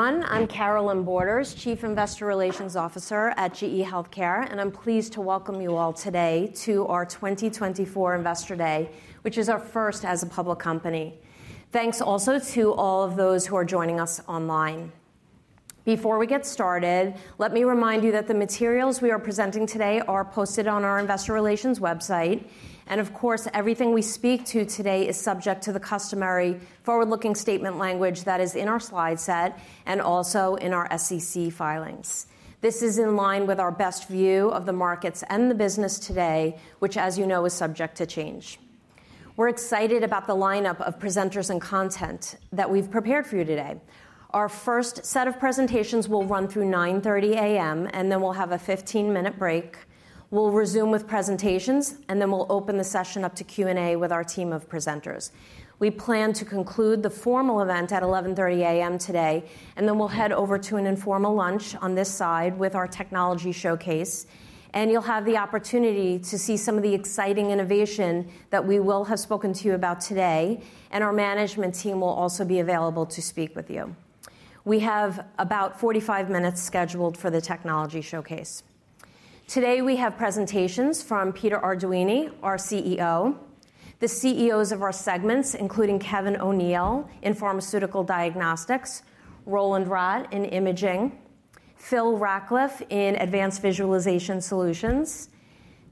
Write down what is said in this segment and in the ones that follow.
I'm Carolynne Borders, Chief Investor Relations Officer at GE HealthCare, and I'm pleased to welcome you all today to our 2024 Investor Day, which is our first as a public company. Thanks also to all of those who are joining us online. Before we get started, let me remind you that the materials we are presenting today are posted on our Investor Relations website, and of course, everything we speak to today is subject to the customary forward-looking statement language that is in our slide set and also in our SEC filings. This is in line with our best view of the markets and the business today, which, as you know, is subject to change. We're excited about the lineup of presenters and content that we've prepared for you today. Our first set of presentations will run through 9:30 A.M., and then we'll have a 15-minute break. We'll resume with presentations, and then we'll open the session up to Q&A with our team of presenters. We plan to conclude the formal event at 11:30 A.M. today, and then we'll head over to an informal lunch on this side with our technology showcase, and you'll have the opportunity to see some of the exciting innovation that we will have spoken to you about today, and our management team will also be available to speak with you. We have about 45 minutes scheduled for the technology showcase. Today we have presentations from Peter Arduini, our CEO, the CEOs of our segments, including Kevin O'Neill in Pharmaceutical Diagnostics, Roland Rott in imaging, Phil Rackliffe in advanced visualization solutions,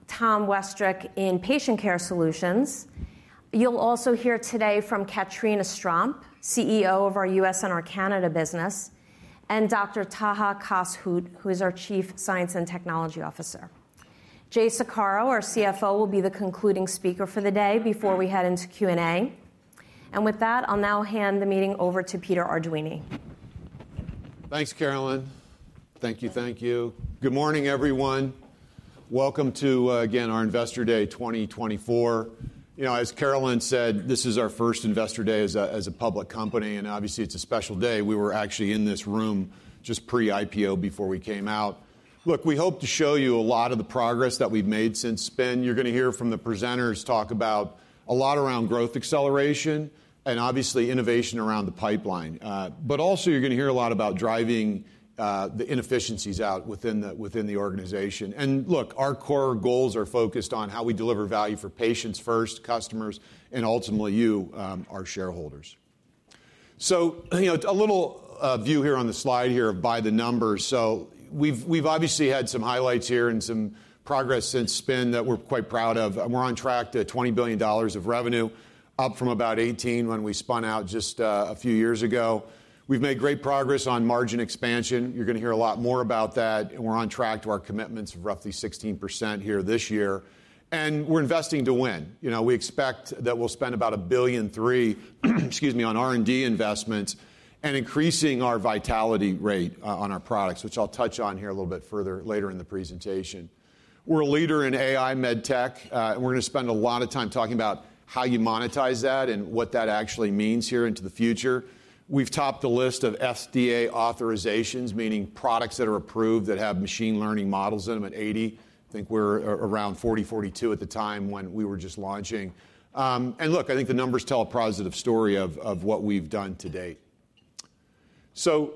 Tom Westrick in Patient Care Solutions. You'll also hear today from Catherine Estrampes, CEO of our U.S. and our Canada business, and Dr. Taha Kass-Hout, who is our Chief Science and Technology Officer. Jay Saccaro, our CFO, will be the concluding speaker for the day before we head into Q&A, and with that, I'll now hand the meeting over to Peter Arduini. Thanks, Carolynne. Thank you. Thank you. Good morning, everyone. Welcome to, again, our Investor Day 2024. As Carolynne said, this is our first Investor Day as a public company, and obviously it's a special day. We were actually in this room just pre-IPO before we came out. Look, we hope to show you a lot of the progress that we've made since spin. You're going to hear from the presenters talk about a lot around growth acceleration and obviously innovation around the pipeline. But also you're going to hear a lot about driving the inefficiencies out within the organization. And look, our core goals are focused on how we deliver value for patients first, customers, and ultimately you, our shareholders. So a little view here on the slide here by the numbers. So we've obviously had some highlights here and some progress since spin that we're quite proud of. We're on track to $20 billion of revenue, up from about $18 billion when we spun out just a few years ago. We've made great progress on margin expansion. You're going to hear a lot more about that. We're on track to our commitments of roughly 16% here this year, and we're investing to win. We expect that we'll spend about $1.3 billion on R&D investments and increasing our vitality rate on our products, which I'll touch on here a little bit further later in the presentation. We're a leader in AI med tech, and we're going to spend a lot of time talking about how you monetize that and what that actually means here into the future. We've topped the list of FDA authorizations, meaning products that are approved that have machine learning models in them at 80. I think we're around 40-42 at the time when we were just launching. And look, I think the numbers tell a positive story of what we've done to date. So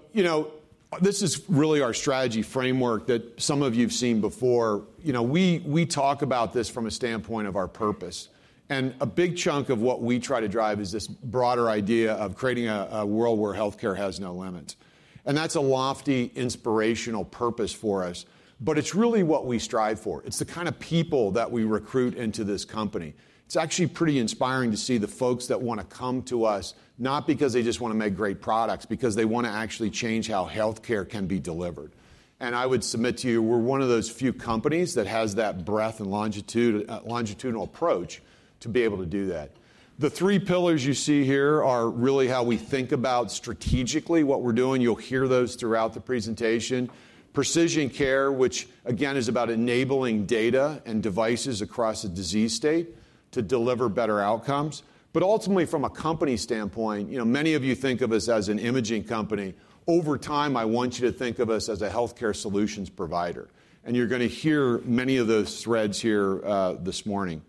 this is really our strategy framework that some of you have seen before. We talk about this from a standpoint of our purpose. And a big chunk of what we try to drive is this broader idea of creating a world where healthcare has no limits. And that's a lofty, inspirational purpose for us. But it's really what we strive for. It's the kind of people that we recruit into this company. It's actually pretty inspiring to see the folks that want to come to us, not because they just want to make great products, because they want to actually change how healthcare can be delivered. I would submit to you, we're one of those few companies that has that breadth and longitudinal approach to be able to do that. The three pillars you see here are really how we think about strategically what we're doing. You'll hear those throughout the presentation. Precision Care, which again is about enabling data and devices across a disease state to deliver better outcomes. But ultimately, from a company standpoint, many of you think of us as an imaging company. Over time, I want you to think of us as a healthcare solutions provider. And you're going to hear many of those threads here this morning.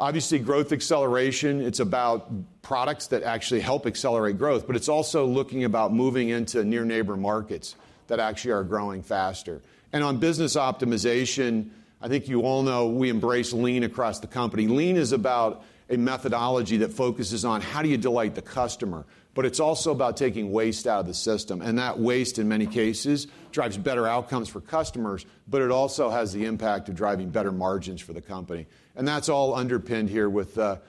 Obviously, growth acceleration, it's about products that actually help accelerate growth, but it's also looking about moving into near-neighbor markets that actually are growing faster. And on business optimization, I think you all know we embrace Lean across the company. Lean is about a methodology that focuses on how do you delight the customer, but it's also about taking waste out of the system. And that waste, in many cases, drives better outcomes for customers, but it also has the impact of driving better margins for the company. And that's all underpinned here with the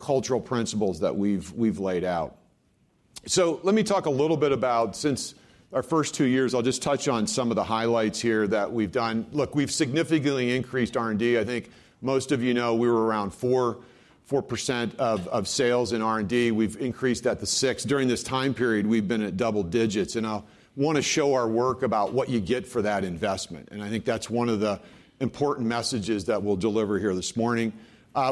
cultural principles that we've laid out. So let me talk a little bit about, since our first two years, I'll just touch on some of the highlights here that we've done. Look, we've significantly increased R&D. I think most of you know we were around 4% of sales in R&D. We've increased that to 6%. During this time period, we've been at double digits. And I want to show our work about what you get for that investment. And I think that's one of the important messages that we'll deliver here this morning.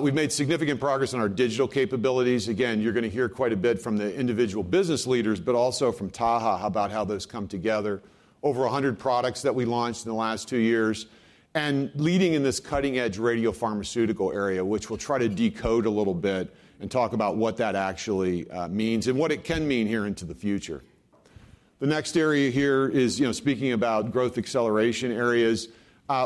We've made significant progress on our digital capabilities. Again, you're going to hear quite a bit from the individual business leaders, but also from Taha, about how those come together. Over 100 products that we launched in the last two years, and leading in this cutting-edge radiopharmaceutical area, which we'll try to decode a little bit and talk about what that actually means and what it can mean here into the future. The next area here is speaking about growth acceleration areas,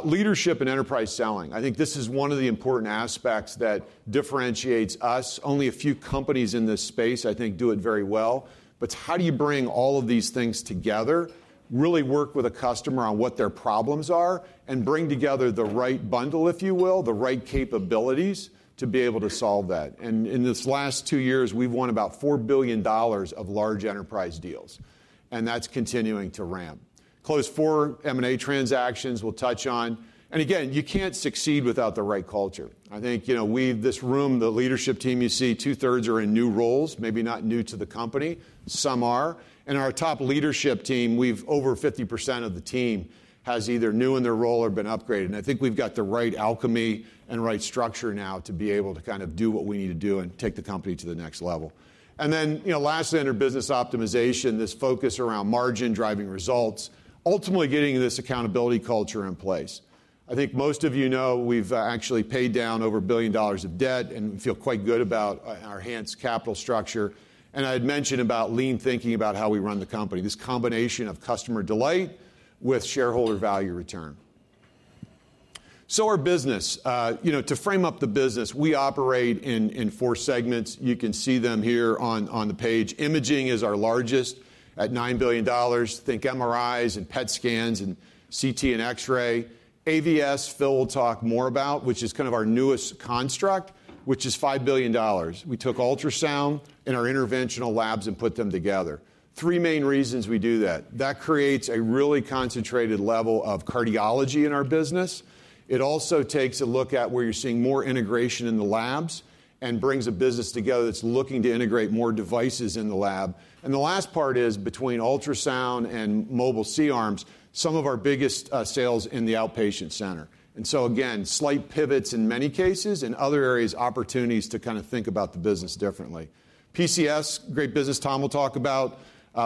leadership and enterprise selling. I think this is one of the important aspects that differentiates us. Only a few companies in this space, I think, do it very well, but how do you bring all of these things together, really work with a customer on what their problems are, and bring together the right bundle, if you will, the right capabilities to be able to solve that? And in this last two years, we've won about $4 billion of large enterprise deals. And that's continuing to ramp. Close four M&A transactions we'll touch on. And again, you can't succeed without the right culture. I think this room, the leadership team you see, two-thirds are in new roles, maybe not new to the company. Some are. And our top leadership team, we've over 50% of the team has either new in their role or been upgraded. And I think we've got the right alchemy and right structure now to be able to kind of do what we need to do and take the company to the next level. And then lastly, under business optimization, this focus around margin driving results, ultimately getting this accountability culture in place. I think most of you know we've actually paid down over $1 billion of debt and feel quite good about our healthy capital structure, and I had mentioned about lean thinking about how we run the company, this combination of customer delight with shareholder value return, so our business, to frame up the business, we operate in four segments. You can see them here on the page. Imaging is our largest at $9 billion. Think MRIs and PET scans and CT and X-ray. AVS, Phil will talk more about, which is kind of our newest construct, which is $5 billion. We took ultrasound and our interventional labs and put them together. Three main reasons we do that. That creates a really concentrated level of cardiology in our business. It also takes a look at where you're seeing more integration in the labs and brings a business together that's looking to integrate more devices in the lab. The last part is between ultrasound and mobile C-arms, some of our biggest sales in the outpatient center. So again, slight pivots in many cases and other areas, opportunities to kind of think about the business differently. PCS, great business. Tom will talk about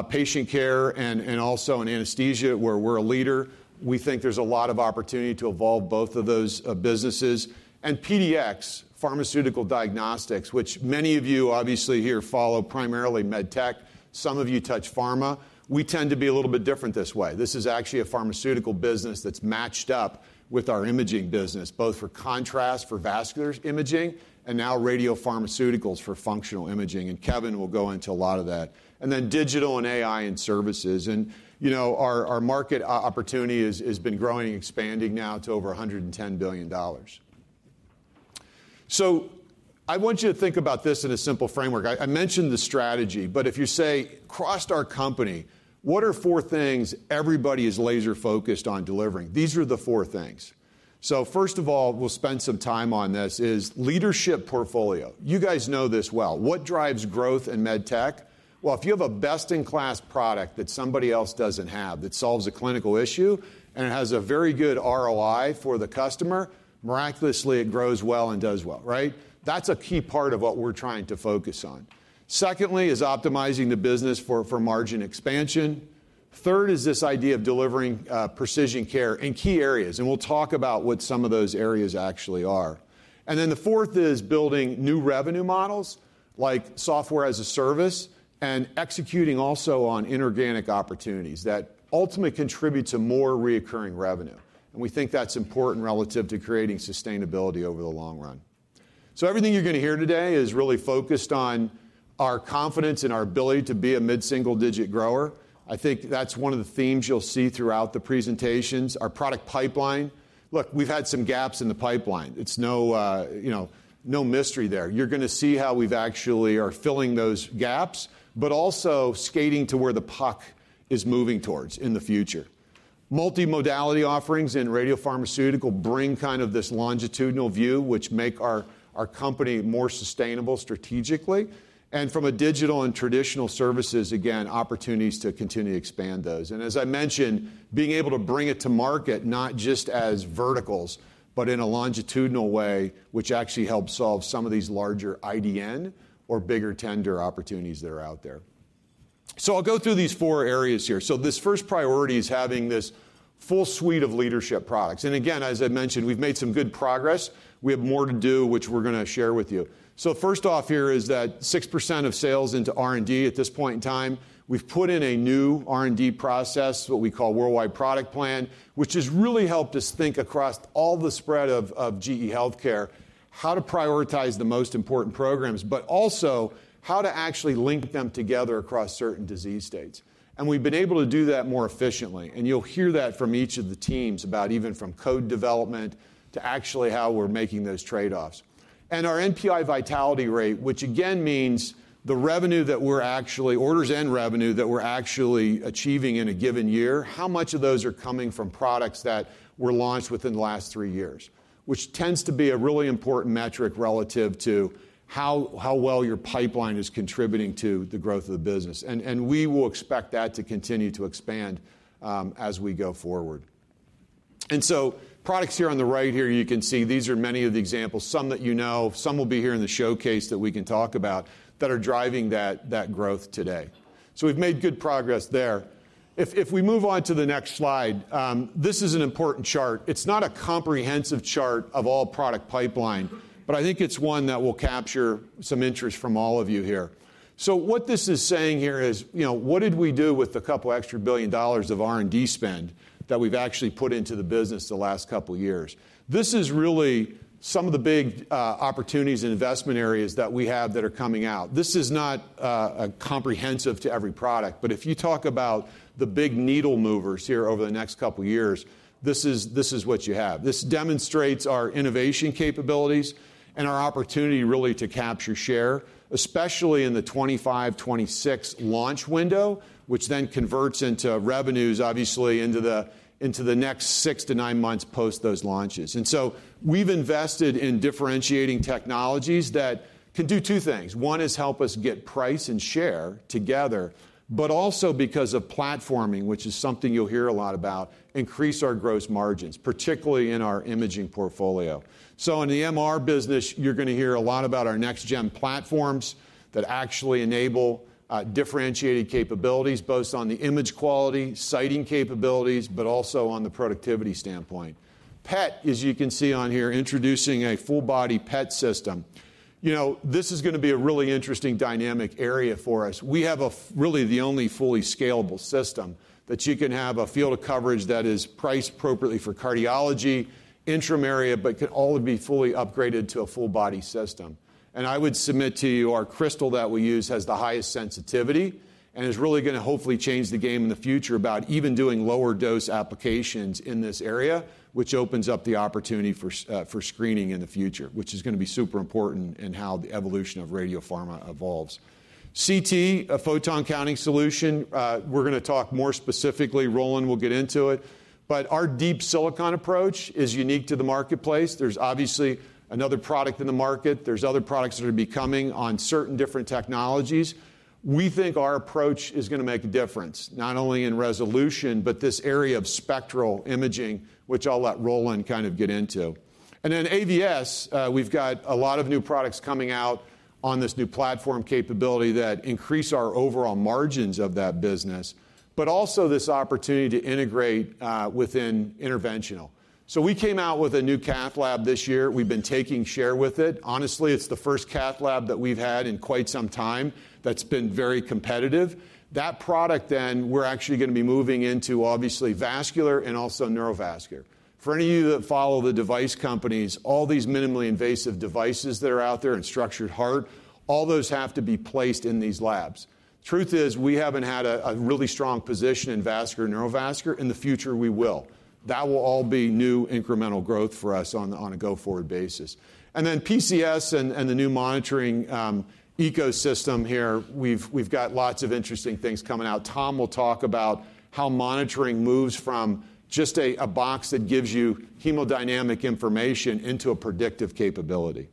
patient care and also in anesthesia where we're a leader. We think there's a lot of opportunity to evolve both of those businesses. PDX, pharmaceutical diagnostics, which many of you obviously here follow primarily med tech. Some of you touch pharma. We tend to be a little bit different this way. This is actually a pharmaceutical business that's matched up with our imaging business, both for contrast for vascular imaging and now radiopharmaceuticals for functional imaging. And Kevin will go into a lot of that. And then digital and AI and services. And our market opportunity has been growing and expanding now to over $110 billion. So I want you to think about this in a simple framework. I mentioned the strategy, but if you say, across our company, what are four things everybody is laser-focused on delivering? These are the four things. So first of all, we'll spend some time on this is leadership portfolio. You guys know this well. What drives growth in med tech? If you have a best-in-class product that somebody else doesn't have that solves a clinical issue and has a very good ROI for the customer, miraculously it grows well and does well, right? That's a key part of what we're trying to focus on. Secondly is optimizing the business for margin expansion. Third is this idea of delivering precision care in key areas. And we'll talk about what some of those areas actually are. And then the fourth is building new revenue models like software as a service and executing also on inorganic opportunities that ultimately contribute to more recurring revenue. And we think that's important relative to creating sustainability over the long run. So everything you're going to hear today is really focused on our confidence and our ability to be a mid-single-digit grower. I think that's one of the themes you'll see throughout the presentations. Our product pipeline, look, we've had some gaps in the pipeline. It's no mystery there. You're going to see how we've actually are filling those gaps, but also skating to where the puck is moving towards in the future. Multi-modality offerings in radiopharmaceutical bring kind of this longitudinal view, which makes our company more sustainable strategically, and from a digital and traditional services, again, opportunities to continue to expand those, and as I mentioned, being able to bring it to market, not just as verticals, but in a longitudinal way, which actually helps solve some of these larger IDN or bigger tender opportunities that are out there, so I'll go through these four areas here, so this first priority is having this full suite of leadership products, and again, as I mentioned, we've made some good progress. We have more to do, which we're going to share with you. So first off, here is that 6% of sales into R&D at this point in time. We've put in a new R&D process, what we call worldwide product plan, which has really helped us think across all the spread of GE HealthCare, how to prioritize the most important programs, but also how to actually link them together across certain disease states. And we've been able to do that more efficiently. And you'll hear that from each of the teams about even from code development to actually how we're making those trade-offs. Our NPI vitality rate, which again means the revenue that we're actually, orders and revenue that we're actually achieving in a given year, how much of those are coming from products that were launched within the last three years, which tends to be a really important metric relative to how well your pipeline is contributing to the growth of the business. We will expect that to continue to expand as we go forward. So products here on the right here, you can see these are many of the examples, some that you know, some will be here in the showcase that we can talk about that are driving that growth today. So we've made good progress there. If we move on to the next slide, this is an important chart. It's not a comprehensive chart of all product pipeline, but I think it's one that will capture some interest from all of you here. So what this is saying here is, what did we do with the $2 billion of R&D spend that we've actually put into the business the last couple of years? This is really some of the big opportunities and investment areas that we have that are coming out. This is not comprehensive to every product, but if you talk about the big needle movers here over the next couple of years, this is what you have. This demonstrates our innovation capabilities and our opportunity really to capture share, especially in the 2025-2026 launch window, which then converts into revenues, obviously into the next six to nine months post those launches. And so we've invested in differentiating technologies that can do two things. One is help us get pricing and market share together, but also because of platforming, which is something you'll hear a lot about, increase our gross margins, particularly in our imaging portfolio. So in the MR business, you're going to hear a lot about our next-gen platforms that actually enable differentiated capabilities, both on the image quality, scanning capabilities, but also on the productivity standpoint. PET, as you can see on here, introducing a full-body PET system. This is going to be a really interesting dynamic area for us. We have really the only fully scalable system that you can have a field of coverage that is priced appropriately for cardiology, oncology, but can all be fully upgraded to a full-body system. I would submit to you, our crystal that we use has the highest sensitivity and is really going to hopefully change the game in the future about even doing lower dose applications in this area, which opens up the opportunity for screening in the future, which is going to be super important in how the evolution of radio pharma evolves. CT, a photon counting solution, we're going to talk more specifically. Roland will get into it. But our Deep Silicon approach is unique to the marketplace. There's obviously another product in the market. There's other products that are becoming on certain different technologies. We think our approach is going to make a difference, not only in resolution, but this area of spectral imaging, which I'll let Roland kind of get into. AVS, we've got a lot of new products coming out on this new platform capability that increase our overall margins of that business, but also this opportunity to integrate within interventional. We came out with a new cath lab this year. We've been taking share with it. Honestly, it's the first cath lab that we've had in quite some time that's been very competitive. That product then, we're actually going to be moving into obviously vascular and also neurovascular. For any of you that follow the device companies, all these minimally invasive devices that are out there and structural heart, all those have to be placed in these labs. Truth is, we haven't had a really strong position in vascular, neurovascular. In the future, we will. That will all be new incremental growth for us on a go-forward basis. And then PCS and the new monitoring ecosystem here, we've got lots of interesting things coming out. Tom will talk about how monitoring moves from just a box that gives you hemodynamic information into a predictive capability.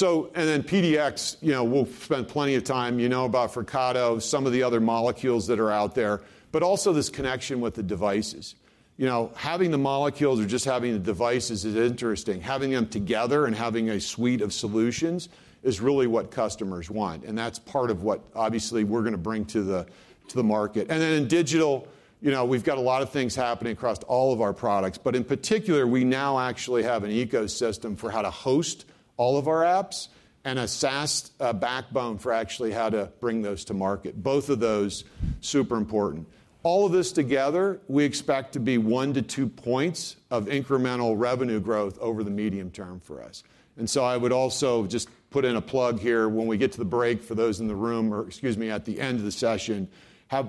And then PDX, we'll spend plenty of time, you know about Flyrcado, some of the other molecules that are out there, but also this connection with the devices. Having the molecules or just having the devices is interesting. Having them together and having a suite of solutions is really what customers want. And that's part of what obviously we're going to bring to the market. And then in digital, we've got a lot of things happening across all of our products, but in particular, we now actually have an ecosystem for how to host all of our apps and a SaaS backbone for actually how to bring those to market. Both of those super important. All of this together, we expect to be one-two points of incremental revenue growth over the medium term for us. And so I would also just put in a plug here when we get to the break for those in the room or excuse me, at the end of the session,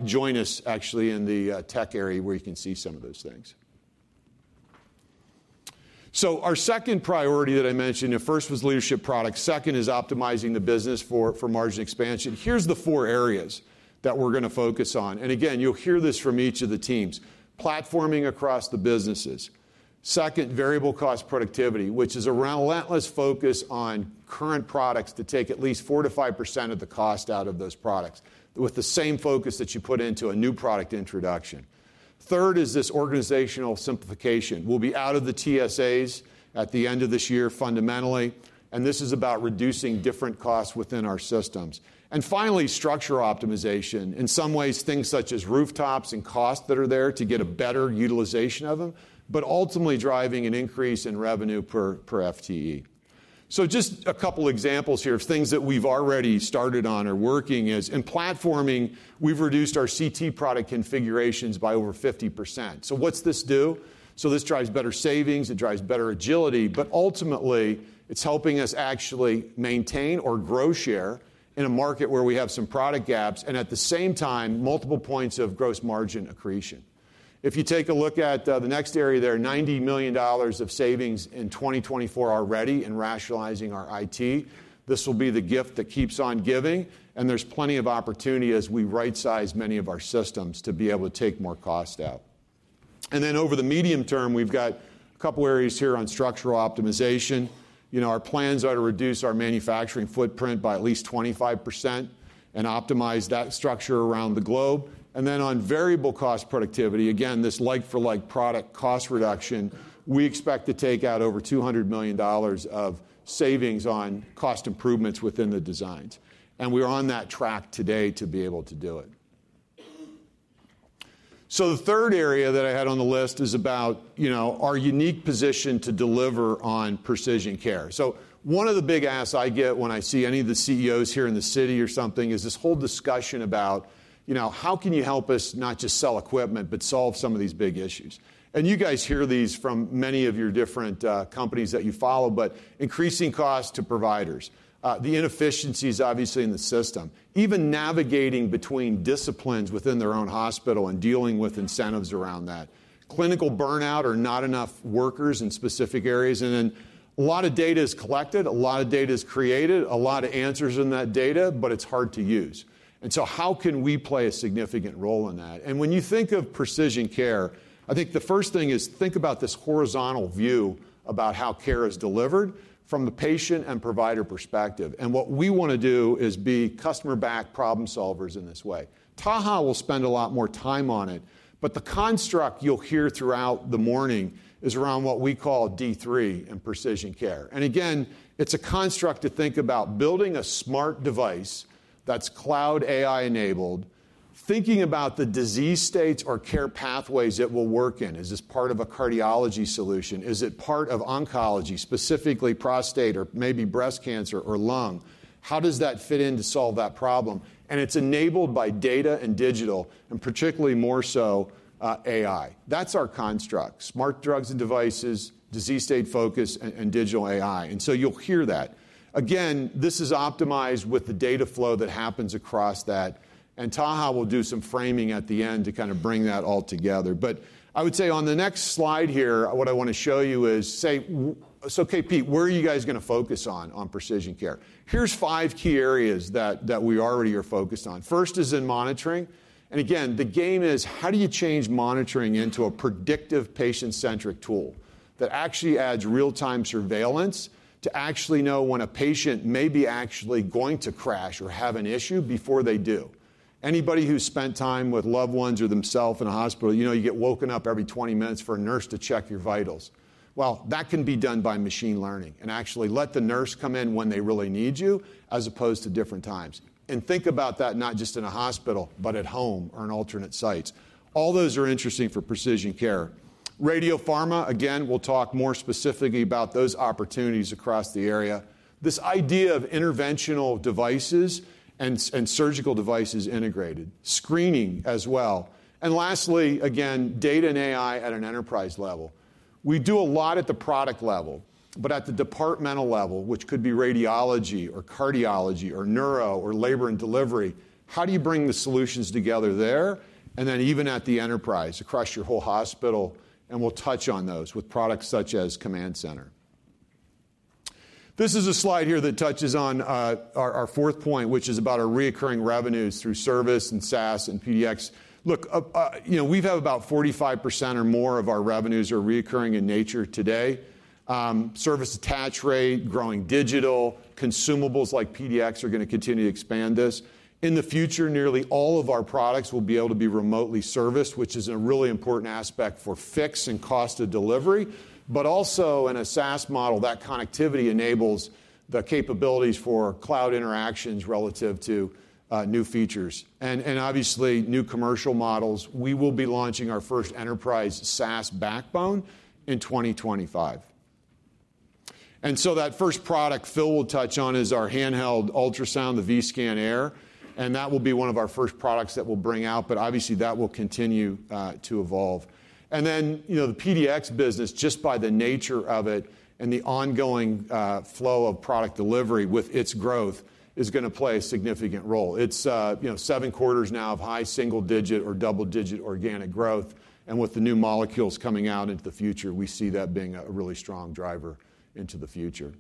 join us actually in the tech area where you can see some of those things. So our second priority that I mentioned, the first was leadership product. Second is optimizing the business for margin expansion. Here's the four areas that we're going to focus on. And again, you'll hear this from each of the teams, platforming across the businesses. Second, variable cost productivity, which is a relentless focus on current products to take at least 4% to 5% of the cost out of those products with the same focus that you put into a new product introduction. Third is this organizational simplification. We'll be out of the TSAs at the end of this year fundamentally. And this is about reducing different costs within our systems. And finally, structure optimization. In some ways, things such as rooftops and costs that are there to get a better utilization of them, but ultimately driving an increase in revenue per FTE. So just a couple of examples here of things that we've already started on or working is in platforming, we've reduced our CT product configurations by over 50%. So what's this do? So this drives better savings. It drives better agility, but ultimately it's helping us actually maintain or grow share in a market where we have some product gaps and at the same time, multiple points of gross margin accretion. If you take a look at the next area there, $90 million of savings in 2024 already in rationalizing our IT. This will be the gift that keeps on giving. And there's plenty of opportunity as we right-size many of our systems to be able to take more cost out. And then over the medium term, we've got a couple of areas here on structural optimization. Our plans are to reduce our manufacturing footprint by at least 25% and optimize that structure around the globe. And then on variable cost productivity, again, this like-for-like product cost reduction, we expect to take out over $200 million of savings on cost improvements within the designs. And we're on that track today to be able to do it. So the third area that I had on the list is about our unique position to deliver on precision care. So one of the big asks I get when I see any of the CEOs here in the city or something is this whole discussion about how can you help us not just sell equipment, but solve some of these big issues. And you guys hear these from many of your different companies that you follow, but increasing costs to providers, the inefficiencies obviously in the system, even navigating between disciplines within their own hospital and dealing with incentives around that, clinical burnout or not enough workers in specific areas. And then a lot of data is collected, a lot of data is created, a lot of answers in that data, but it's hard to use. So how can we play a significant role in that? When you think of Precision Care, I think the first thing is think about this horizontal view about how care is delivered from the patient and provider perspective. What we want to do is be customer-backed problem solvers in this way. Taha will spend a lot more time on it, but the construct you'll hear throughout the morning is around what we call D3 in Precision Care. Again, it's a construct to think about building a smart device that's cloud AI-enabled, thinking about the disease states or care pathways it will work in. Is this part of a cardiology solution? Is it part of oncology, specifically prostate or maybe breast cancer or lung? How does that fit in to solve that problem? It's enabled by data and digital, and particularly more so AI. That's our construct: smart devices, disease state focus, and digital AI. So you'll hear that. Again, this is optimized with the data flow that happens across that. And Taha will do some framing at the end to kind of bring that all together. But I would say on the next slide here, what I want to show you is, say, so okay, Pete, where are you guys going to focus on precision care? Here are five key areas that we already are focused on. First is in monitoring. And again, the game is how do you change monitoring into a predictive patient-centric tool that actually adds real-time surveillance to actually know when a patient may be actually going to crash or have an issue before they do? Anybody who spent time with loved ones or themself in a hospital, you get woken up every 20 minutes for a nurse to check your vitals. Well, that can be done by machine learning and actually let the nurse come in when they really need you as opposed to different times, and think about that not just in a hospital, but at home or in alternate sites. All those are interesting for Precision Care. Radiopharma, again, we'll talk more specifically about those opportunities across the area. This idea of Interventional devices and surgical devices integrated, screening as well, and lastly, again, data and AI at an enterprise level. We do a lot at the product level, but at the departmental level, which could be radiology or cardiology or neuro or labor and delivery, how do you bring the solutions together there? And then even at the enterprise across your whole hospital, and we'll touch on those with products such as Command Center. This is a slide here that touches on our fourth point, which is about our recurring revenues through service and SaaS and PDX. Look, we've had about 45% or more of our revenues are recurring in nature today. Service attach rate, growing digital, consumables like PDX are going to continue to expand this. In the future, nearly all of our products will be able to be remotely serviced, which is a really important aspect for fixed cost of delivery, but also in a SaaS model, that connectivity enables the capabilities for cloud interactions relative to new features. And obviously, new commercial models, we will be launching our first enterprise SaaS backbone in 2025. And so that first product Phil will touch on is our handheld ultrasound, the Vscan Air. And that will be one of our first products that we'll bring out, but obviously that will continue to evolve. And then the PDX business, just by the nature of it and the ongoing flow of product delivery with its growth, is going to play a significant role. It's seven quarters now of high single-digit or double-digit organic growth. And with the new molecules coming out into the future, we see that being a really strong driver into the future.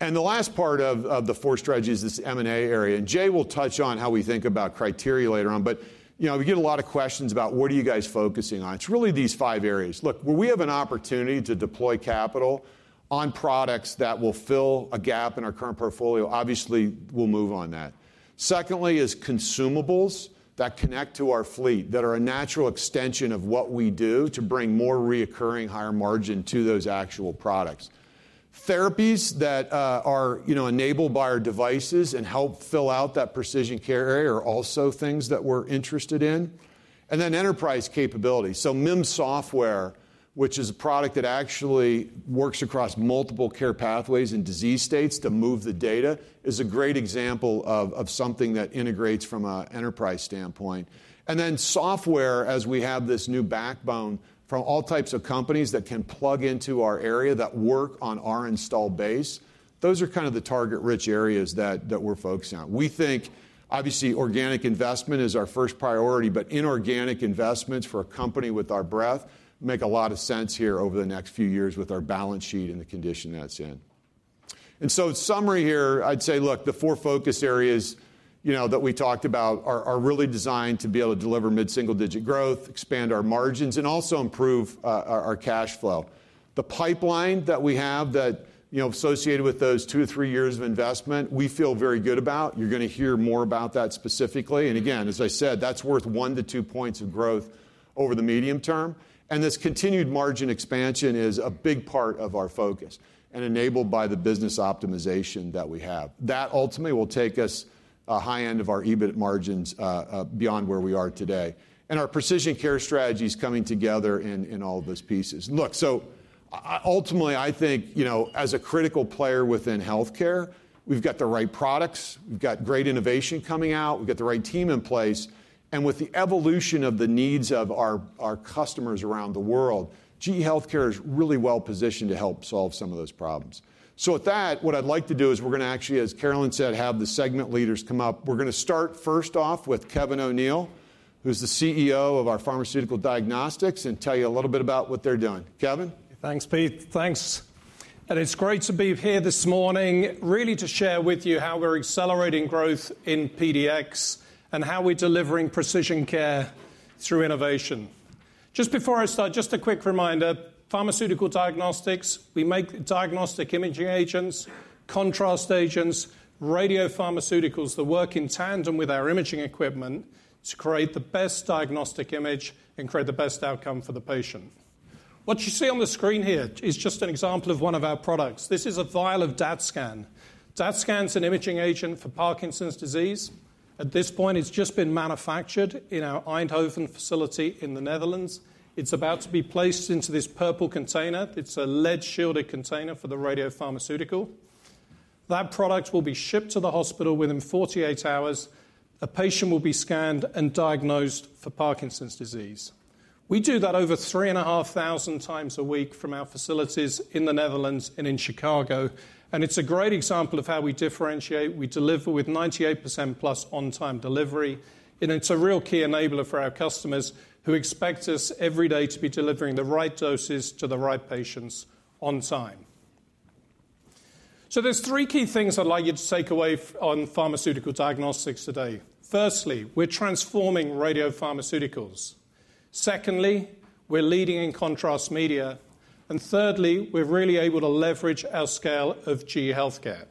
And the last part of the four strategies is this M&A area. And Jay will touch on how we think about criteria later on, but we get a lot of questions about what are you guys focusing on? It's really these five areas. Look, where we have an opportunity to deploy capital on products that will fill a gap in our current portfolio, obviously we'll move on that. Secondly is consumables that connect to our fleet that are a natural extension of what we do to bring more recurring higher margin to those actual products. Therapies that are enabled by our devices and help fill out that Precision Care area are also things that we're interested in. And then enterprise capability. So MIM Software, which is a product that actually works across multiple care pathways and disease states to move the data, is a great example of something that integrates from an enterprise standpoint. And then software, as we have this new backbone from all types of companies that can plug into our area that work on our install base, those are kind of the target-rich areas that we're focusing on. We think obviously organic investment is our first priority, but inorganic investments for a company with our breadth make a lot of sense here over the next few years with our balance sheet and the condition that's in. And so summary here, I'd say, look, the four focus areas that we talked about are really designed to be able to deliver mid-single-digit growth, expand our margins, and also improve our cash flow. The pipeline that we have that associated with those two to three years of investment, we feel very good about. You're going to hear more about that specifically. And again, as I said, that's worth one to two points of growth over the medium term. And this continued margin expansion is a big part of our focus and enabled by the business optimization that we have. That ultimately will take us to the high end of our EBIT margins beyond where we are today, and our Precision Care strategy is coming together in all of those pieces. Look, so ultimately, I think as a critical player within healthcare, we've got the right products, we've got great innovation coming out, we've got the right team in place, and with the evolution of the needs of our customers around the world, GE HealthCare is really well positioned to help solve some of those problems. With that, what I'd like to do is we're going to actually, as Carolyn said, have the segment leaders come up. We're going to start first off with Kevin O’Neill, who's the CEO of our Pharmaceutical Diagnostics, and tell you a little bit about what they're doing. Kevin. Thanks, Pete. Thanks. It's great to be here this morning, really to share with you how we're accelerating growth in PDX and how we're delivering precision care through innovation. Just before I start, just a quick reminder. Pharmaceutical diagnostics, we make diagnostic imaging agents, contrast agents, radiopharmaceuticals that work in tandem with our imaging equipment to create the best diagnostic image and create the best outcome for the patient. What you see on the screen here is just an example of one of our products. This is a vial of DaTscan. DaTscan is an imaging agent for Parkinson's disease. At this point, it's just been manufactured in our Eindhoven facility in the Netherlands. It's about to be placed into this purple container. It's a lead-shielded container for the radiopharmaceutical. That product will be shipped to the hospital within 48 hours. A patient will be scanned and diagnosed for Parkinson's disease. We do that over three and a half thousand times a week from our facilities in the Netherlands and in Chicago, and it's a great example of how we differentiate. We deliver with 98% plus on-time delivery, and it's a real key enabler for our customers who expect us every day to be delivering the right doses to the right patients on time, so there's three key things I'd like you to take away on pharmaceutical diagnostics today. Firstly, we're transforming radiopharmaceuticals. Secondly, we're leading in contrast media, and thirdly, we're really able to leverage our scale of GE HealthCare,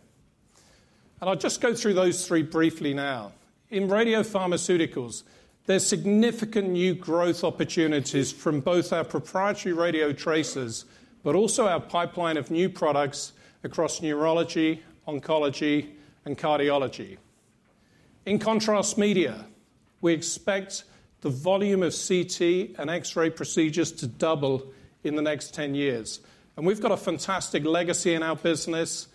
and I'll just go through those three briefly now. In radiopharmaceuticals, there's significant new growth opportunities from both our proprietary radiotracers, but also our pipeline of new products across neurology, oncology, and cardiology. In contrast media, we expect the volume of CT and X-ray procedures to double in the next 10 years, and we've got a fantastic legacy in our business,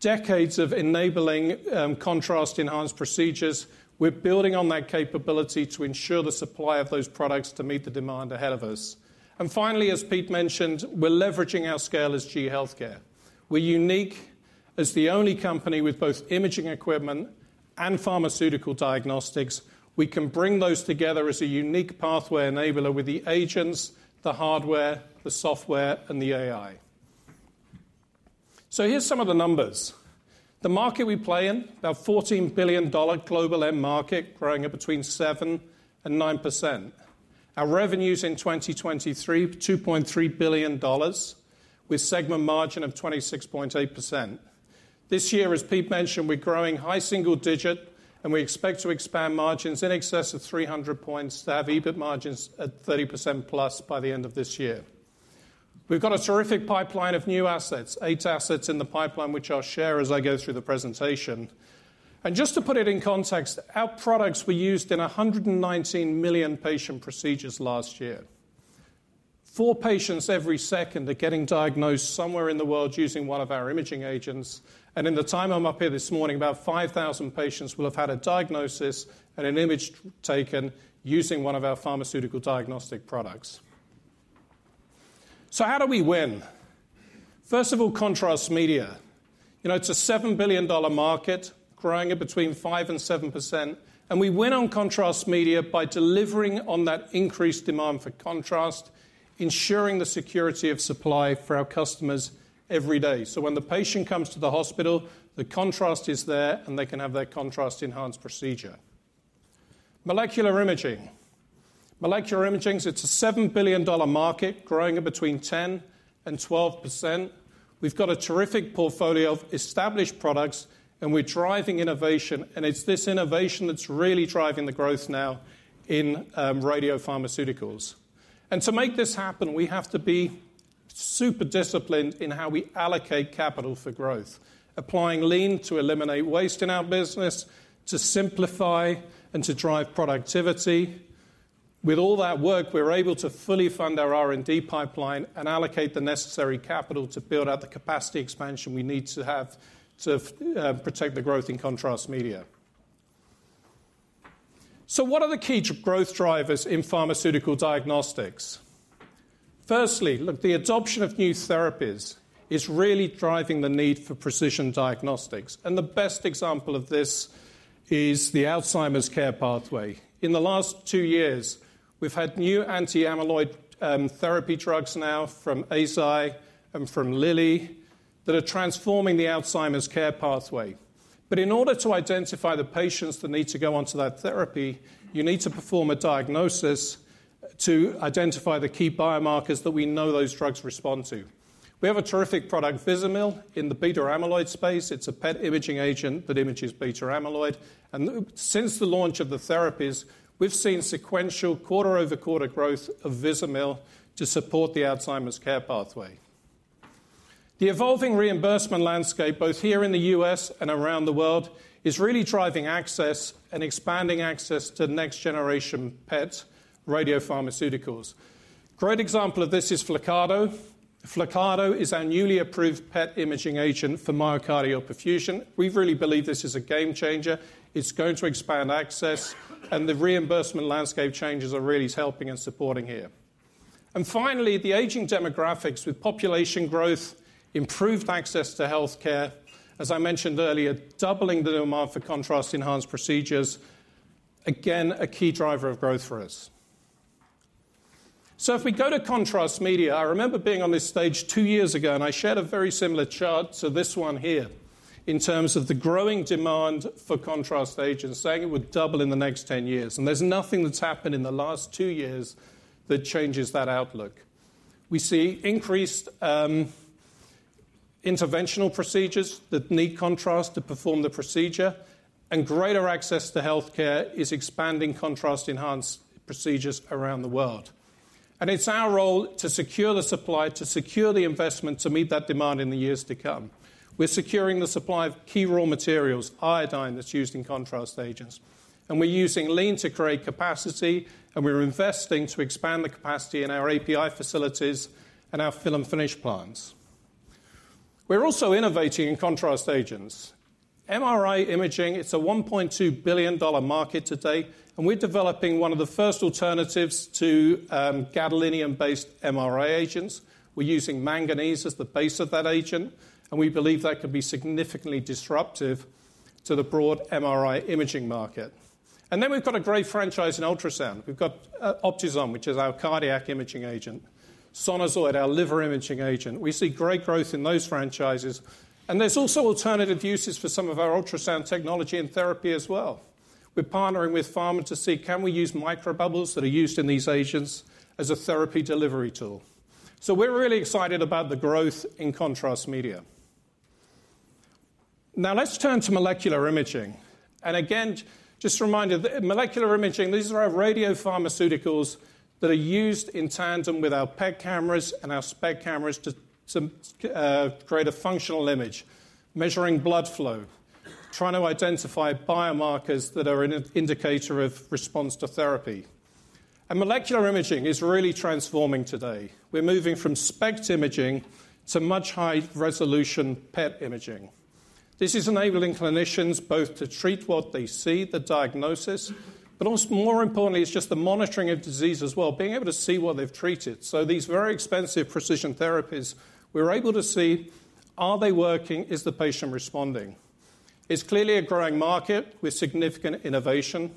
decades of enabling contrast-enhanced procedures. We're building on that capability to ensure the supply of those products to meet the demand ahead of us, and finally, as Pete mentioned, we're leveraging our scale as GE HealthCare. We're unique as the only company with both imaging equipment and pharmaceutical diagnostics. We can bring those together as a unique pathway enabler with the agents, the hardware, the software, and the AI, so here's some of the numbers. The market we play in, about $14 billion global end market, growing at between 7% and 9%. Our revenues in 2023, $2.3 billion with segment margin of 26.8%. This year, as Pete mentioned, we're growing high single-digit, and we expect to expand margins in excess of 300 points to have EBIT margins at 30% plus by the end of this year. We've got a terrific pipeline of new assets, eight assets in the pipeline, which I'll share as I go through the presentation. And just to put it in context, our products were used in 119 million patient procedures last year. Four patients every second are getting diagnosed somewhere in the world using one of our imaging agents. And in the time I'm up here this morning, about 5,000 patients will have had a diagnosis and an image taken using one of our pharmaceutical diagnostic products. So how do we win? First of all, contrast media. It's a $7 billion market, growing at between 5% and 7%. And we win on contrast media by delivering on that increased demand for contrast, ensuring the security of supply for our customers every day. So when the patient comes to the hospital, the contrast is there, and they can have their contrast-enhanced procedure. Molecular imaging. Molecular imaging, it's a $7 billion market, growing at between 10% and 12%. We've got a terrific portfolio of established products, and we're driving innovation. And it's this innovation that's really driving the growth now in radiopharmaceuticals. And to make this happen, we have to be super disciplined in how we allocate capital for growth, applying Lean to eliminate waste in our business, to simplify and to drive productivity. With all that work, we're able to fully fund our R&D pipeline and allocate the necessary capital to build out the capacity expansion we need to have to protect the growth in contrast media. What are the key growth drivers in pharmaceutical diagnostics? Firstly, look, the adoption of new therapies is really driving the need for precision diagnostics. And the best example of this is the Alzheimer's care pathway. In the last two years, we've had new anti-amyloid therapy drugs now from Eisai and from Lilly that are transforming the Alzheimer's care pathway. But in order to identify the patients that need to go onto that therapy, you need to perform a diagnosis to identify the key biomarkers that we know those drugs respond to. We have a terrific product, Vizamyl, in the beta-amyloid space. It's a PET imaging agent that images beta-amyloid. And since the launch of the therapies, we've seen sequential quarter-over-quarter growth of Vizamyl to support the Alzheimer's care pathway. The evolving reimbursement landscape, both here in the U.S. and around the world, is really driving access and expanding access to next-generation PET radiopharmaceuticals. Great example of this is Flyrcado. Flyrcado is our newly approved PET imaging agent for myocardial perfusion. We really believe this is a game changer. It's going to expand access, and the reimbursement landscape changes are really helping and supporting here. And finally, the aging demographics with population growth, improved access to healthcare. As I mentioned earlier, doubling the demand for contrast-enhanced procedures, again, a key driver of growth for us. So if we go to contrast media, I remember being on this stage two years ago, and I shared a very similar chart to this one here in terms of the growing demand for contrast agents, saying it would double in the next 10 years. And there's nothing that's happened in the last two years that changes that outlook. We see increased interventional procedures that need contrast to perform the procedure, and greater access to healthcare is expanding contrast-enhanced procedures around the world. And it's our role to secure the supply, to secure the investment to meet that demand in the years to come. We're securing the supply of key raw materials, iodine that's used in contrast agents. And we're using lean to create capacity, and we're investing to expand the capacity in our API facilities and our film finish plants. We're also innovating in contrast agents. MRI imaging, it's a $1.2 billion market today, and we're developing one of the first alternatives to gadolinium-based MRI agents. We're using manganese as the base of that agent, and we believe that could be significantly disruptive to the broad MRI imaging market. And then we've got a great franchise in ultrasound. We've got Optison, which is our cardiac imaging agent. Sonazoid, our liver imaging agent. We see great growth in those franchises. And there's also alternative uses for some of our ultrasound technology and therapy as well. We're partnering with pharma to see, can we use microbubbles that are used in these agents as a therapy delivery tool? So we're really excited about the growth in contrast media. Now let's turn to molecular imaging. And again, just a reminder, molecular imaging, these are our radiopharmaceuticals that are used in tandem with our PET cameras and our SPECT cameras to create a functional image, measuring blood flow, trying to identify biomarkers that are an indicator of response to therapy. And molecular imaging is really transforming today. We're moving from SPECT imaging to much higher resolution PET imaging. This is enabling clinicians both to treat what they see, the diagnosis, but also more importantly, it's just the monitoring of disease as well, being able to see what they've treated, so these very expensive precision therapies, we're able to see, are they working? Is the patient responding? It's clearly a growing market with significant innovation.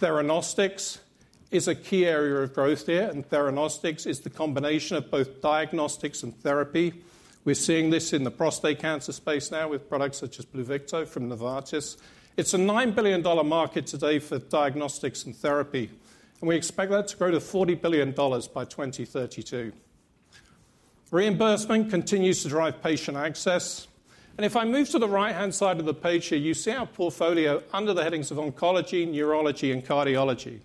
theranostics is a key area of growth here, and teranostics is the combination of both diagnostics and therapy. We're seeing this in the prostate cancer space now with products such as Pluvicto from Novartis. It's a $9 billion market today for diagnostics and therapy, and we expect that to grow to $40 billion by 2032. Reimbursement continues to drive patient access, and if I move to the right-hand side of the page here, you see our portfolio under the headings of oncology, neurology, and cardiology.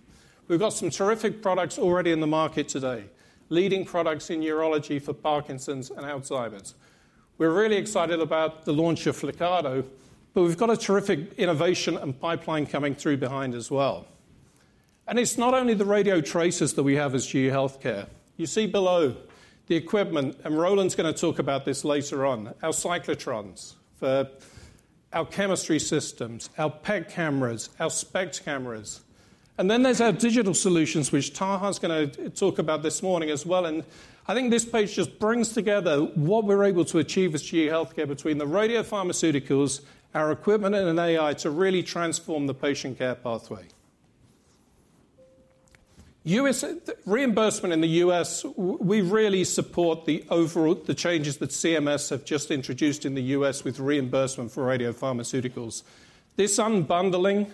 We've got some terrific products already in the market today, leading products in neurology for Parkinson's and Alzheimer's. We're really excited about the launch of Flyrcado, but we've got a terrific innovation and pipeline coming through behind as well. And it's not only the radiotracers that we have as GE HealthCare. You see below the equipment, and Roland's going to talk about this later on, our cyclotrons for our chemistry systems, our PET cameras, our SPECT cameras. And then there's our digital solutions, which Taha's going to talk about this morning as well. And I think this page just brings together what we're able to achieve as GE HealthCare between the radiopharmaceuticals, our equipment, and AI to really transform the patient care pathway. Reimbursement in the U.S., we really support the changes that CMS have just introduced in the U.S. with reimbursement for radiopharmaceuticals. This unbundling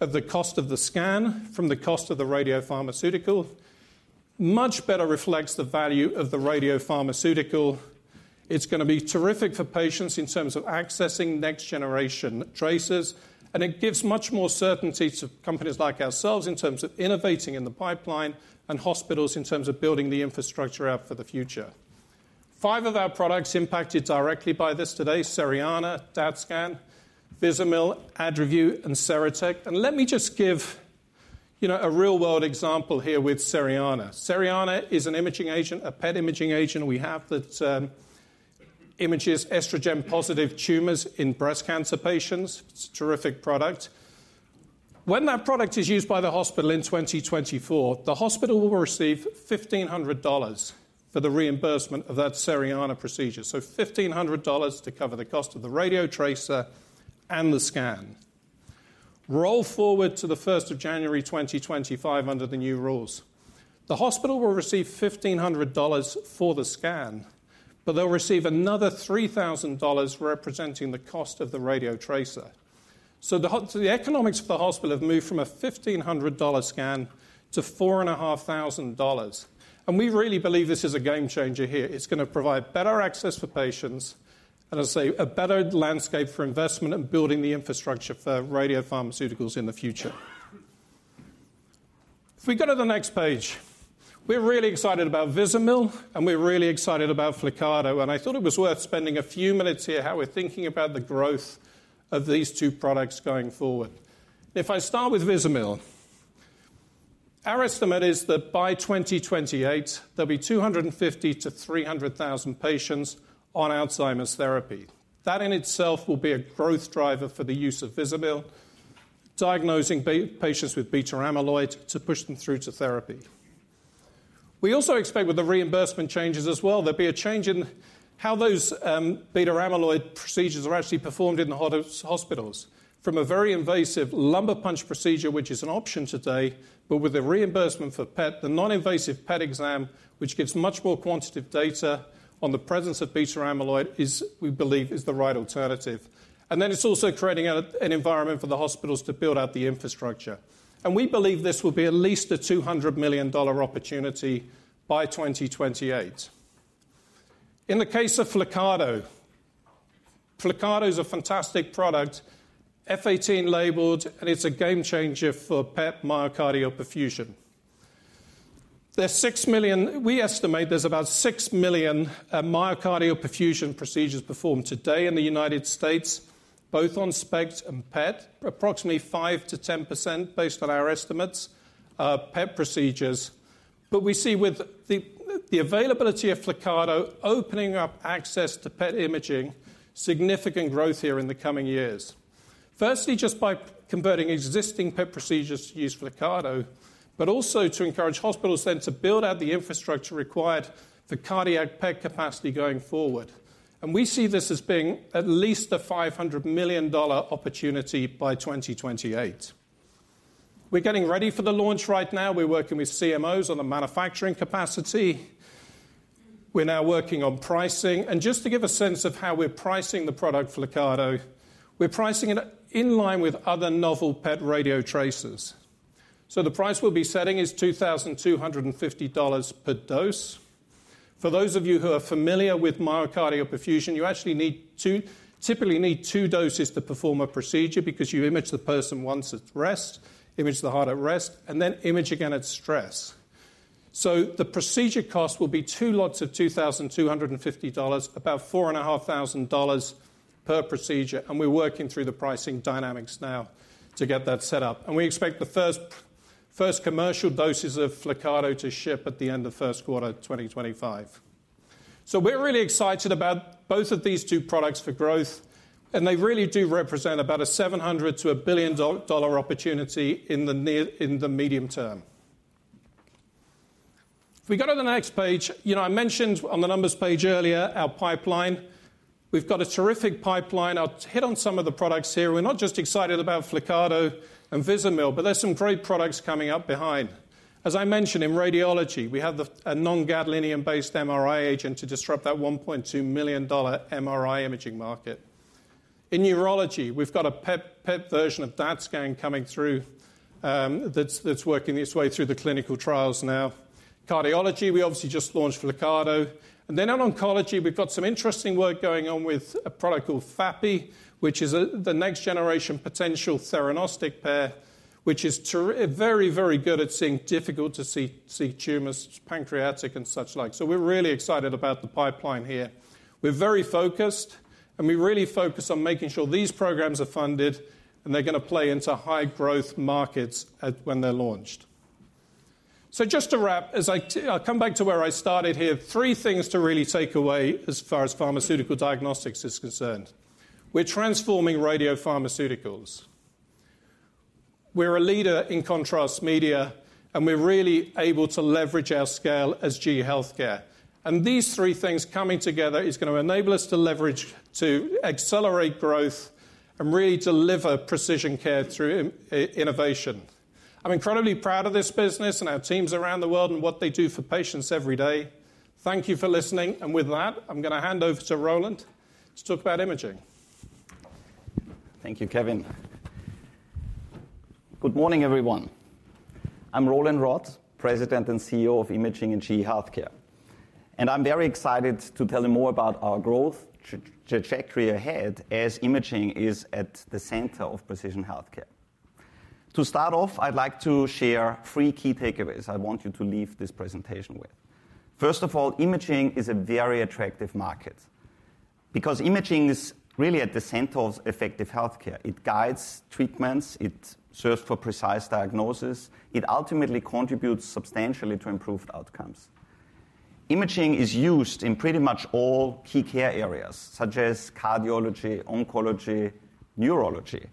of the cost of the scan from the cost of the radiopharmaceutical much better reflects the value of the radiopharmaceutical. It's going to be terrific for patients in terms of accessing next-generation tracers, and it gives much more certainty to companies like ourselves in terms of innovating in the pipeline and hospitals in terms of building the infrastructure out for the future. Five of our products impacted directly by this today: Cerianna, DaTscan, Vizamyl, AdreView, and Ceretec. And let me just give a real-world example here with Cerianna. Cerianna is an imaging agent, a PET imaging agent we have that images estrogen-positive tumors in breast cancer patients. It's a terrific product. When that product is used by the hospital in 2024, the hospital will receive $1,500 for the reimbursement of that Cerianna procedure. So $1,500 to cover the cost of the radiotracer and the scan. Roll forward to the 1st of January 2025 under the new rules. The hospital will receive $1,500 for the scan, but they'll receive another $3,000 representing the cost of the radiotracer. So the economics of the hospital have moved from a $1,500 scan to $4,500. And we really believe this is a game changer here. It's going to provide better access for patients and, as I say, a better landscape for investment and building the infrastructure for radiopharmaceuticals in the future. If we go to the next page, we're really excited about Vizamyl, and we're really excited about Flyrcado. And I thought it was worth spending a few minutes here how we're thinking about the growth of these two products going forward. If I start with Vizamyl, our estimate is that by 2028, there'll be 250,000 to 300,000 patients on Alzheimer's therapy. That in itself will be a growth driver for the use of Vizamyl, diagnosing patients with beta-amyloid to push them through to therapy. We also expect with the reimbursement changes as well, there'll be a change in how those beta-amyloid procedures are actually performed in the hospitals. From a very invasive lumbar punch procedure, which is an option today, but with the reimbursement for PET, the non-invasive PET exam, which gives much more quantitative data on the presence of beta-amyloid, we believe is the right alternative. And then it's also creating an environment for the hospitals to build out the infrastructure. And we believe this will be at least a $200 million opportunity by 2028. In the case of Flyrcado, Flyrcado is a fantastic product, F18 labeled, and it's a game changer for PET myocardial perfusion. are six million. We estimate there are about six million myocardial perfusion procedures performed today in the United States, both on SPECT and PET. Approximately 5% to 10% based on our estimates are PET procedures. But we see with the availability of Flyrcado opening up access to PET imaging, significant growth here in the coming years. Firstly, just by converting existing PET procedures to use Flyrcado, but also to encourage hospitals then to build out the infrastructure required for cardiac PET capacity going forward. And we see this as being at least a $500 million opportunity by 2028. We're getting ready for the launch right now. We're working with CMOs on the manufacturing capacity. We're now working on pricing. And just to give a sense of how we're pricing the product Flyrcado, we're pricing it in line with other novel PET radio tracers. The price we'll be setting is $2,250 per dose. For those of you who are familiar with myocardial perfusion, you actually typically need two doses to perform a procedure because you image the person once at rest, image the heart at rest, and then image again at stress. The procedure cost will be two lots of $2,250, about $4,500 per procedure. We're working through the pricing dynamics now to get that set up. We expect the first commercial doses of Flyrcado to ship at the end of first quarter 2025. We're really excited about both of these two products for growth, and they really do represent about a $700 million to $1 billion opportunity in the medium term. If we go to the next page, I mentioned on the numbers page earlier our pipeline. We've got a terrific pipeline. I'll hit on some of the products here. We're not just excited about Flyrcado and Vizamyl, but there's some great products coming up behind. As I mentioned, in radiology, we have a non-gadolinium-based MRI agent to disrupt that $1.2 million MRI imaging market. In neurology, we've got a PET version of DaTscan coming through that's working its way through the clinical trials now. Cardiology, we obviously just launched Flyrcado. And then in oncology, we've got some interesting work going on with a product called FAPI, which is the next-generation potential theranostic pair, which is very, very good at seeing difficult-to-see tumors, pancreatic, and such like. So we're really excited about the pipeline here. We're very focused, and we really focus on making sure these programs are funded, and they're going to play into high-growth markets when they're launched. So just to wrap, I'll come back to where I started here. Three things to really take away as far as pharmaceutical diagnostics is concerned. We're transforming radiopharmaceuticals. We're a leader in contrast media, and we're really able to leverage our scale as GE HealthCare, and these three things coming together is going to enable us to accelerate growth and really deliver precision care through innovation. I'm incredibly proud of this business and our teams around the world and what they do for patients every day. Thank you for listening, and with that, I'm going to hand over to Roland to talk about imaging. Thank you, Kevin. Good morning, everyone. I'm Roland Rott, President and CEO of Imaging at GE HealthCare, and I'm very excited to tell you more about our growth trajectory ahead as imaging is at the center of precision healthcare. To start off, I'd like to share three key takeaways I want you to leave this presentation with. First of all, imaging is a very attractive market because imaging is really at the center of effective healthcare. It guides treatments. It serves for precise diagnosis. It ultimately contributes substantially to improved outcomes. Imaging is used in pretty much all key care areas, such as cardiology, oncology, neurology,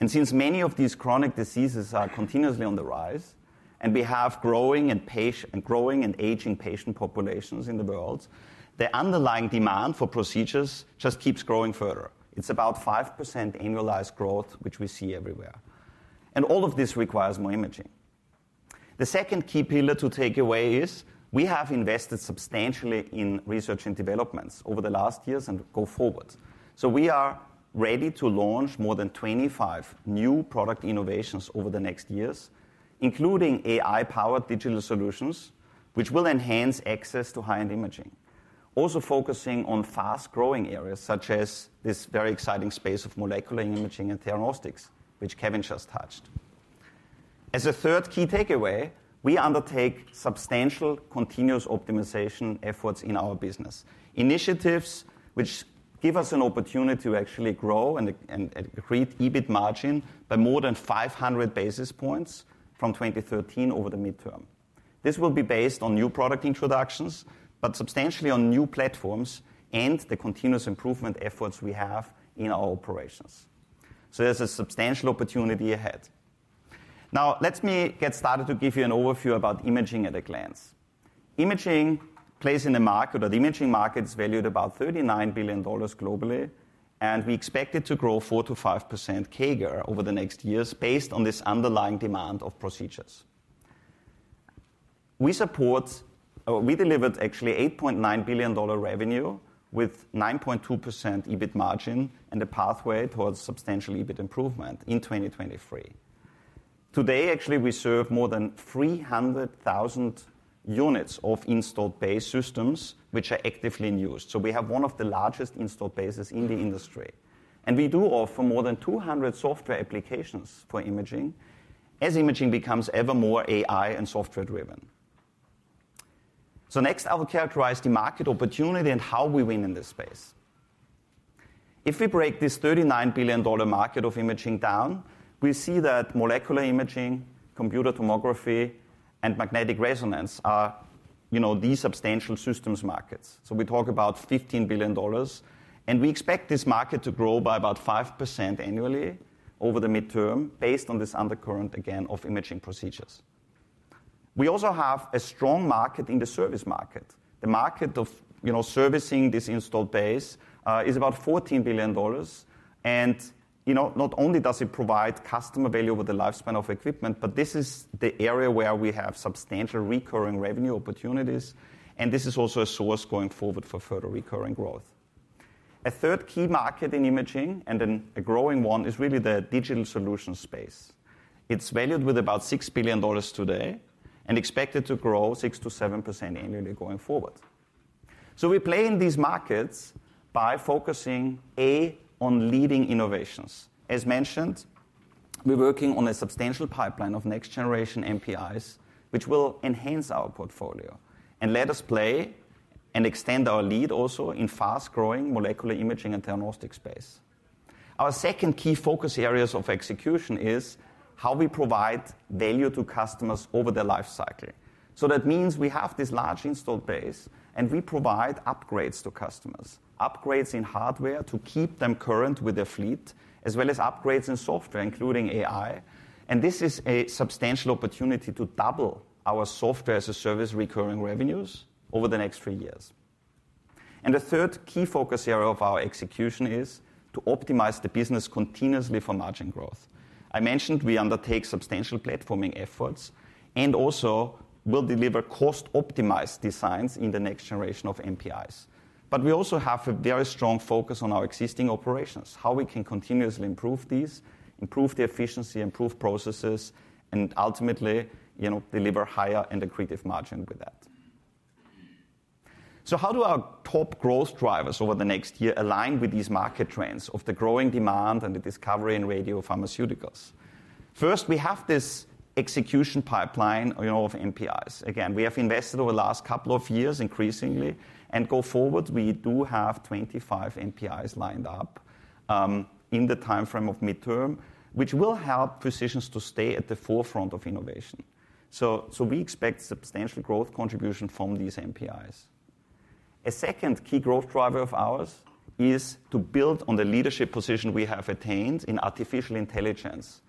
and since many of these chronic diseases are continuously on the rise, and we have growing and aging patient populations in the world, the underlying demand for procedures just keeps growing further. It's about 5% annualized growth, which we see everywhere, and all of this requires more imaging. The second key pillar to take away is we have invested substantially in research and developments over the last years and go forward, so we are ready to launch more than 25 new product innovations over the next years, including AI-powered digital solutions, which will enhance access to high-end imaging. Also focusing on fast-growing areas such as this very exciting space of molecular imaging and Theranostics, which Kevin just touched. As a third key takeaway, we undertake substantial continuous optimization efforts in our business, initiatives which give us an opportunity to actually grow and create EBIT margin by more than 500 basis points from 2013 over the midterm. This will be based on new product introductions, but substantially on new platforms and the continuous improvement efforts we have in our operations. So there's a substantial opportunity ahead. Now, let me get started to give you an overview about imaging at a glance. Imaging plays in a market that imaging market is valued about $39 billion globally, and we expect it to grow 4% to 5% CAGR over the next years based on this underlying demand of procedures. We delivered actually $8.9 billion revenue with 9.2% EBIT margin and a pathway towards substantial EBIT improvement in 2023. Today, actually, we serve more than 300,000 units of installed base systems, which are actively in use. So we have one of the largest installed bases in the industry. And we do offer more than 200 software applications for imaging as imaging becomes ever more AI and software-driven. So next, I will characterize the market opportunity and how we win in this space. If we break this $39 billion market of imaging down, we see that molecular imaging, computed tomography, and magnetic resonance are these substantial systems markets. So we talk about $15 billion. And we expect this market to grow by about 5% annually over the medium term based on this undercurrent, again, of imaging procedures. We also have a strong market in the services market. The market of servicing this installed base is about $14 billion. And not only does it provide customer value with the lifespan of equipment, but this is the area where we have substantial recurring revenue opportunities. And this is also a source going forward for further recurring growth. A third key market in imaging, and then a growing one, is really the digital solutions space. It's valued with about $6 billion today and expected to grow 6% to 7% annually going forward. So we play in these markets by focusing, A, on leading innovations. As mentioned, we're working on a substantial pipeline of next-generation NPIs, which will enhance our portfolio and let us play and extend our lead also in fast-growing molecular imaging and theranostics space. Our second key focus areas of execution is how we provide value to customers over their lifecycle. So that means we have this large installed base, and we provide upgrades to customers, upgrades in hardware to keep them current with their fleet, as well as upgrades in software, including AI. And this is a substantial opportunity to double our software-as-a-service recurring revenues over the next three years. And the third key focus area of our execution is to optimize the business continuously for margin growth. I mentioned we undertake substantial platforming efforts and also will deliver cost-optimized designs in the next generation of MPIs. But we also have a very strong focus on our existing operations, how we can continuously improve these, improve the efficiency, improve processes, and ultimately deliver higher and accretive margin with that. So how do our top growth drivers over the next year align with these market trends of the growing demand and the discovery in radiopharmaceuticals? First, we have this execution pipeline of MPIs. Again, we have invested over the last couple of years increasingly, and go forward, we do have 25 MPIs lined up in the timeframe of midterm, which will help physicians to stay at the forefront of innovation, so we expect substantial growth contribution from these MPIs. A second key growth driver of ours is to build on the leadership position we have attained in artificial intelligence.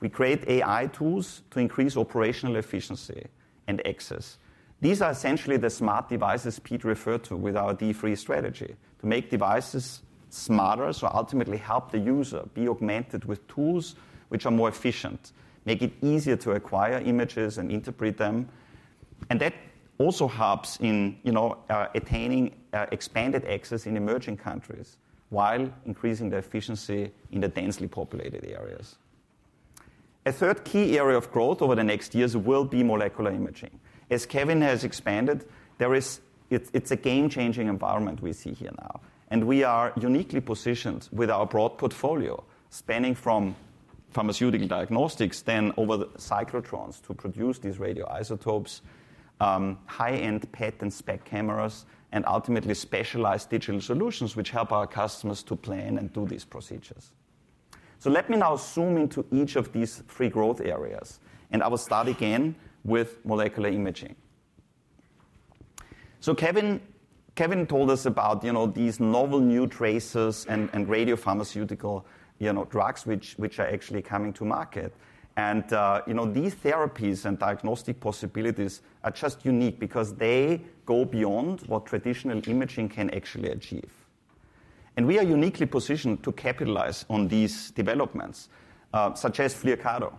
We create AI tools to increase operational efficiency and access. These are essentially the smart devices Pete referred to with our D3 strategy to make devices smarter, so ultimately help the user be augmented with tools which are more efficient, make it easier to acquire images and interpret them, and that also helps in attaining expanded access in emerging countries while increasing the efficiency in the densely populated areas. A third key area of growth over the next years will be molecular imaging. As Kevin has expanded, it's a game-changing environment we see here now. And we are uniquely positioned with our broad portfolio spanning from pharmaceutical diagnostics, then over cyclotrons to produce these radioisotopes, high-end PET and SPECT cameras, and ultimately specialized digital solutions which help our customers to plan and do these procedures. So let me now zoom into each of these three growth areas. And I will start again with molecular imaging. So Kevin told us about these novel new tracers and radiopharmaceutical drugs which are actually coming to market. And these therapies and diagnostic possibilities are just unique because they go beyond what traditional imaging can actually achieve. And we are uniquely positioned to capitalize on these developments, such as Flyrcado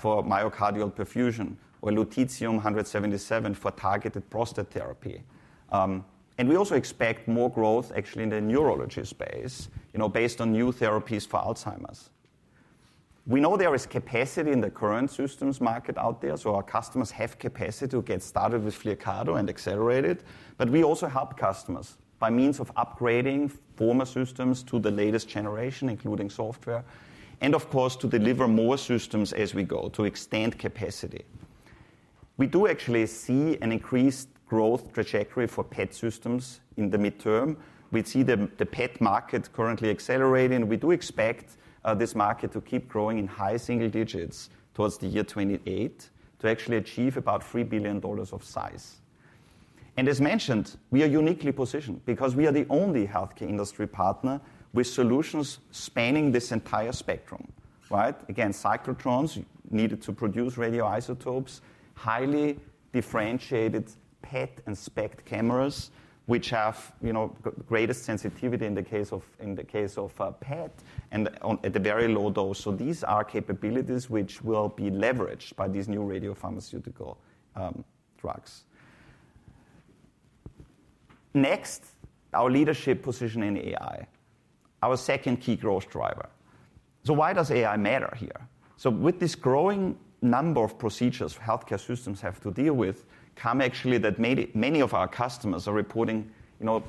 for myocardial perfusion or Lutetium-177 for targeted prostate therapy. And we also expect more growth actually in the neurology space based on new therapies for Alzheimer's. We know there is capacity in the current systems market out there. So our customers have capacity to get started with Flyrcado and accelerate it. But we also help customers by means of upgrading former systems to the latest generation, including software, and of course, to deliver more systems as we go to extend capacity. We do actually see an increased growth trajectory for PET systems in the midterm. We see the PET market currently accelerating. We do expect this market to keep growing in high single digits towards the year 2028 to actually achieve about $3 billion of size. And as mentioned, we are uniquely positioned because we are the only healthcare industry partner with solutions spanning this entire spectrum. Again, cyclotrons needed to produce radioisotopes, highly differentiated PET and SPECT cameras, which have greatest sensitivity in the case of PET and at a very low dose. These are capabilities which will be leveraged by these new radiopharmaceutical drugs. Next, our leadership position in AI, our second key growth driver. Why does AI matter here? With this growing number of procedures healthcare systems have to deal with, come actually that many of our customers are reporting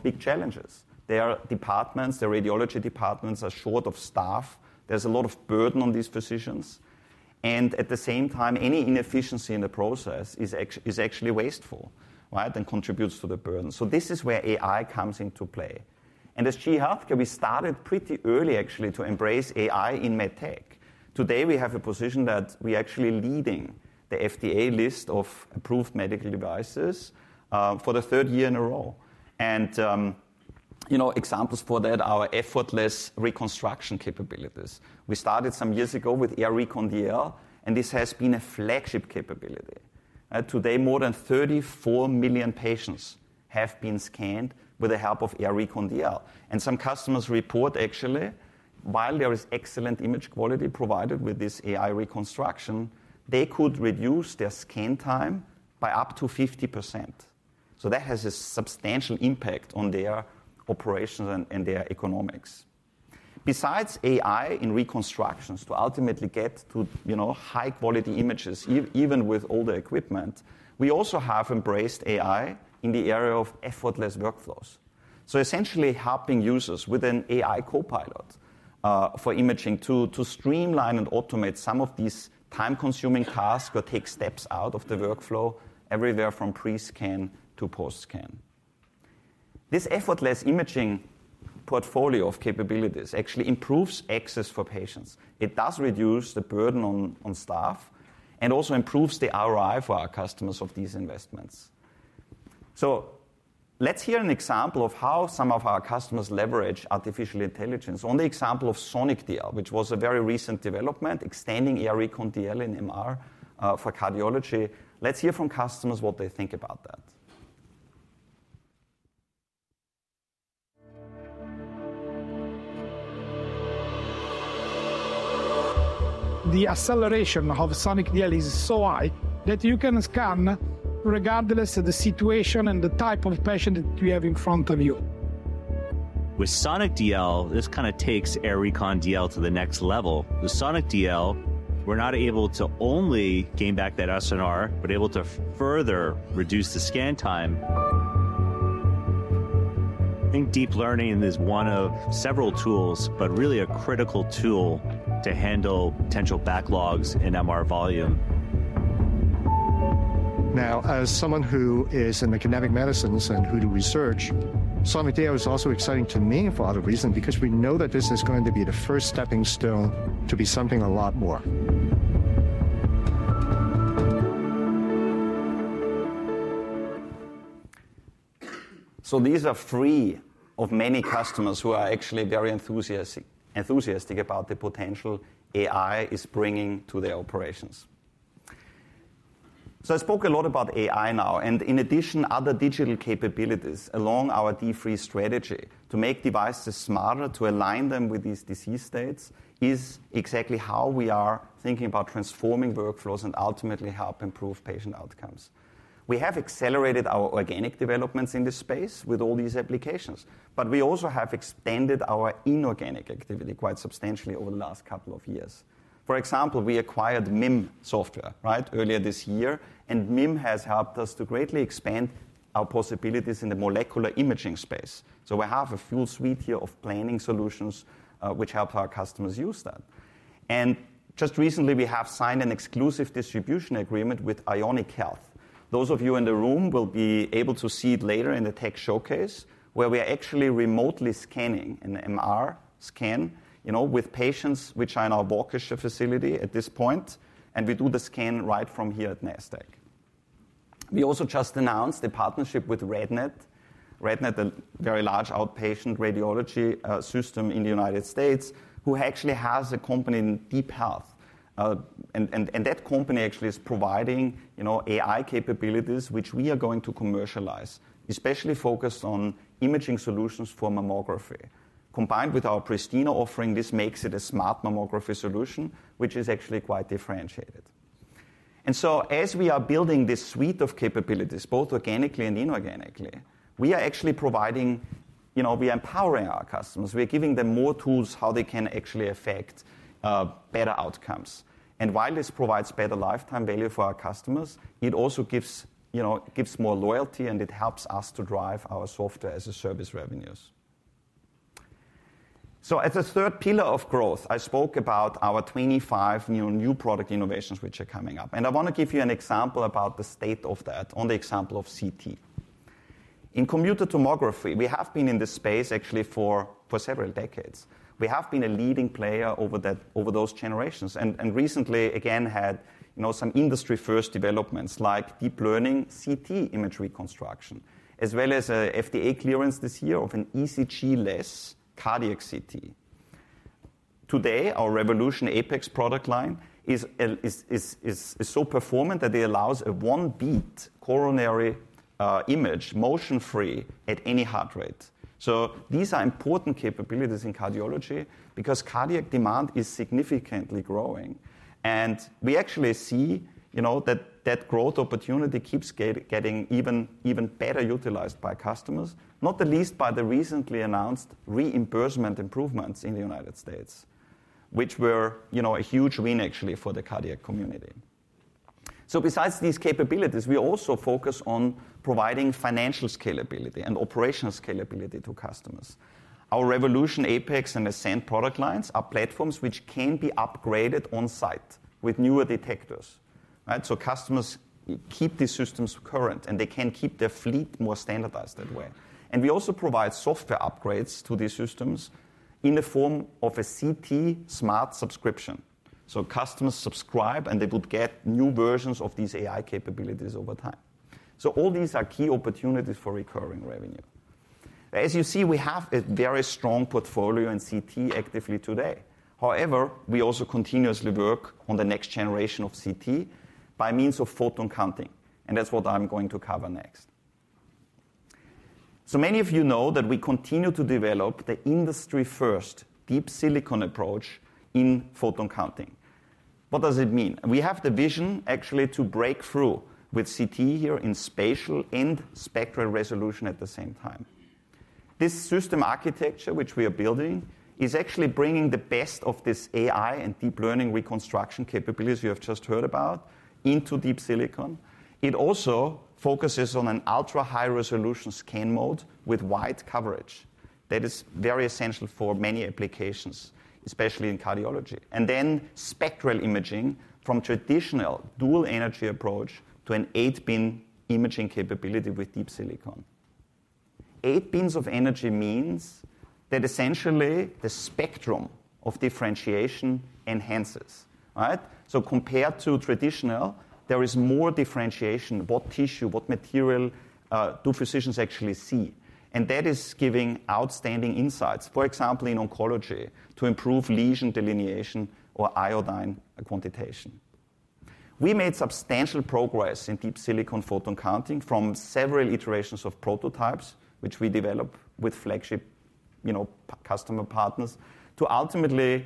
big challenges. Their departments, their radiology departments, are short of staff. There is a lot of burden on these physicians. At the same time, any inefficiency in the process is actually wasteful and contributes to the burden. This is where AI comes into play. As GE HealthCare, we started pretty early actually to embrace AI in med tech. Today, we have a position that we are actually leading the FDA list of approved medical devices for the third year in a row. And examples for that are our effortless reconstruction capabilities. We started some years ago with AIR Recon DL, and this has been a flagship capability. Today, more than 34 million patients have been scanned with the help of AIR Recon DL. And some customers report actually, while there is excellent image quality provided with this AI reconstruction, they could reduce their scan time by up to 50%. So that has a substantial impact on their operations and their economics. Besides AI in reconstructions to ultimately get to high-quality images, even with older equipment, we also have embraced AI in the area of effortless workflows. So essentially helping users with an AI copilot for imaging to streamline and automate some of these time-consuming tasks or take steps out of the workflow everywhere from pre-scan to post-scan. This effortless imaging portfolio of capabilities actually improves access for patients. It does reduce the burden on staff and also improves the ROI for our customers of these investments. Let's hear an example of how some of our customers leverage artificial intelligence on the example of Sonic DL, which was a very recent development, extending AIR Recon DL in MR for cardiology. Let's hear from customers what they think about that. The acceleration of Sonic DL is so high that you can scan regardless of the situation and the type of patient that you have in front of you. With Sonic DL, this kind of takes AIR Recon DL to the next level. With Sonic DL, we're not only able to gain back that SNR, but able to further reduce the scan time. I think deep learning is one of several tools, but really a critical tool to handle potential backlogs in MR volume. Now, as someone who is in medical imaging and who does research, Sonic DL is also exciting to me for other reasons because we know that this is going to be the first stepping stone to becoming something a lot more. So these are three of many customers who are actually very enthusiastic about the potential AI is bringing to their operations. So I spoke a lot about AI now. And in addition, other digital capabilities along our D3 strategy to make devices smarter, to align them with these disease states is exactly how we are thinking about transforming workflows and ultimately help improve patient outcomes. We have accelerated our organic developments in this space with all these applications. But we also have extended our inorganic activity quite substantially over the last couple of years. For example, we acquired MIM Software earlier this year. And MIM has helped us to greatly expand our possibilities in the molecular imaging space. So we have a few suites here of planning solutions which help our customers use that. And just recently, we have signed an exclusive distribution agreement with Ionic Health. Those of you in the room will be able to see it later in the tech showcase where we are actually remotely scanning an MR scan with patients which are in our Waukesha facility at this point. And we do the scan right from here at Nasdaq. We also just announced the partnership with RadNet, a very large outpatient radiology system in the United States who actually has a company in DeepHealth. And that company actually is providing AI capabilities which we are going to commercialize, especially focused on imaging solutions for mammography. Combined with our Pristina offering, this makes it a smart mammography solution, which is actually quite differentiated. And so as we are building this suite of capabilities, both organically and inorganically, we are actually empowering our customers. We are giving them more tools how they can actually affect better outcomes. And while this provides better lifetime value for our customers, it also gives more loyalty and it helps us to drive our software-as-a-service revenues. So as a third pillar of growth, I spoke about our 25 new product innovations which are coming up. And I want to give you an example about the state of that on the example of CT. In computed tomography, we have been in this space actually for several decades. We have been a leading player over those generations. And recently, again, had some industry-first developments like deep learning CT image reconstruction, as well as an FDA clearance this year of an ECG-less cardiac CT. Today, our Revolution Apex product line is so performant that it allows a one-beat coronary image, motion-free at any heart rate. So these are important capabilities in cardiology because cardiac demand is significantly growing. And we actually see that growth opportunity keeps getting even better utilized by customers, not the least by the recently announced reimbursement improvements in the United States, which were a huge win actually for the cardiac community. So besides these capabilities, we also focus on providing financial scalability and operational scalability to customers. Our Revolution Apex and Ascent product lines are platforms which can be upgraded on site with newer detectors. So customers keep these systems current and they can keep their fleet more standardized that way. And we also provide software upgrades to these systems in the form of a CT smart subscription. So customers subscribe and they would get new versions of these AI capabilities over time. So all these are key opportunities for recurring revenue. As you see, we have a very strong portfolio in CT actively today. However, we also continuously work on the next generation of CT by means of photon counting. And that's what I'm going to cover next. So many of you know that we continue to develop the industry-first Deep Silicon approach in photon counting. What does it mean? We have the vision actually to break through with CT here in spatial and spectral resolution at the same time. This system architecture which we are building is actually bringing the best of this AI and deep learning reconstruction capabilities you have just heard about into Deep Silicon. It also focuses on an ultra-high resolution scan mode with wide coverage that is very essential for many applications, especially in cardiology. And then spectral imaging from traditional dual energy approach to an eight-beam imaging capability with Deep Silicon. Eight beams of energy means that essentially the spectrum of differentiation enhances. So compared to traditional, there is more differentiation, what tissue, what material do physicians actually see. And that is giving outstanding insights, for example, in oncology to improve lesion delineation or iodine quantitation. We made substantial progress in Deep Silicon photon counting from several iterations of prototypes which we develop with flagship customer partners to ultimately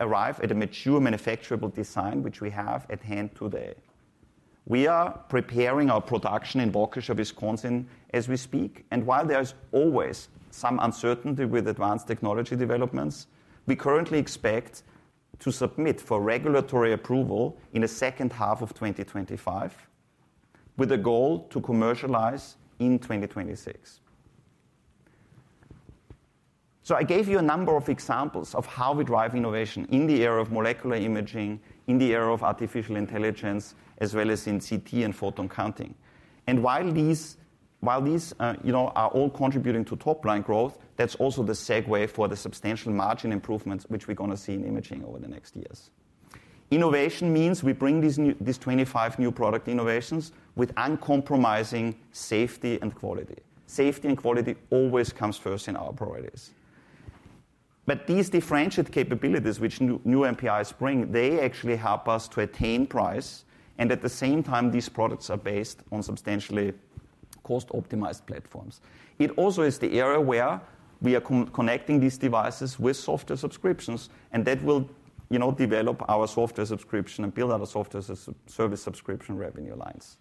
arrive at a mature manufacturable design which we have at hand today. We are preparing our production in Waukesha, Wisconsin as we speak. And while there is always some uncertainty with advanced technology developments, we currently expect to submit for regulatory approval in the second half of 2025 with a goal to commercialize in 2026. So I gave you a number of examples of how we drive innovation in the area of molecular imaging, in the area of artificial intelligence, as well as in CT and photon counting. And while these are all contributing to top-line growth, that's also the segue for the substantial margin improvements which we're going to see in imaging over the next years. Innovation means we bring these 25 new product innovations with uncompromising safety and quality. Safety and quality always comes first in our priorities. But these differentiated capabilities which new MPIs bring, they actually help us to attain price. And at the same time, these products are based on substantially cost-optimized platforms. It also is the area where we are connecting these devices with software subscriptions. And that will develop our software subscription and build out a software-as-a-service subscription revenue lines.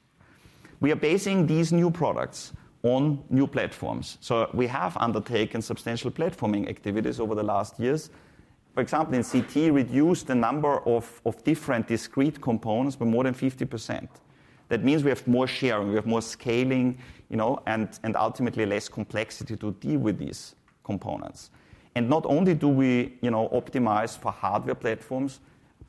We are basing these new products on new platforms. So we have undertaken substantial platforming activities over the last years. For example, in CT, we reduced the number of different discrete components by more than 50%. That means we have more sharing, we have more scaling, and ultimately less complexity to deal with these components. Not only do we optimize for hardware platforms,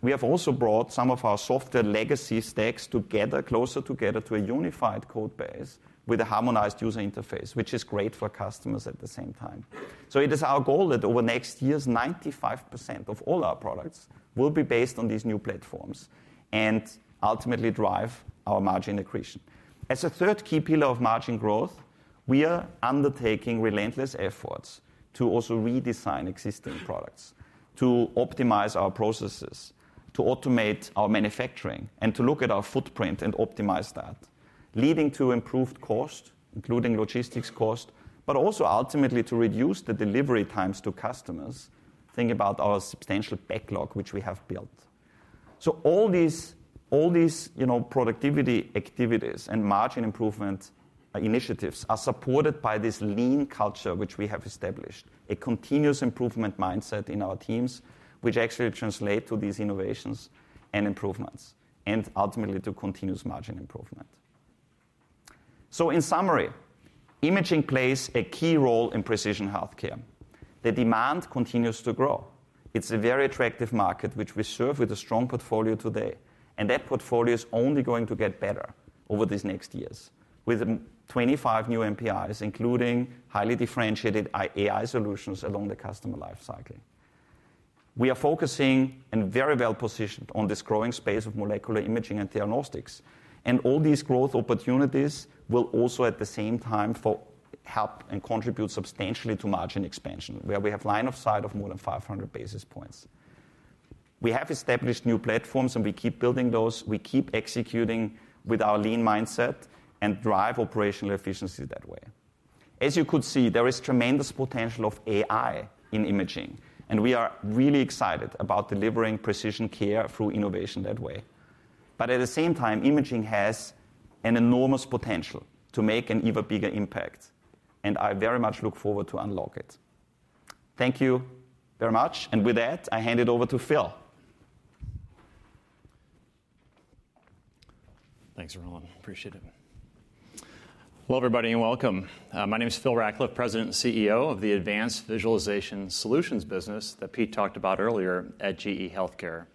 we have also brought some of our software legacy stacks together, closer together to a unified code base with a harmonized user interface, which is great for customers at the same time. So it is our goal that over next years, 95% of all our products will be based on these new platforms and ultimately drive our margin accretion. As a third key pillar of margin growth, we are undertaking relentless efforts to also redesign existing products, to optimize our processes, to automate our manufacturing, and to look at our footprint and optimize that, leading to improved cost, including logistics cost, but also ultimately to reduce the delivery times to customers, thinking about our substantial backlog which we have built. All these productivity activities and margin improvement initiatives are supported by this Lean culture which we have established, a continuous improvement mindset in our teams which actually translates to these innovations and improvements and ultimately to continuous margin improvement. In summary, imaging plays a key role in precision healthcare. The demand continues to grow. It's a very attractive market which we serve with a strong portfolio today. And that portfolio is only going to get better over these next years with 25 new NPIs, including highly differentiated AI solutions along the customer lifecycle. We are focusing and very well positioned on this growing space of molecular imaging and diagnostics. And all these growth opportunities will also at the same time help and contribute substantially to margin expansion where we have line of sight of more than 500 basis points. We have established new platforms and we keep building those. We keep executing with our lean mindset and drive operational efficiency that way. As you could see, there is tremendous potential of AI in imaging. And we are really excited about delivering precision care through innovation that way. But at the same time, imaging has an enormous potential to make an even bigger impact. And I very much look forward to unlock it. Thank you very much. And with that, I hand it over to Phil. Thanks, Roland. Appreciate it. Hello, everybody, and welcome. My name is Phil Rackliff, President and CEO of the Advanced Visualization Solutions business that Pete talked about earlier at GE HealthCare.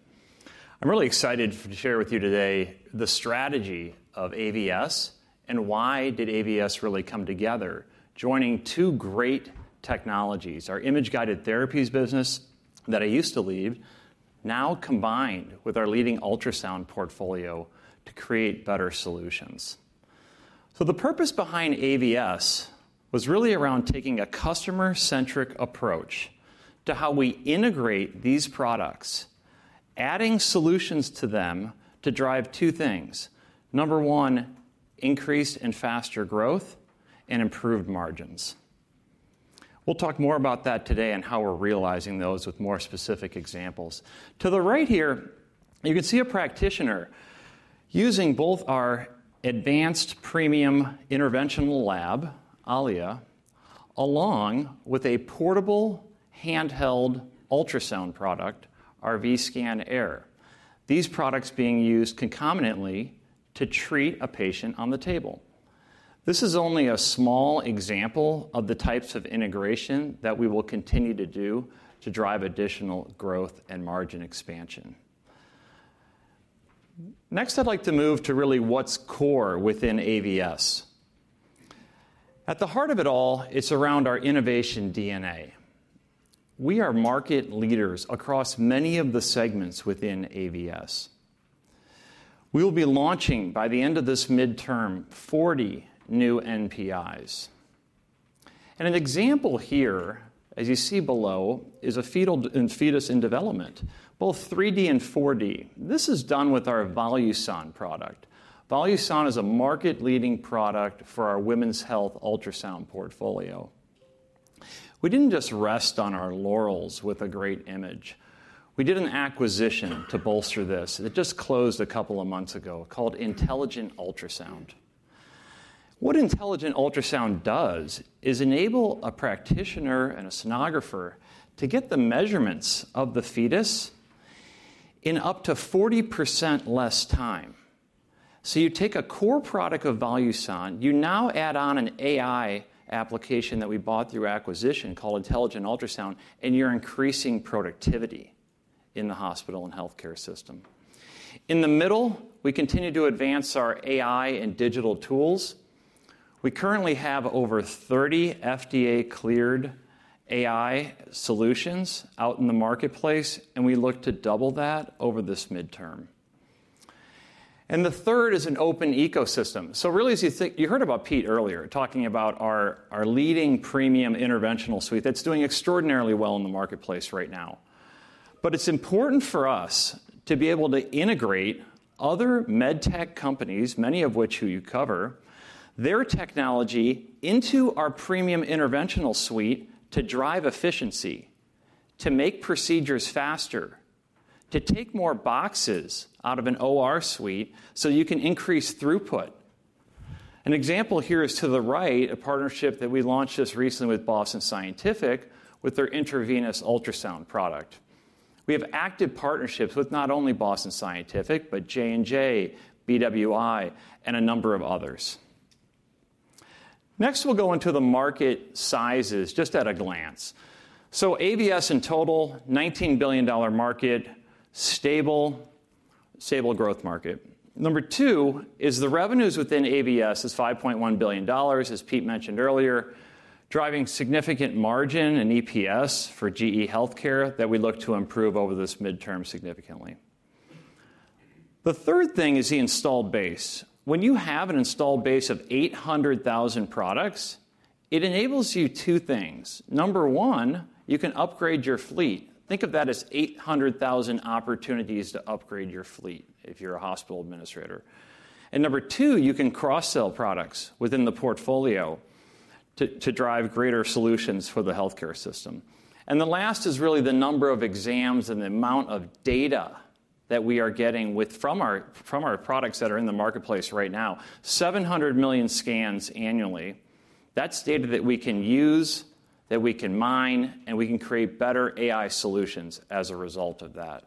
I'm really excited to share with you today the strategy of AVS and why did AVS really come together, joining two great technologies: our image-guided therapies business that I used to lead, now combined with our leading ultrasound portfolio to create better solutions. So the purpose behind AVS was really around taking a customer-centric approach to how we integrate these products, adding solutions to them to drive two things. Number one, increased and faster growth and improved margins. We'll talk more about that today and how we're realizing those with more specific examples. To the right here, you can see a practitioner using both our advanced premium interventional lab, Allia, along with a portable handheld ultrasound product, Vscan Air. These products being used concomitantly to treat a patient on the table. This is only a small example of the types of integration that we will continue to do to drive additional growth and margin expansion. Next, I'd like to move to really what's core within AVS. At the heart of it all, it's around our innovation DNA. We are market leaders across many of the segments within AVS. We will be launching by the end of this midterm 40 new NPIs, and an example here, as you see below, is a fetus in development, both 3D and 4D. This is done with our Voluson product. Voluson is a market-leading product for our women's health ultrasound portfolio. We didn't just rest on our laurels with a great image. We did an acquisition to bolster this. It just closed a couple of months ago called Intelligent Ultrasound. What Intelligent Ultrasound does is enable a practitioner and a sonographer to get the measurements of the fetus in up to 40% less time. So you take a core product of Voluson, you now add on an AI application that we bought through acquisition called Intelligent Ultrasound, and you're increasing productivity in the hospital and healthcare system. In the middle, we continue to advance our AI and digital tools. We currently have over 30 FDA-cleared AI solutions out in the marketplace. And we look to double that over this midterm. And the third is an open ecosystem. So really, as you heard about Pete earlier talking about our leading premium interventional suite, that's doing extraordinarily well in the marketplace right now. But it's important for us to be able to integrate other med tech companies, many of which you cover, their technology into our premium interventional suite to drive efficiency, to make procedures faster, to take more boxes out of an OR suite so you can increase throughput. An example here is to the right, a partnership that we launched just recently with Boston Scientific with their intravascular ultrasound product. We have active partnerships with not only Boston Scientific, but J&J, BWI, and a number of others. Next, we'll go into the market sizes just at a glance. So AVS in total, $19 billion market, stable, stable growth market. Number two is the revenues within AVS is $5.1 billion, as Pete mentioned earlier, driving significant margin and EPS for GE HealthCare that we look to improve over this midterm significantly. The third thing is the installed base. When you have an installed base of 800,000 products, it enables you two things. Number one, you can upgrade your fleet. Think of that as 800,000 opportunities to upgrade your fleet if you're a hospital administrator. And number two, you can cross-sell products within the portfolio to drive greater solutions for the healthcare system. And the last is really the number of exams and the amount of data that we are getting from our products that are in the marketplace right now, 700 million scans annually. That's data that we can use, that we can mine, and we can create better AI solutions as a result of that.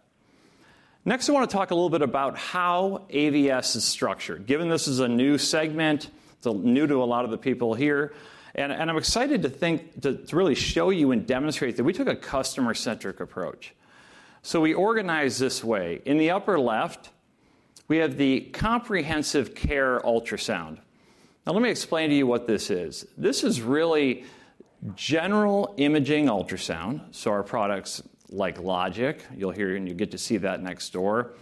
Next, I want to talk a little bit about how AVS is structured. Given this is a new segment, it's new to a lot of the people here. I'm excited to really show you and demonstrate that we took a customer-centric approach. We organize this way. In the upper left, we have the comprehensive care ultrasound. Now, let me explain to you what this is. This is really general imaging ultrasound. Our products like Logiq, you'll hear and you get to see that next door,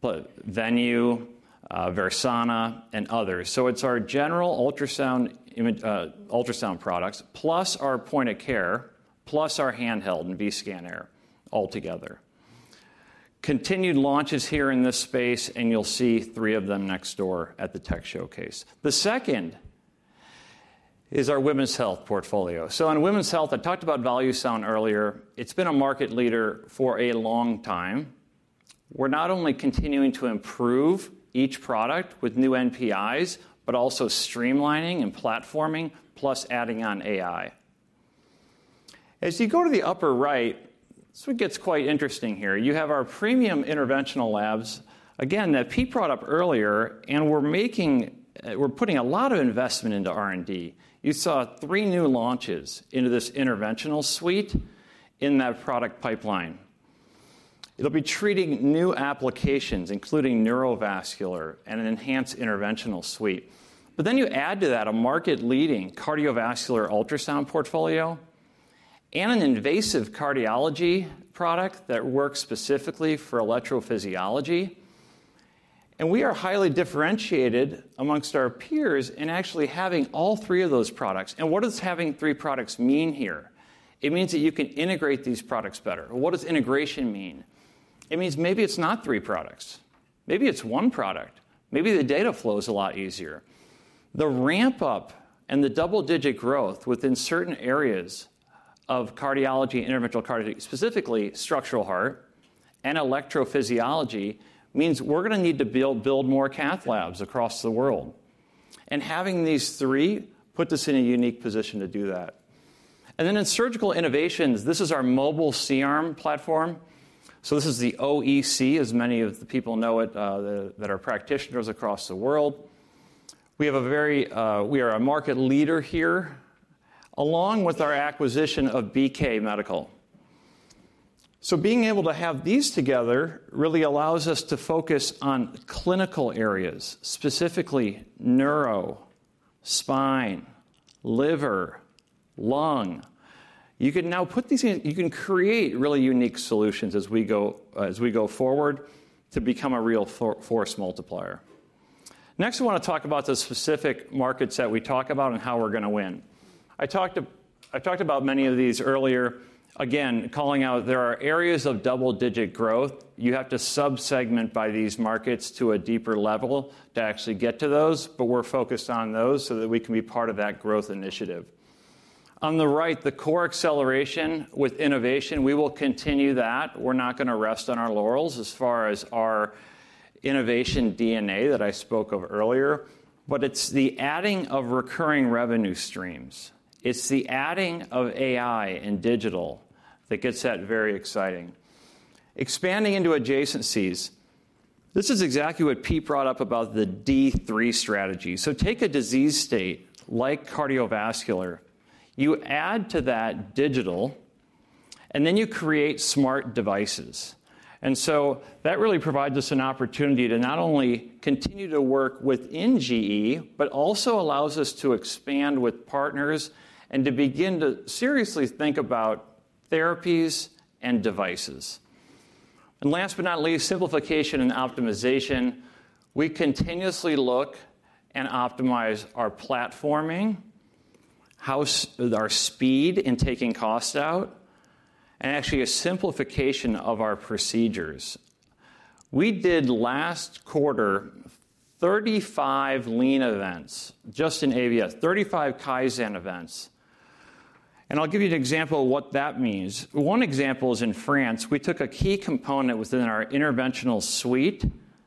but Venue, Versana, and others. It's our general ultrasound products plus our point of care plus our handheld and Vscan Air altogether. Continued launches here in this space, and you'll see three of them next door at the tech showcase. The second is our women's health portfolio. On women's health, I talked about Voluson earlier. It's been a market leader for a long time. We're not only continuing to improve each product with new NPIs, but also streamlining and platforming plus adding on AI. As you go to the upper right, this one gets quite interesting here. You have our premium interventional labs, again, that Pete brought up earlier, and we're putting a lot of investment into R&D. You saw three new launches into this interventional suite in that product pipeline. It'll be treating new applications, including neurovascular and an enhanced interventional suite. But then you add to that a market-leading cardiovascular ultrasound portfolio and an invasive cardiology product that works specifically for electrophysiology. And we are highly differentiated amongst our peers in actually having all three of those products. And what does having three products mean here? It means that you can integrate these products better. What does integration mean? It means maybe it's not three products. Maybe it's one product. Maybe the data flows a lot easier. The ramp-up and the double-digit growth within certain areas of cardiology, interventional cardiology, specifically structural heart and electrophysiology means we're going to need to build more cath labs across the world. And having these three puts us in a unique position to do that. And then in surgical innovations, this is our mobile C-arm platform. So this is the OEC, as many of the people know it that are practitioners across the world. We are a market leader here along with our acquisition of BK Medical. So being able to have these together really allows us to focus on clinical areas, specifically neuro, spine, liver, lung. You can now put these in. You can create really unique solutions as we go forward to become a real force multiplier. Next, I want to talk about the specific markets that we talk about and how we're going to win. I talked about many of these earlier, again, calling out there are areas of double-digit growth. You have to subsegment by these markets to a deeper level to actually get to those. But we're focused on those so that we can be part of that growth initiative. On the right, the core acceleration with innovation. We will continue that. We're not going to rest on our laurels as far as our innovation DNA that I spoke of earlier. But it's the adding of recurring revenue streams. It's the adding of AI and digital that gets that very exciting. Expanding into adjacencies. This is exactly what Pete brought up about the D3 strategy. So take a disease state like cardiovascular. You add to that digital, and then you create smart devices. And so that really provides us an opportunity to not only continue to work within GE, but also allows us to expand with partners and to begin to seriously think about therapies and devices. And last but not least, simplification and optimization. We continuously look and optimize our platforming, our speed in taking cost out, and actually a simplification of our procedures. We did last quarter 35 lean events just in AVS, 35 Kaizen events. And I'll give you an example of what that means. One example is in France. We took a key component within our interventional suite,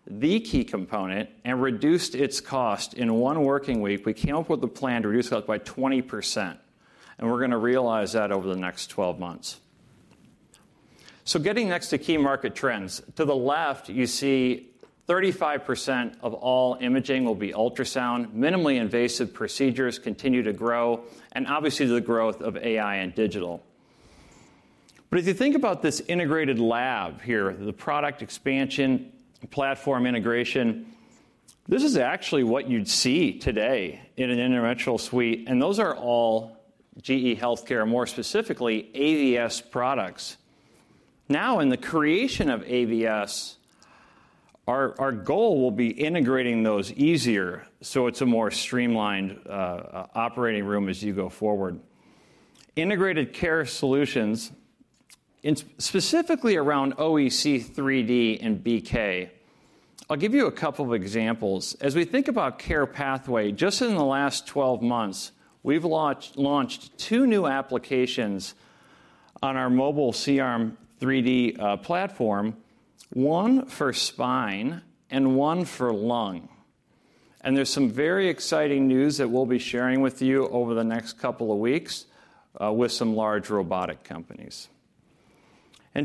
the key component, and reduced its cost in one working week. We came up with a plan to reduce cost by 20%. And we're going to realize that over the next 12 months. So getting next to key market trends. To the left, you see 35% of all imaging will be ultrasound. Minimally invasive procedures continue to grow, and obviously the growth of AI and digital. But if you think about this integrated lab here, the product expansion, platform integration, this is actually what you'd see today in an interventional suite. And those are all GE HealthCare, more specifically AVS products. Now, in the creation of AVS, our goal will be integrating those easier so it's a more streamlined operating room as you go forward. Integrated care solutions, specifically around OEC 3D and BK. I'll give you a couple of examples. As we think about care pathway, just in the last 12 months, we've launched two new applications on our mobile C-arm 3D platform, one for spine and one for lung. There's some very exciting news that we'll be sharing with you over the next couple of weeks with some large robotic companies.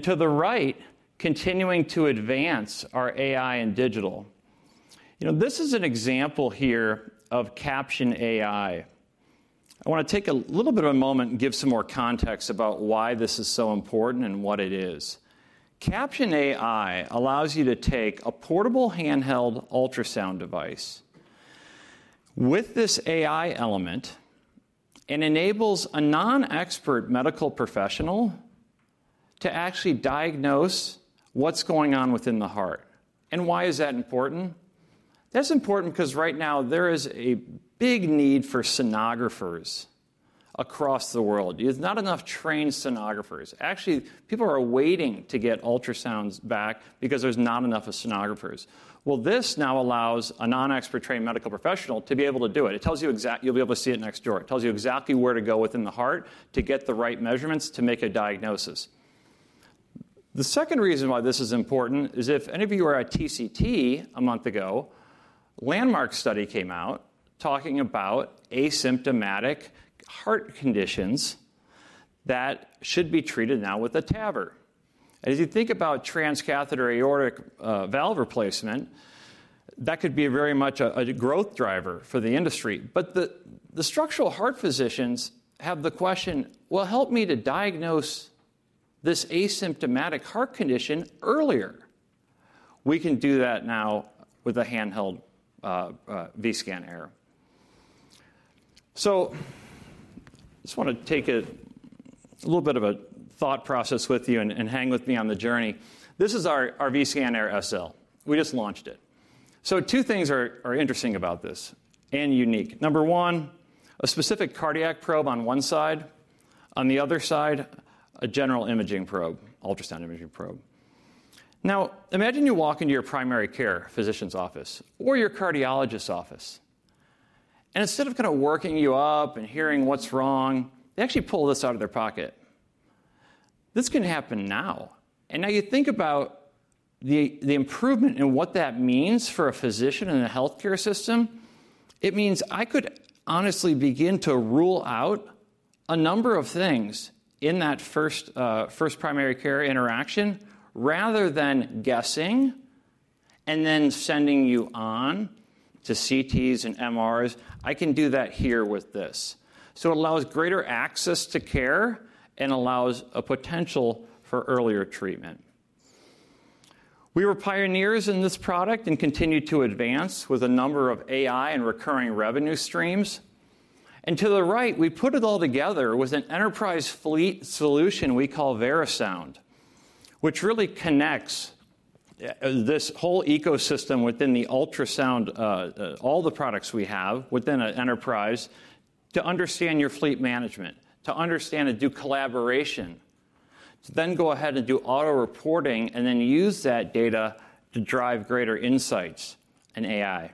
To the right, continuing to advance our AI and digital. This is an example here of Caption AI. I want to take a little bit of a moment and give some more context about why this is so important and what it is. Caption AI allows you to take a portable handheld ultrasound device with this AI element and enables a non-expert medical professional to actually diagnose what's going on within the heart. Why is that important? That's important because right now there is a big need for sonographers across the world. There's not enough trained sonographers. Actually, people are waiting to get ultrasounds back because there's not enough sonographers. This now allows a non-expert trained medical professional to be able to do it. You'll be able to see it next door. It tells you exactly where to go within the heart to get the right measurements to make a diagnosis. The second reason why this is important is if any of you are at TCT a month ago, a landmark study came out talking about asymptomatic heart conditions that should be treated now with a TAVR, and as you think about transcatheter aortic valve replacement, that could be very much a growth driver for the industry, but the structural heart physicians have the question, well, help me to diagnose this asymptomatic heart condition earlier. We can do that now with a handheld Vscan Air, so I just want to take a little bit of a thought process with you and hang with me on the journey. This is our Vscan Air SL. We just launched it. So, two things are interesting about this and unique. Number one, a specific cardiac probe on one side. On the other side, a general imaging probe, ultrasound imaging probe. Now, imagine you walk into your primary care physician's office or your cardiologist's office, and instead of kind of working you up and hearing what's wrong, they actually pull this out of their pocket. This can happen now, and now you think about the improvement in what that means for a physician in the healthcare system. It means I could honestly begin to rule out a number of things in that first primary care interaction rather than guessing and then sending you on to CTs and MRs. I can do that here with this, so it allows greater access to care and allows a potential for earlier treatment. We were pioneers in this product and continue to advance with a number of AI and recurring revenue streams. And to the right, we put it all together with an enterprise fleet solution we call Verisound, which really connects this whole ecosystem within the ultrasound, all the products we have within an enterprise to understand your fleet management, to understand and do collaboration, to then go ahead and do auto reporting and then use that data to drive greater insights and AI.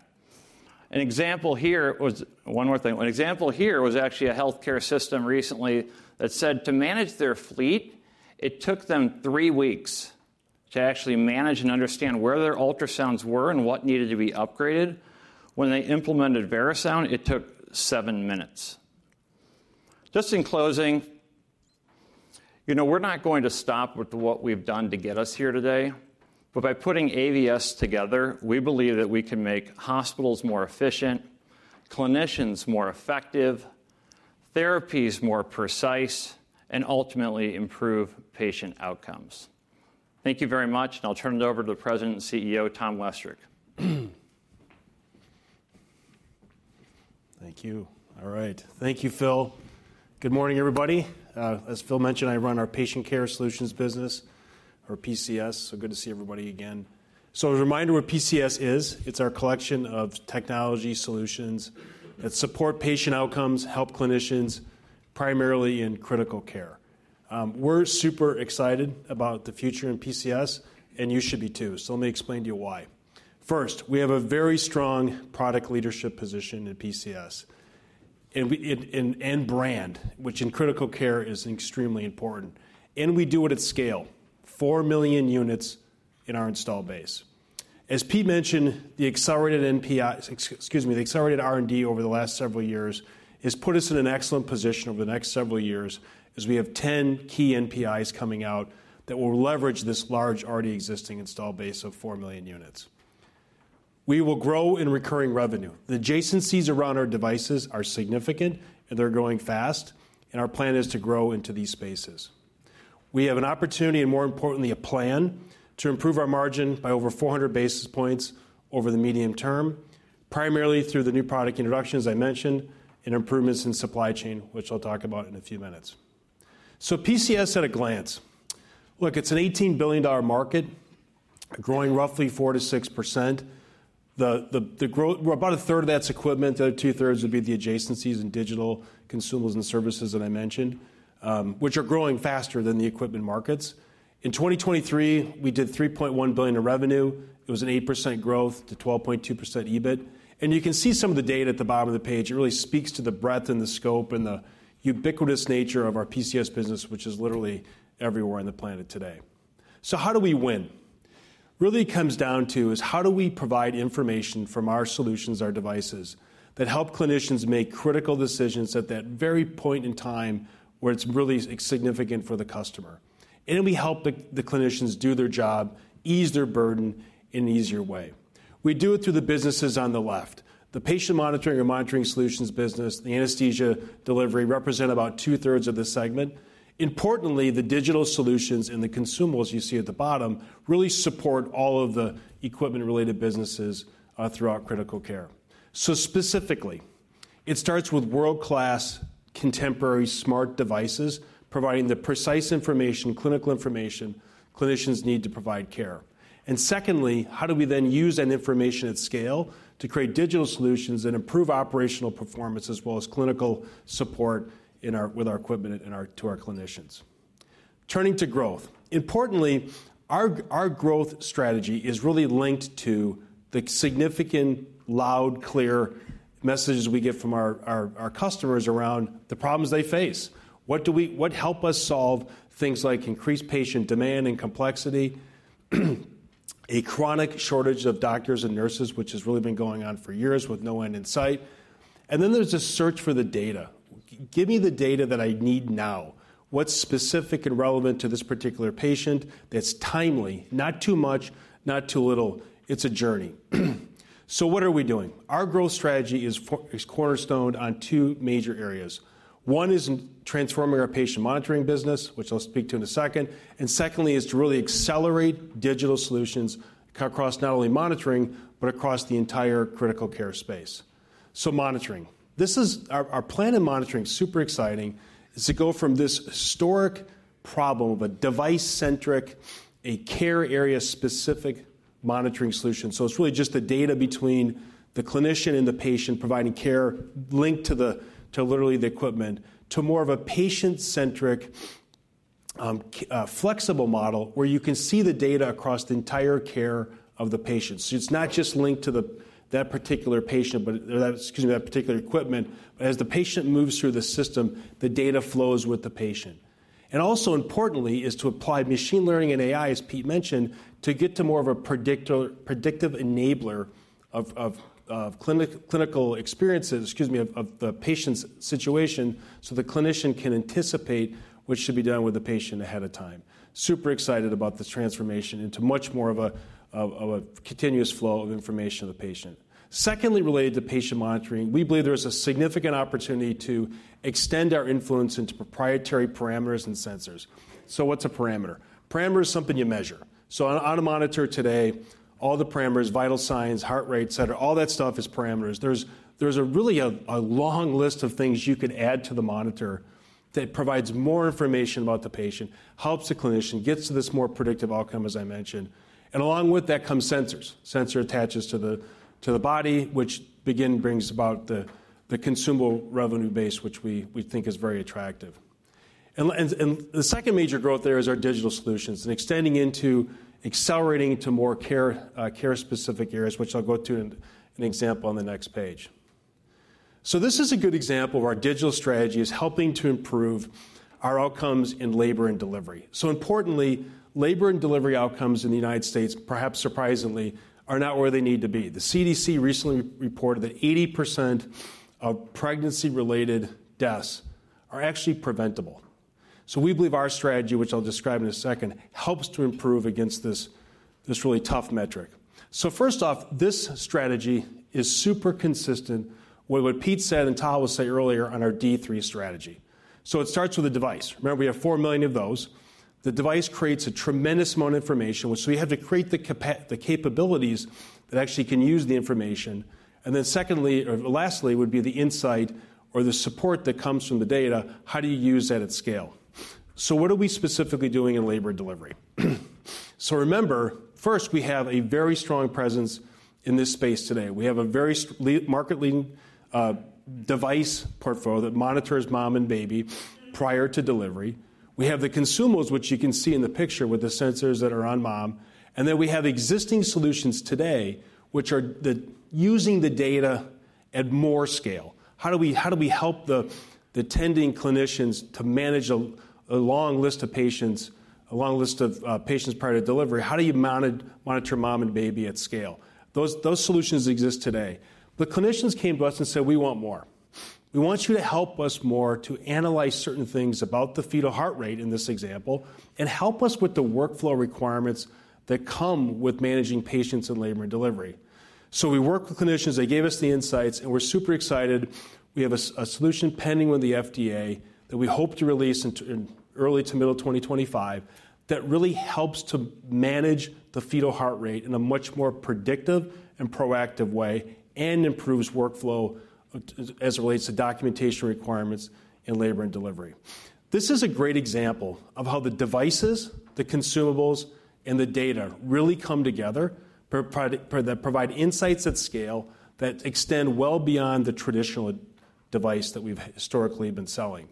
An example here was actually a healthcare system recently that said to manage their fleet, it took them three weeks to actually manage and understand where their ultrasounds were and what needed to be upgraded. When they implemented Verisound, it took seven minutes. Just in closing, we're not going to stop with what we've done to get us here today. But by putting AVS together, we believe that we can make hospitals more efficient, clinicians more effective, therapies more precise, and ultimately improve patient outcomes. Thank you very much. And I'll turn it over to the President and CEO, Tom Westrick. Thank you. All right. Thank you, Phil. Good morning, everybody. As Phil mentioned, I run our patient care solutions business, or PCS. So good to see everybody again. So a reminder of what PCS is. It's our collection of technology solutions that support patient outcomes, help clinicians primarily in critical care. We're super excited about the future in PCS, and you should be too. So let me explain to you why. First, we have a very strong product leadership position in PCS and brand, which in critical care is extremely important. And we do it at scale, four million units in our install base. As Pete mentioned, the accelerated R&D over the last several years has put us in an excellent position over the next several years as we have 10 key NPIs coming out that will leverage this large already existing install base of 4 million units. We will grow in recurring revenue. The adjacencies around our devices are significant, and they're growing fast. And our plan is to grow into these spaces. We have an opportunity and, more importantly, a plan to improve our margin by over 400 basis points over the medium term, primarily through the new product introduction, as I mentioned, and improvements in supply chain, which I'll talk about in a few minutes. So PCS at a glance. Look, it's an $18 billion market, growing roughly 4%-6%. About a third of that's equipment. The other two-thirds would be the adjacencies and digital consumables and services that I mentioned, which are growing faster than the equipment markets. In 2023, we did $3.1 billion in revenue. It was an 8% growth to 12.2% EBIT. And you can see some of the data at the bottom of the page. It really speaks to the breadth and the scope and the ubiquitous nature of our PCS business, which is literally everywhere on the planet today. So how do we win? Really comes down to is how do we provide information from our solutions, our devices, that help clinicians make critical decisions at that very point in time where it's really significant for the customer? And we help the clinicians do their job, ease their burden in an easier way. We do it through the businesses on the left. The Patient Monitoring or Monitoring Solutions Business, the Anesthesia Delivery, represent about two-thirds of the segment. Importantly, the digital solutions and the consumables you see at the bottom really support all of the equipment-related businesses throughout critical care. So specifically, it starts with world-class contemporary smart devices providing the precise information, clinical information clinicians need to provide care. And secondly, how do we then use that information at scale to create digital solutions and improve operational performance as well as clinical support with our equipment to our clinicians? Turning to growth. Importantly, our growth strategy is really linked to the significant, loud, clear messages we get from our customers around the problems they face. What help us solve things like increased patient demand and complexity, a chronic shortage of doctors and nurses, which has really been going on for years with no end in sight. And then there's a search for the data. Give me the data that I need now. What's specific and relevant to this particular patient that's timely, not too much, not too little? It's a journey. So what are we doing? Our growth strategy is cornerstoned on two major areas. One is transforming our patient monitoring business, which I'll speak to in a second. And secondly, it's to really accelerate digital solutions across not only monitoring, but across the entire critical care space. So monitoring. Our plan in monitoring is super exciting. It's to go from this historic problem of a device-centric, a care area-specific monitoring solution. So it's really just the data between the clinician and the patient providing care linked to literally the equipment to more of a patient-centric flexible model where you can see the data across the entire care of the patient. It's not just linked to that particular patient, excuse me, that particular equipment. As the patient moves through the system, the data flows with the patient. And also, importantly, is to apply machine learning and AI, as Pete mentioned, to get to more of a predictive enabler of clinical experiences, excuse me, of the patient's situation so the clinician can anticipate what should be done with the patient ahead of time. Super excited about this transformation into much more of a continuous flow of information to the patient. Secondly, related to patient monitoring, we believe there is a significant opportunity to extend our influence into proprietary parameters and sensors. So what's a parameter? Parameter is something you measure. So on a monitor today, all the parameters, vital signs, heart rate, et cetera, all that stuff is parameters. There's really a long list of things you could add to the monitor that provides more information about the patient, helps the clinician, gets to this more predictive outcome, as I mentioned. And along with that comes sensors. Sensor attaches to the body, which again brings about the consumable revenue base, which we think is very attractive. And the second major growth there is our digital solutions and extending into accelerating to more care-specific areas, which I'll go to an example on the next page. So this is a good example of our digital strategy as helping to improve our outcomes in labor and delivery. So importantly, labor and delivery outcomes in the United States, perhaps surprisingly, are not where they need to be. The CDC recently reported that 80% of pregnancy-related deaths are actually preventable. So we believe our strategy, which I'll describe in a second, helps to improve against this really tough metric. So first off, this strategy is super consistent with what Pete said and Tom was saying earlier on our D3 strategy. So it starts with a device. Remember, we have four million of those. The device creates a tremendous amount of information, which we have to create the capabilities that actually can use the information. And then secondly, or lastly, would be the insight or the support that comes from the data. How do you use that at scale? So what are we specifically doing in labor and delivery? So remember, first, we have a very strong presence in this space today. We have a very market-leading device portfolio that monitors mom and baby prior to delivery. We have the consumables, which you can see in the picture with the sensors that are on mom. And then we have existing solutions today, which are using the data at more scale. How do we help the attending clinicians to manage a long list of patients, a long list of patients prior to delivery? How do you monitor mom and baby at scale? Those solutions exist today. But clinicians came to us and said, "We want more. We want you to help us more to analyze certain things about the fetal heart rate in this example and help us with the workflow requirements that come with managing patients in labor and delivery." So we work with clinicians. They gave us the insights, and we're super excited. We have a solution pending with the FDA that we hope to release in early to middle 2025 that really helps to manage the fetal heart rate in a much more predictive and proactive way and improves workflow as it relates to documentation requirements in labor and delivery. This is a great example of how the devices, the consumables, and the data really come together that provide insights at scale that extend well beyond the traditional device that we've historically been selling.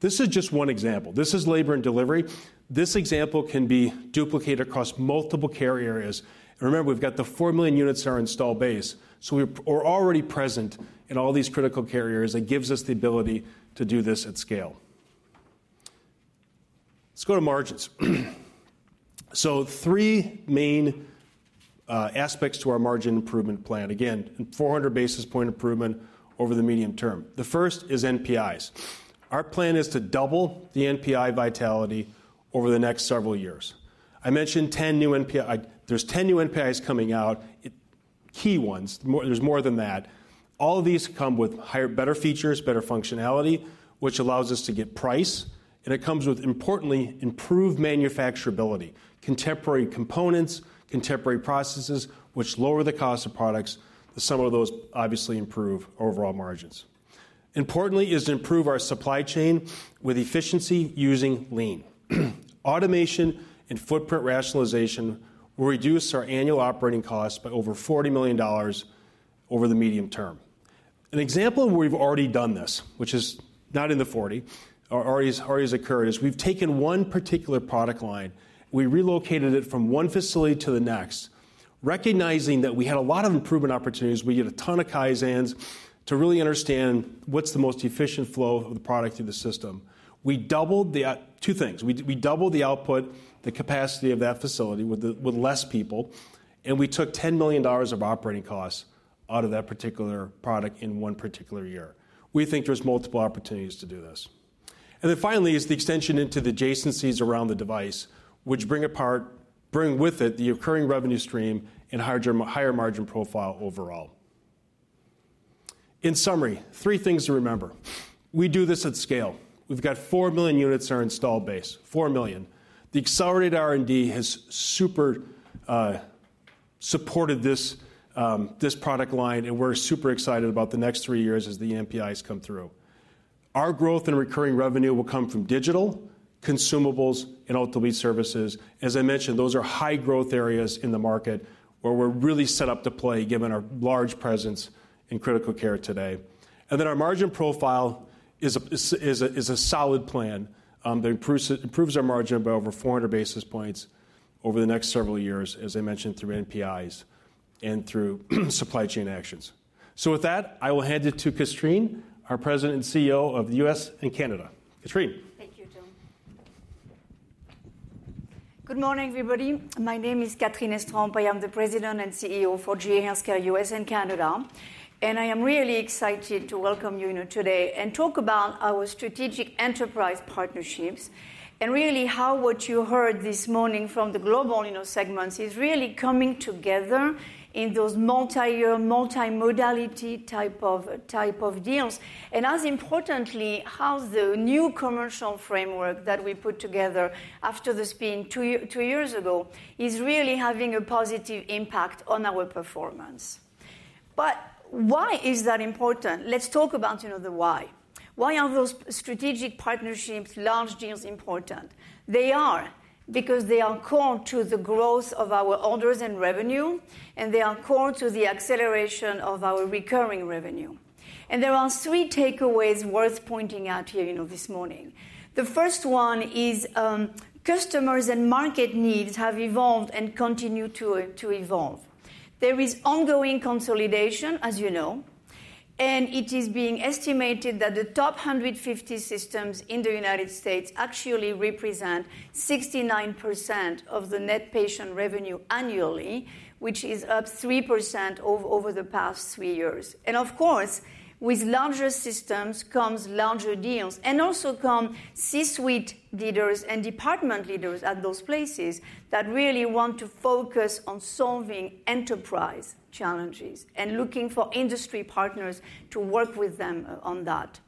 This is just one example. This is labor and delivery. This example can be duplicated across multiple care areas. And remember, we've got the four million units in our install base. So we're already present in all these critical care areas that gives us the ability to do this at scale. Let's go to margins. So three main aspects to our margin improvement plan. Again, 400 basis point improvement over the medium term. The first is NPIs. Our plan is to double the NPI vitality over the next several years. I mentioned 10 new NPIs. There's 10 new NPIs coming out, key ones. There's more than that. All of these come with better features, better functionality, which allows us to get price. And it comes with, importantly, improved manufacturability, contemporary components, contemporary processes, which lower the cost of products. Some of those obviously improve overall margins. Importantly, is to improve our supply chain with efficiency using Lean. Automation and footprint rationalization will reduce our annual operating costs by over $40 million over the medium term. An example where we've already done this, which is not in the 40, or already has occurred, is we've taken one particular product line. We relocated it from one facility to the next, recognizing that we had a lot of improvement opportunities. We get a ton of Kaizens to really understand what's the most efficient flow of the product through the system. We doubled the two things. We doubled the output, the capacity of that facility with less people, and we took $10 million of operating costs out of that particular product in one particular year. We think there's multiple opportunities to do this, and then finally is the extension into the adjacencies around the device, which bring with it the occurring revenue stream and higher margin profile overall. In summary, three things to remember. We do this at scale. We've got 4 million units in our install base, 4 million. The accelerated R&D has super supported this product line, and we're super excited about the next three years as the NPIs come through. Our growth and recurring revenue will come from digital, consumables, and ultimately services. As I mentioned, those are high growth areas in the market where we're really set up to play given our large presence in critical care today. And then our margin profile is a solid plan that improves our margin by over 400 basis points over the next several years, as I mentioned, through NPIs and through supply chain actions. So with that, I will hand it to Catherine, our President and CEO of the U.S. and Canada. Catherine. Thank you, Tom. Good morning, everybody. My name is Catherine Estrampes. I am the President and CEO for GE HealthCare U.S. and Canada. I am really excited to welcome you today and talk about our strategic enterprise partnerships and really how what you heard this morning from the global segments is really coming together in those multi-year, multi-modality type of deals. And as importantly, how the new commercial framework that we put together after the spin two years ago is really having a positive impact on our performance. But why is that important? Let's talk about the why. Why are those strategic partnerships, large deals important? They are because they are core to the growth of our orders and revenue, and they are core to the acceleration of our recurring revenue. And there are three takeaways worth pointing out here this morning. The first one is customers and market needs have evolved and continue to evolve. There is ongoing consolidation, as you know, and it is being estimated that the top 150 systems in the United States actually represent 69% of the net patient revenue annually, which is up 3% over the past three years, and of course, with larger systems comes larger deals and also come C-suite leaders and department leaders at those places that really want to focus on solving enterprise challenges and looking for industry partners to work with them on that.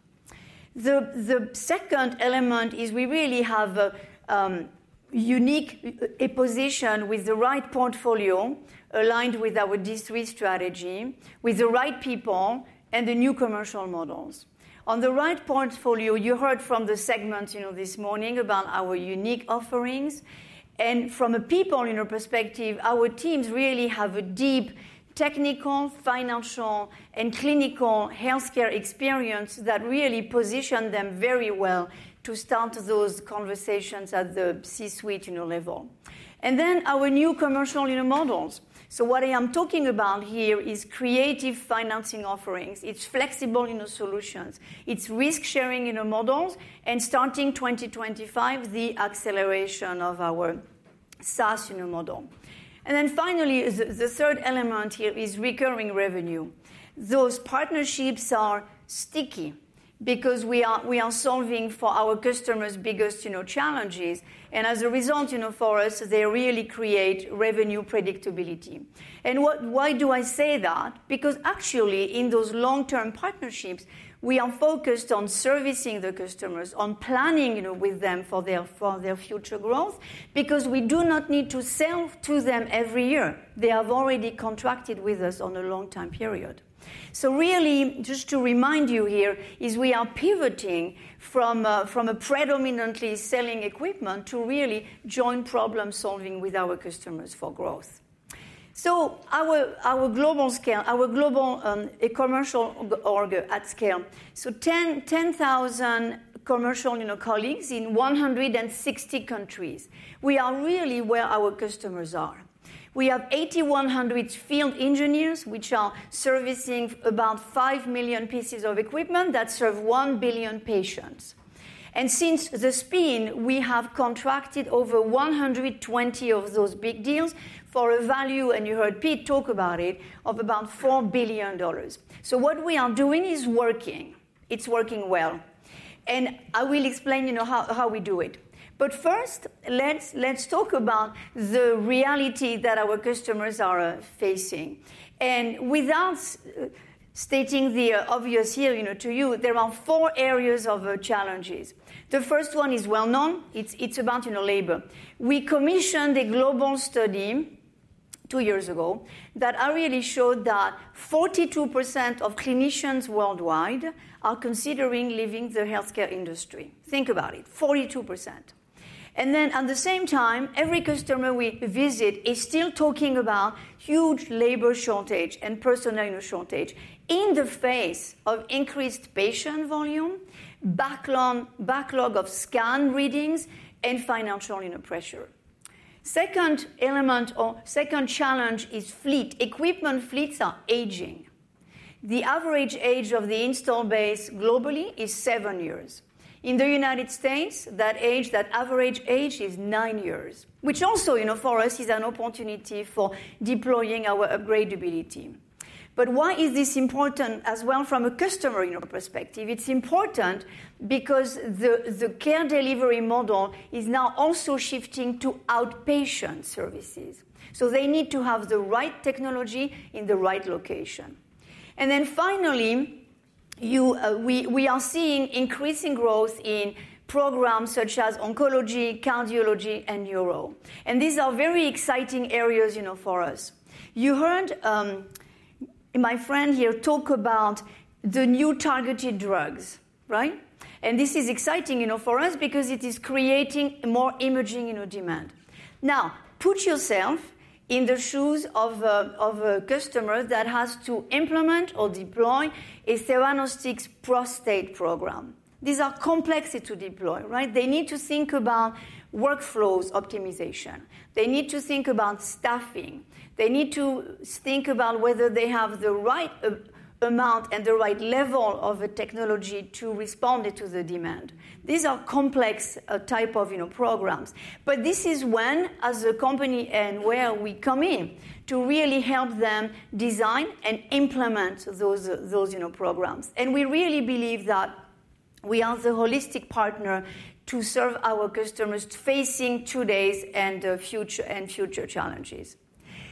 The second element is we really have a unique position with the right portfolio aligned with our D3 strategy, with the right people and the new commercial models. On the right portfolio, you heard from the segments this morning about our unique offerings. From a people perspective, our teams really have a deep technical, financial, and clinical healthcare experience that really positioned them very well to start those conversations at the C-suite level. And then our new commercial models. So what I am talking about here is creative financing offerings. It's flexible solutions. It's risk-sharing models. And starting 2025, the acceleration of our SaaS model. And then finally, the third element here is recurring revenue. Those partnerships are sticky because we are solving for our customers' biggest challenges. And as a result for us, they really create revenue predictability. And why do I say that? Because actually, in those long-term partnerships, we are focused on servicing the customers, on planning with them for their future growth because we do not need to sell to them every year. They have already contracted with us on a long-time period. So, really, just to remind you here, we are pivoting from a predominantly selling equipment to really joint problem-solving with our customers for growth. Our global commercial at scale, so 10,000 commercial colleagues in 160 countries. We are really where our customers are. We have 8,100 field engineers, which are servicing about 5 million pieces of equipment that serve 1 billion patients. And since the spin, we have contracted over 120 of those big deals for a value, and you heard Pete talk about it, of about $4 billion. So what we are doing is working. It's working well. And I will explain how we do it. But first, let's talk about the reality that our customers are facing. And without stating the obvious here to you, there are four areas of challenges. The first one is well-known. It's about labor. We commissioned a global study two years ago that really showed that 42% of clinicians worldwide are considering leaving the healthcare industry. Think about it, 42%, and then at the same time, every customer we visit is still talking about huge labor shortage and personnel shortage in the face of increased patient volume, backlog of scan readings, and financial pressure. Second challenge is fleet. Equipment fleets are aging. The average age of the installed base globally is seven years. In the United States, that average age is nine years, which also for us is an opportunity for deploying our upgradeability, but why is this important as well from a customer perspective? It's important because the care delivery model is now also shifting to outpatient services, so they need to have the right technology in the right location. And then finally, we are seeing increasing growth in programs such as oncology, cardiology, and neuro. And these are very exciting areas for us. You heard my friend here talk about the new targeted drugs, right? And this is exciting for us because it is creating more imaging demand. Now, put yourself in the shoes of a customer that has to implement or deploy a theranostics prostate program. These are complex to deploy, right? They need to think about workflows optimization. They need to think about staffing. They need to think about whether they have the right amount and the right level of technology to respond to the demand. These are complex types of programs. But this is when, as a company and where, we come in to really help them design and implement those programs. And we really believe that we are the holistic partner to serve our customers facing today's and future challenges.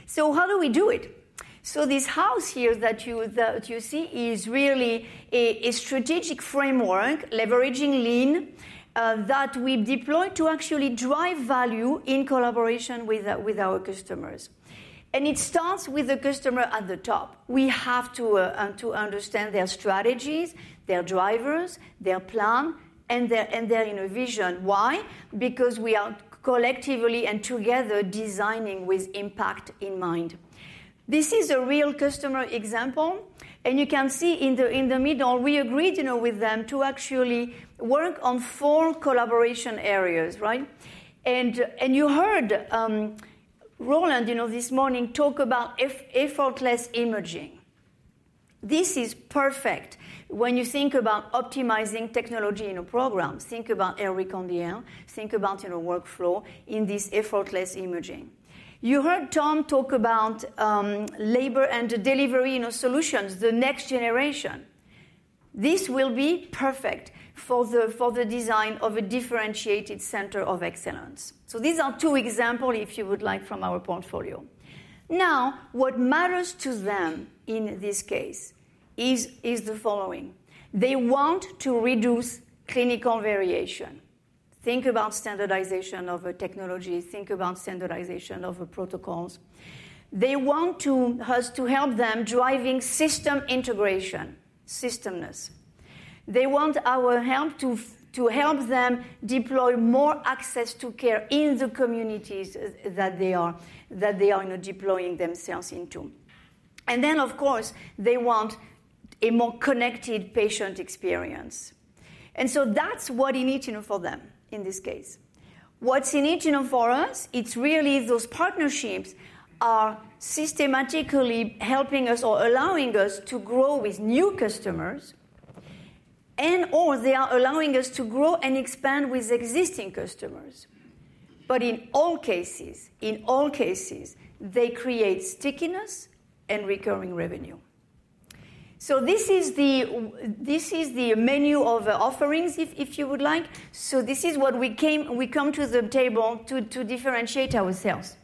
So how do we do it? So this house here that you see is really a strategic framework leveraging Lean that we deploy to actually drive value in collaboration with our customers. And it starts with the customer at the top. We have to understand their strategies, their drivers, their plan, and their vision. Why? Because we are collectively and together designing with impact in mind. This is a real customer example. And you can see in the middle, we agreed with them to actually work on four collaboration areas, right? And you heard Roland this morning talk about effortless imaging. This is perfect when you think about optimizing technology in a program. Think about AIR Recon DL. Think about workflow in this effortless imaging. You heard Tom talk about labor and delivery solutions, the next generation. This will be perfect for the design of a differentiated center of excellence. So these are two examples, if you would like, from our portfolio. Now, what matters to them in this case is the following. They want to reduce clinical variation. Think about standardization of technology. Think about standardization of protocols. They want us to help them driving system integration, systemness. They want our help to help them deploy more access to care in the communities that they are deploying themselves into. And then, of course, they want a more connected patient experience. And so that's what's in it for them in this case. What's in it for us? It's really those partnerships are systematically helping us or allowing us to grow with new customers and/or they are allowing us to grow and expand with existing customers. But in all cases, in all cases, they create stickiness and recurring revenue. So this is the menu of offerings, if you would like. So this is what we come to the table to differentiate ourselves.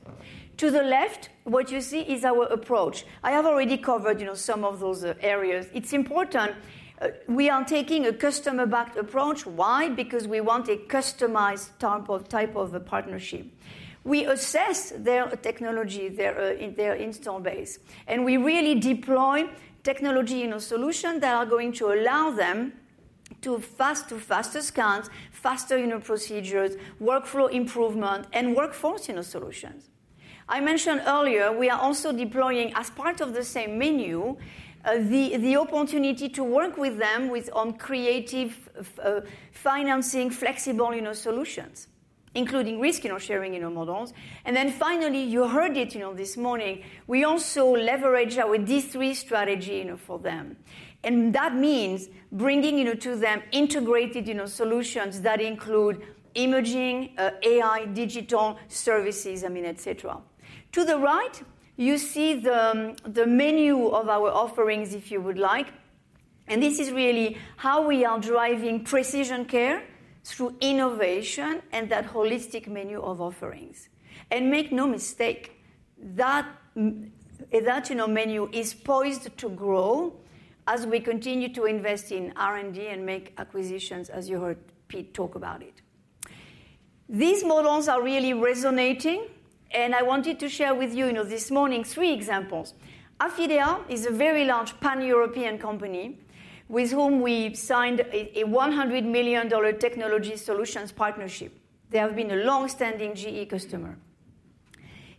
To the left, what you see is our approach. I have already covered some of those areas. It's important. We are taking a customer-backed approach. Why? Because we want a customized type of partnership. We assess their technology, their installed base. And we really deploy technology in a solution that are going to allow them to fastest scans, faster procedures, workflow improvement, and workforce solutions. I mentioned earlier, we are also deploying, as part of the same menu, the opportunity to work with them on creative financing, flexible solutions, including risk-sharing models. And then finally, you heard it this morning, we also leverage our D3 strategy for them. And that means bringing to them integrated solutions that include imaging, AI, digital services, I mean, etc. To the right, you see the menu of our offerings, if you would like. And this is really how we are driving precision care through innovation and that holistic menu of offerings. And make no mistake, that menu is poised to grow as we continue to invest in R&D and make acquisitions, as you heard Pete talk about it. These models are really resonating. And I wanted to share with you this morning three examples. Affidea is a very large pan-European company with whom we signed a $100 million technology solutions partnership. They have been a long-standing GE customer.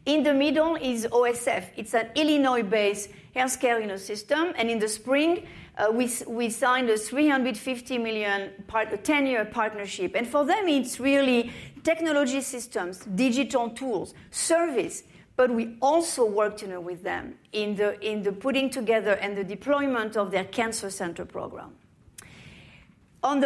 In the middle is OSF. It's an Illinois-based healthcare system. And in the spring, we signed a $350 million ten-year partnership. And for them, it's really technology systems, digital tools, service. But we also worked with them in the putting together and the deployment of their cancer center program. On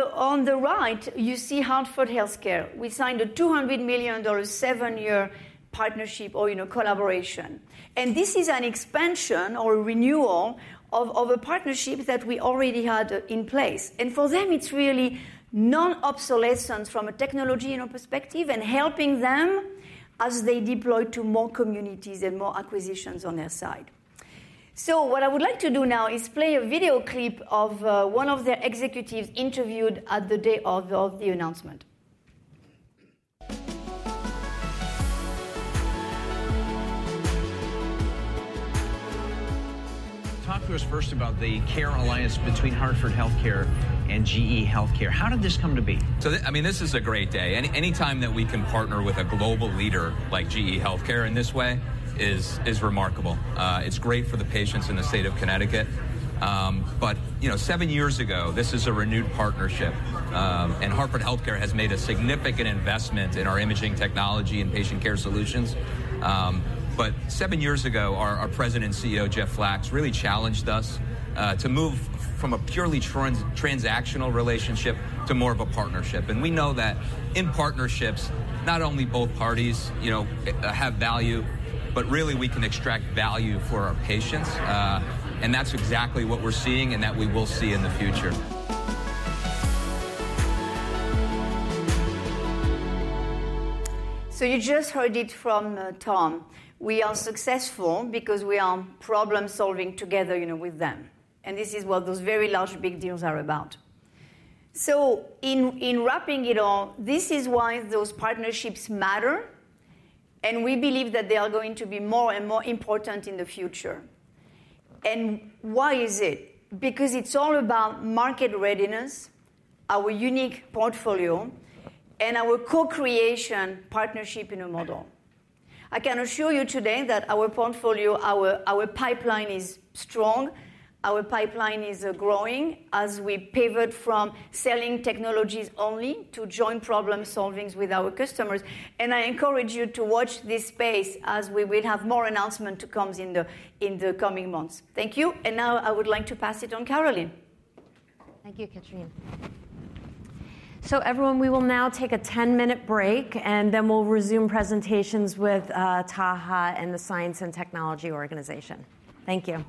the right, you see Hartford HealthCare. We signed a $200 million seven-year partnership or collaboration. And this is an expansion or renewal of a partnership that we already had in place. And for them, it's really non-obsolescence from a technology perspective and helping them as they deploy to more communities and more acquisitions on their side. So what I would like to do now is play a video clip of one of their executives interviewed at the day of the announcement. Talk to us first about the care alliance between Hartford HealthCare and GE HealthCare. How did this come to be? I mean, this is a great day. Anytime that we can partner with a global leader like GE HealthCare in this way is remarkable. It's great for the patients in the state of Connecticut. But seven years ago, this is a renewed partnership. And Hartford HealthCare has made a significant investment in our imaging technology and patient care solutions. But seven years ago, our President and CEO, Jeff Flaks, really challenged us to move from a purely transactional relationship to more of a partnership. And we know that in partnerships, not only both parties have value, but really we can extract value for our patients. And that's exactly what we're seeing and that we will see in the future. So you just heard it from Tom. We are successful because we are problem-solving together with them. And this is what those very large big deals are about. So in wrapping it all, this is why those partnerships matter. And we believe that they are going to be more and more important in the future. And why is it? Because it's all about market readiness, our unique portfolio, and our co-creation partnership in a model. I can assure you today that our portfolio, our pipeline is strong. Our pipeline is growing as we pivot from selling technologies only to joint problem-solving with our customers. And I encourage you to watch this space as we will have more announcements to come in the coming months. Thank you. And now I would like to pass it on to Carolynne. Thank you, Catherine. So everyone, we will now take a 10-minute break, and then we'll resume presentations with Taha and the Science and Technology Organization. Thank you.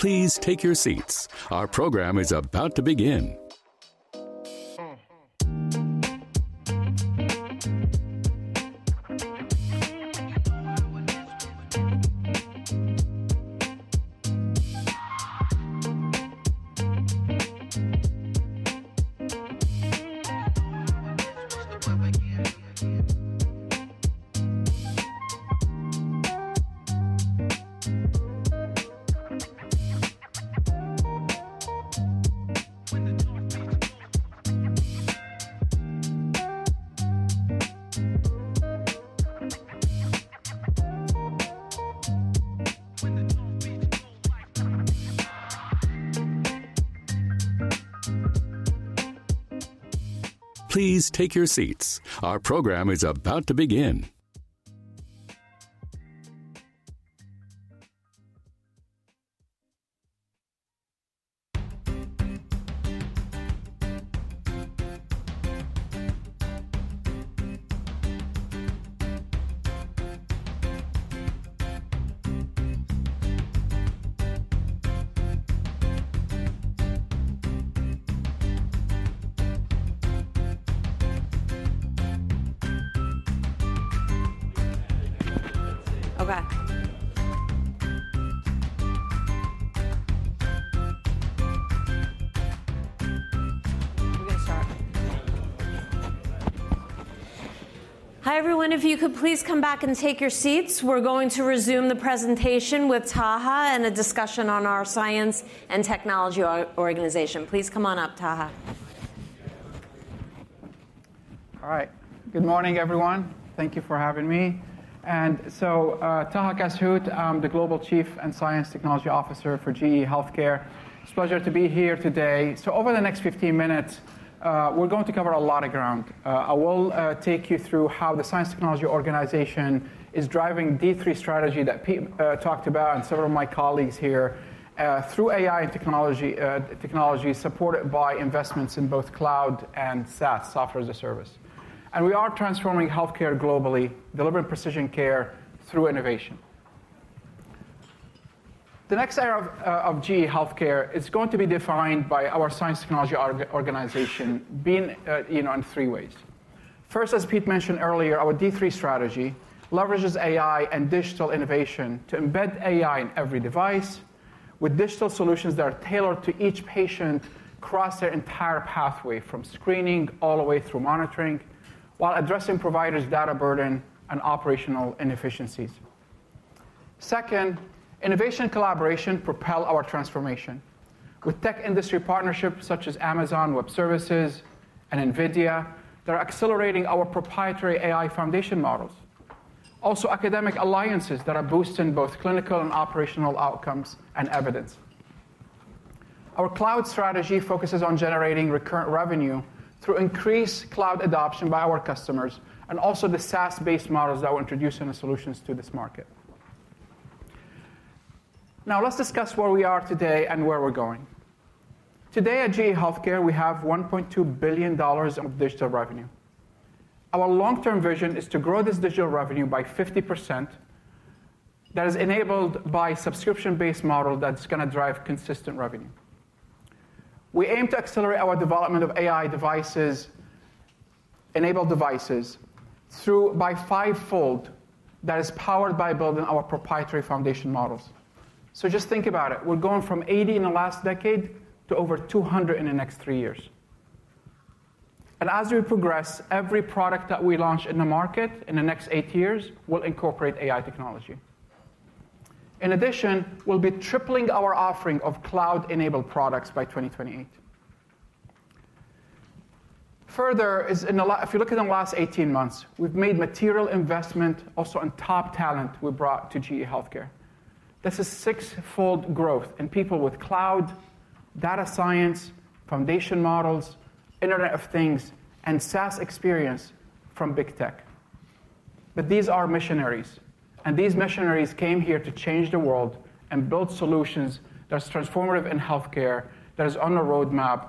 Please take your seats. Our program is about to begin. Please take your seats. Our program is about to begin. Okay. We're going to start. Hi, everyone. If you could please come back and take your seats. We're going to resume the presentation with Taha and a discussion on our Science and Technology Organization. Please come on up, Taha. All right. Good morning, everyone. Thank you for having me. And so, Taha Kass-Hout, I'm the Global Chief Science and Technology Officer for GE HealthCare. It's a pleasure to be here today. So over the next 15 minutes, we're going to cover a lot of ground. I will take you through how the Science Technology Organization is driving D3 strategy that Pete talked about and several of my colleagues here through AI and technology supported by investments in both cloud and SaaS, software as a service. And we are transforming healthcare globally, delivering precision care through innovation. The next era of GE HealthCare is going to be defined by our Science Technology Organization being in three ways. First, as Pete mentioned earlier, our D3 strategy leverages AI and digital innovation to embed AI in every device with digital solutions that are tailored to each patient across their entire pathway from screening all the way through monitoring while addressing providers' data burden and operational inefficiencies. Second, innovation and collaboration propel our transformation. With tech industry partnerships such as Amazon Web Services and NVIDIA, they're accelerating our proprietary AI foundation models. Also, academic alliances that are boosting both clinical and operational outcomes and evidence. Our cloud strategy focuses on generating recurrent revenue through increased cloud adoption by our customers and also the SaaS-based models that we're introducing as solutions to this market. Now, let's discuss where we are today and where we're going. Today, at GE HealthCare, we have $1.2 billion of digital revenue. Our long-term vision is to grow this digital revenue by 50%, that is enabled by a subscription-based model that's going to drive consistent revenue. We aim to accelerate our development of AI devices, enabled devices through by fivefold that is powered by building our proprietary foundation models, so just think about it. We're going from 80 in the last decade to over 200 in the next three years, and as we progress, every product that we launch in the market in the next eight years will incorporate AI technology. In addition, we'll be tripling our offering of cloud-enabled products by 2028. Further, if you look at the last 18 months, we've made material investment also in top talent we brought to GE HealthCare. This is sixfold growth in people with cloud, data science, foundation models, Internet of Things, and SaaS experience from big tech, but these are missionaries. These missionaries came here to change the world and build solutions that are transformative in healthcare that is on the roadmap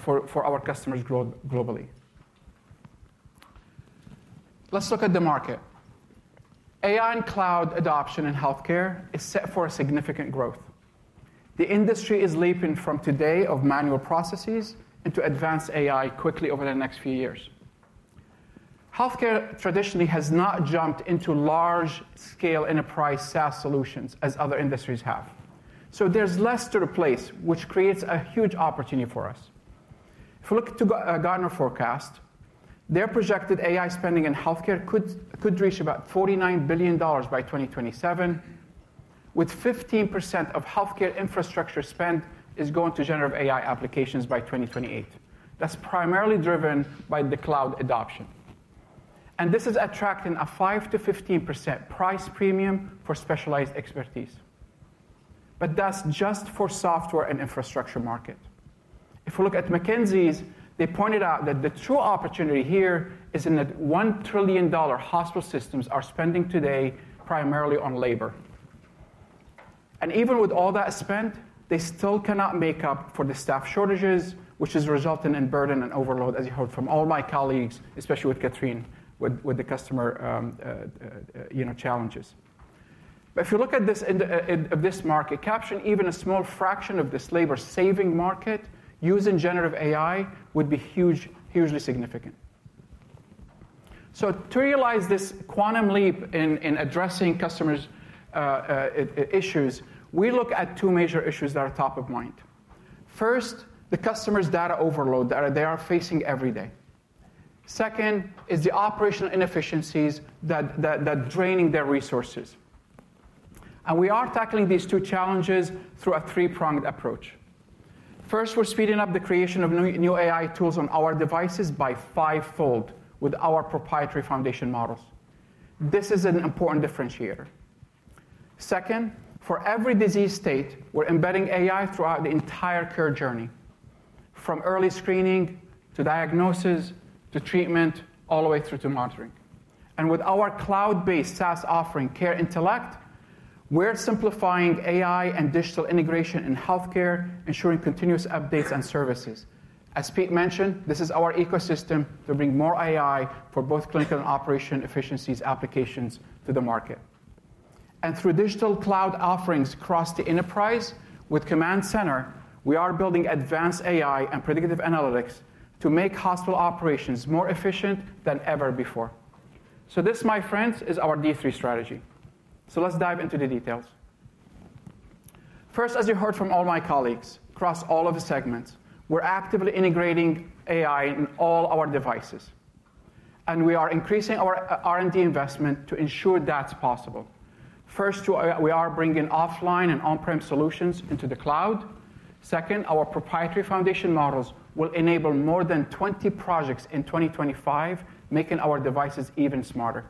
for our customers globally. Let's look at the market. AI and cloud adoption in healthcare is set for significant growth. The industry is leaping from today of manual processes into advanced AI quickly over the next few years. Healthcare traditionally has not jumped into large-scale enterprise SaaS solutions as other industries have. So there's less to replace, which creates a huge opportunity for us. If we look to Gartner's forecast, their projected AI spending in healthcare could reach about $49 billion by 2027, with 15% of healthcare infrastructure spend going to generative AI applications by 2028. That's primarily driven by the cloud adoption. And this is attracting a 5% to 15% price premium for specialized expertise. That's just for the software and infrastructure market. If we look at McKinsey's, they pointed out that the true opportunity here is in the $1 trillion hospital systems are spending today primarily on labor, and even with all that spent, they still cannot make up for the staff shortages, which is resulting in burden and overload, as you heard from all my colleagues, especially with Catherine, with the customer challenges, but if you look at this market capture, even a small fraction of this labor-saving market using generative AI would be hugely significant, so to realize this quantum leap in addressing customers' issues, we look at two major issues that are top of mind. First, the customers' data overload that they are facing every day. Second, is the operational inefficiencies that are draining their resources, and we are tackling these two challenges through a three-pronged approach. First, we're speeding up the creation of new AI tools on our devices by fivefold with our proprietary foundation models. This is an important differentiator. Second, for every disease state, we're embedding AI throughout the entire care journey, from early screening to diagnosis to treatment all the way through to monitoring, and with our cloud-based SaaS offering, CareIntellect, we're simplifying AI and digital integration in healthcare, ensuring continuous updates and services. As Pete mentioned, this is our ecosystem to bring more AI for both clinical and operational efficiencies applications to the market, and through digital cloud offerings across the enterprise with Command Center, we are building advanced AI and predictive analytics to make hospital operations more efficient than ever before, so this, my friends, is our D3 strategy, so let's dive into the details. First, as you heard from all my colleagues across all of the segments, we're actively integrating AI in all our devices, and we are increasing our R&D investment to ensure that's possible. First, we are bringing offline and on-prem solutions into the cloud. Second, our proprietary foundation models will enable more than 20 projects in 2025, making our devices even smarter.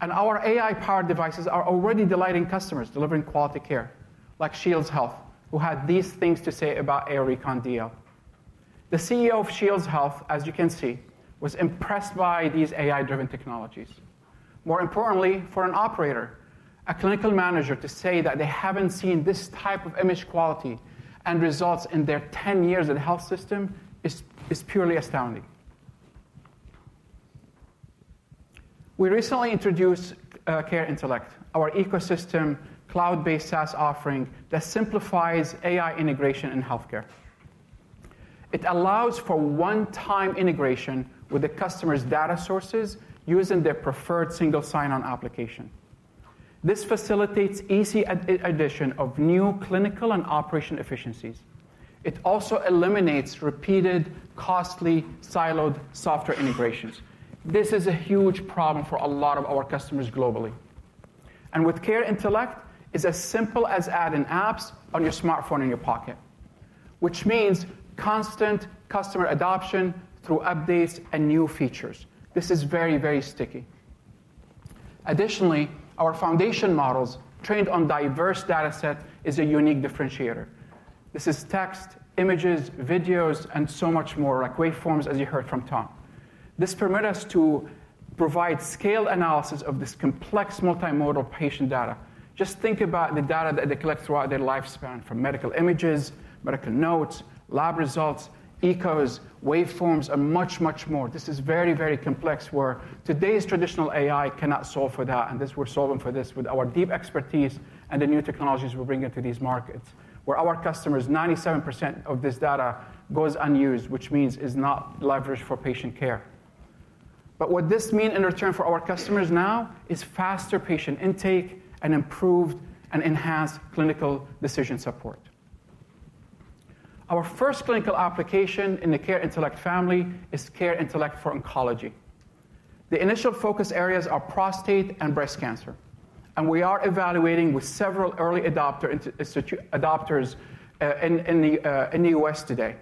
Our AI-powered devices are already delighting customers delivering quality care, like Shields Health, who had these things to say about AIR Recon DL. The CEO of Shields Health, as you can see, was impressed by these AI-driven technologies. More importantly, for an operator, a clinical manager to say that they haven't seen this type of image quality and results in their 10 years in health system is purely astounding. We recently introduced CareIntellect, our ecosystem cloud-based SaaS offering that simplifies AI integration in healthcare. It allows for one-time integration with the customer's data sources using their preferred single sign-on application. This facilitates easy addition of new clinical and operational efficiencies. It also eliminates repeated costly siloed software integrations. This is a huge problem for a lot of our customers globally. And with CareIntellect, it's as simple as adding apps on your smartphone in your pocket, which means constant customer adoption through updates and new features. This is very, very sticky. Additionally, our foundation models trained on diverse data sets is a unique differentiator. This is text, images, videos, and so much more, like waveforms, as you heard from Taha. This permits us to provide scale analysis of this complex multimodal patient data. Just think about the data that they collect throughout their lifespan from medical images, medical notes, lab results, echoes, waveforms, and much, much more. This is very, very complex where today's traditional AI cannot solve for that. We're solving for this with our deep expertise and the new technologies we're bringing to these markets, where our customers, 97% of this data goes unused, which means it's not leveraged for patient care. But what this means in return for our customers now is faster patient intake and improved and enhanced clinical decision support. Our first clinical application in the CareIntellect family is CareIntellect for Oncology. The initial focus areas are prostate and breast cancer. We are evaluating with several early adopters in the U.S. today.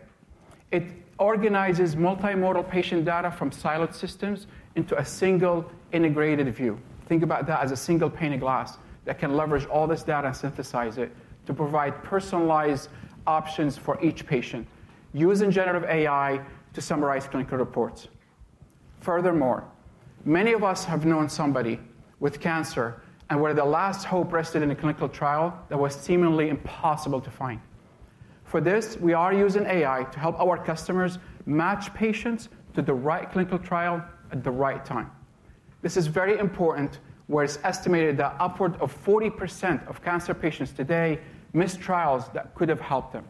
It organizes multimodal patient data from siloed systems into a single integrated view. Think about that as a single pane of glass that can leverage all this data and synthesize it to provide personalized options for each patient, using generative AI to summarize clinical reports. Furthermore, many of us have known somebody with cancer and where the last hope rested in a clinical trial that was seemingly impossible to find. For this, we are using AI to help our customers match patients to the right clinical trial at the right time. This is very important, where it's estimated that upward of 40% of cancer patients today miss trials that could have helped them.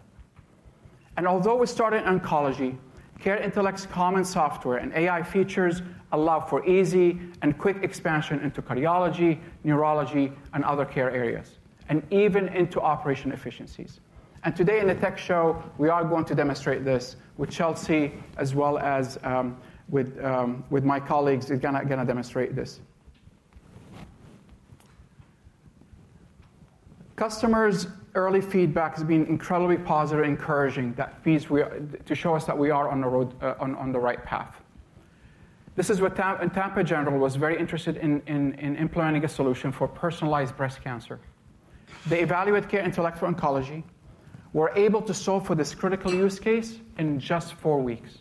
Although we started in oncology, CareIntellect's common software and AI features allow for easy and quick expansion into cardiology, neurology, and other care areas, and even into operational efficiencies. Today in the tech show, we are going to demonstrate this with Chelsea, as well as with my colleagues who are going to demonstrate this. Customers' early feedback has been incredibly positive and encouraging that means to show us that we are on the right path. This is what Tampa General was very interested in implementing a solution for personalized breast cancer. They evaluate CareIntellect for Oncology. We're able to solve for this critical use case in just four weeks.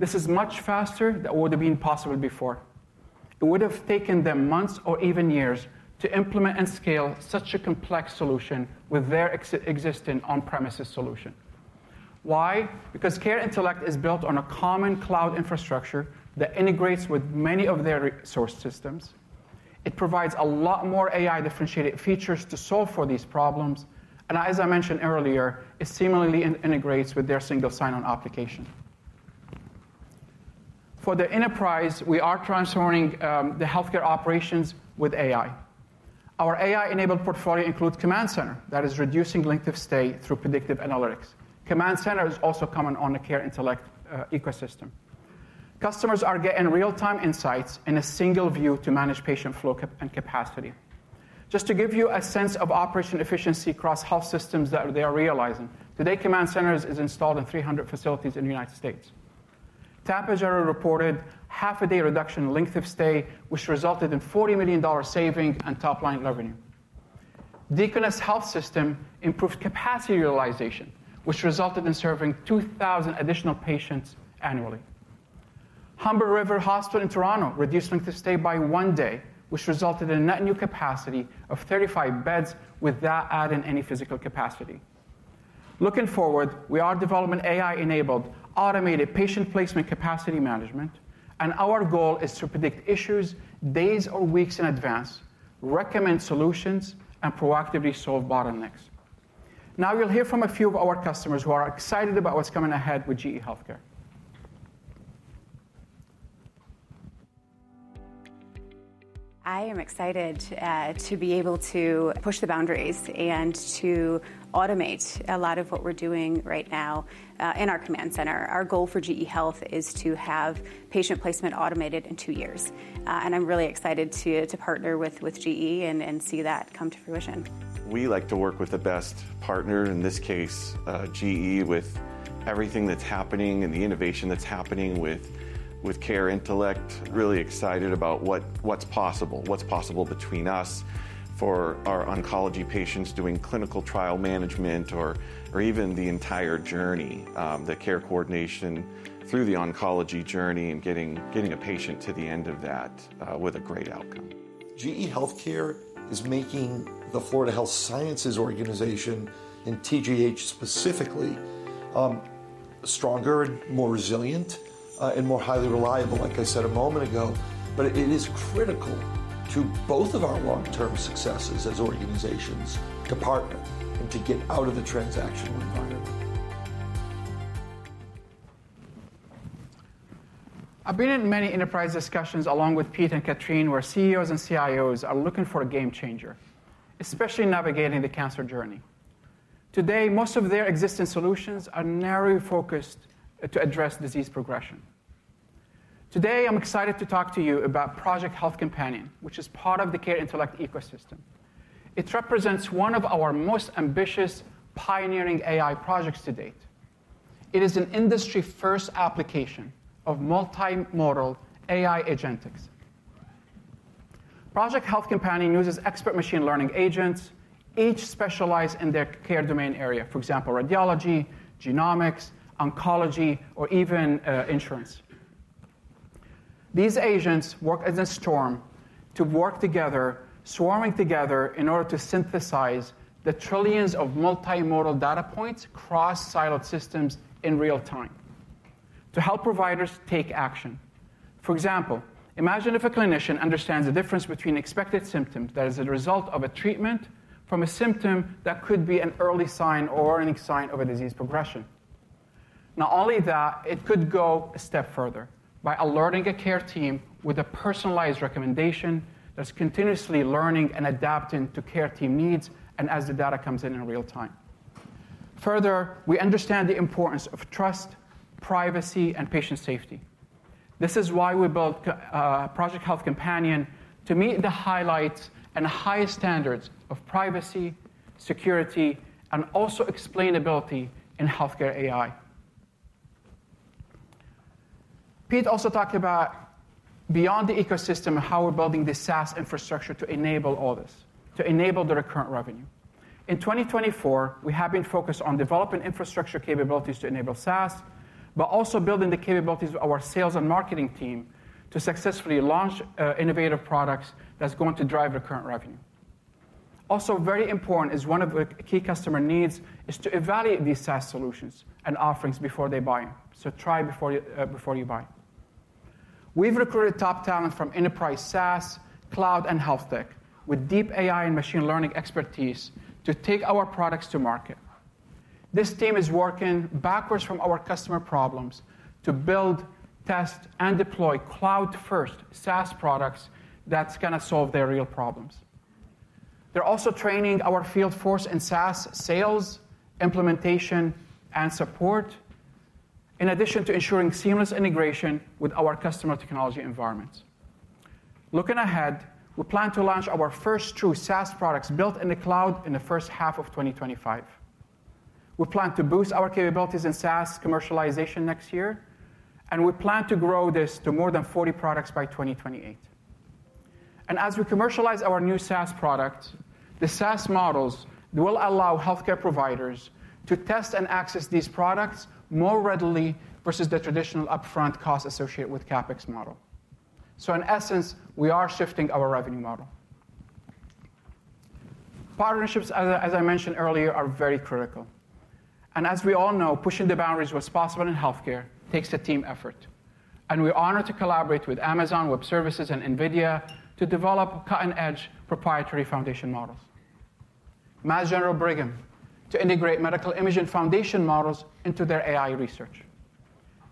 This is much faster than what would have been possible before. It would have taken them months or even years to implement and scale such a complex solution with their existing on-premises solution. Why? Because CareIntellect is built on a common cloud infrastructure that integrates with many of their resource systems. It provides a lot more AI differentiated features to solve for these problems. And as I mentioned earlier, it seamlessly integrates with their single sign-on application. For the enterprise, we are transforming the healthcare operations with AI. Our AI-enabled portfolio includes Command Center that is reducing length of stay through predictive analytics. Command Center is also common on the CareIntellect ecosystem. Customers are getting real-time insights in a single view to manage patient flow and capacity. Just to give you a sense of operational efficiency across health systems that they are realizing, today, Command Center is installed in 300 facilities in the United States. Tampa General reported half a day reduction in length of stay, which resulted in $40 million savings and top-line revenue. Deaconess Health System improved capacity utilization, which resulted in serving 2,000 additional patients annually. Humber River Hospital in Toronto reduced length of stay by one day, which resulted in net new capacity of 35 beds without adding any physical capacity. Looking forward, we are developing AI-enabled automated patient placement capacity management. And our goal is to predict issues days or weeks in advance, recommend solutions, and proactively solve bottlenecks. Now you'll hear from a few of our customers who are excited about what's coming ahead with GE HealthCare. I am excited to be able to push the boundaries and to automate a lot of what we're doing right now in our Command Center. Our goal for GE HealthCare is to have patient placement automated in two years, and I'm really excited to partner with GE HealthCare and see that come to fruition. We like to work with the best partner, in this case, GE, with everything that's happening and the innovation that's happening with CareIntellect. Really excited about what's possible, what's possible between us for our oncology patients doing clinical trial management or even the entire journey, the care coordination through the oncology journey and getting a patient to the end of that with a great outcome. GE HealthCare is making the Florida Health Sciences Organization and TGH specifically stronger and more resilient and more highly reliable, like I said a moment ago. But it is critical to both of our long-term successes as organizations to partner and to get out of the transactional environment. I've been in many enterprise discussions along with Peter and Catherine, where CEOs and CIOs are looking for a game changer, especially navigating the cancer journey. Today, most of their existing solutions are narrowly focused to address disease progression. Today, I'm excited to talk to you about Project Health Companion, which is part of the CareIntellect ecosystem. It represents one of our most ambitious pioneering AI projects to date. It is an industry-first application of multimodal AI agentics. Project Health Companion uses expert machine learning agents, each specialized in their care domain area, for example, radiology, genomics, oncology, or even insurance. These agents work as a swarm to work together, swarming together in order to synthesize the trillions of multimodal data points across siloed systems in real time to help providers take action. For example, imagine if a clinician understands the difference between expected symptoms that are the result of a treatment from a symptom that could be an early sign or warning sign of a disease progression. Not only that, it could go a step further by alerting a care team with a personalized recommendation that's continuously learning and adapting to care team needs and as the data comes in in real time. Further, we understand the importance of trust, privacy, and patient safety. This is why we built Project Health Companion to meet the highest standards of privacy, security, and also explainability in healthcare AI. Pete also talked about beyond the ecosystem and how we're building the SaaS infrastructure to enable all this, to enable the recurrent revenue. In 2024, we have been focused on developing infrastructure capabilities to enable SaaS, but also building the capabilities of our sales and marketing team to successfully launch innovative products that's going to drive recurrent revenue. Also, very important is one of the key customer needs is to evaluate these SaaS solutions and offerings before they buy, so try before you buy. We've recruited top talent from enterprise SaaS, cloud, and health tech with deep AI and machine learning expertise to take our products to market. This team is working backwards from our customer problems to build, test, and deploy cloud-first SaaS products that's going to solve their real problems. They're also training our field force in SaaS sales, implementation, and support, in addition to ensuring seamless integration with our customer technology environments. Looking ahead, we plan to launch our first true SaaS products built in the cloud in the first half of 2025. We plan to boost our capabilities in SaaS commercialization next year. And we plan to grow this to more than 40 products by 2028. And as we commercialize our new SaaS products, the SaaS models will allow healthcare providers to test and access these products more readily versus the traditional upfront cost associated with CapEx model. So in essence, we are shifting our revenue model. Partnerships, as I mentioned earlier, are very critical. And as we all know, pushing the boundaries where it's possible in healthcare takes a team effort. And we're honored to collaborate with Amazon Web Services and NVIDIA to develop cutting-edge proprietary foundation models. Mass General Brigham to integrate medical imaging foundation models into their AI research.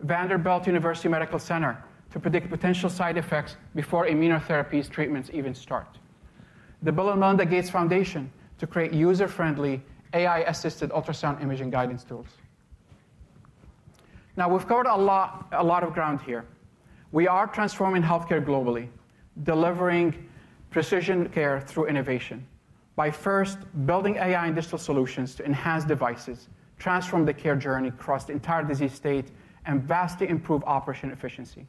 Vanderbilt University Medical Center to predict potential side effects before immunotherapy treatments even start. The Bill and Melinda Gates Foundation to create user-friendly AI-assisted ultrasound imaging guidance tools. Now, we've covered a lot of ground here. We are transforming healthcare globally, delivering precision care through innovation by first building AI and digital solutions to enhance devices, transform the care journey across the entire disease state, and vastly improve operational efficiency.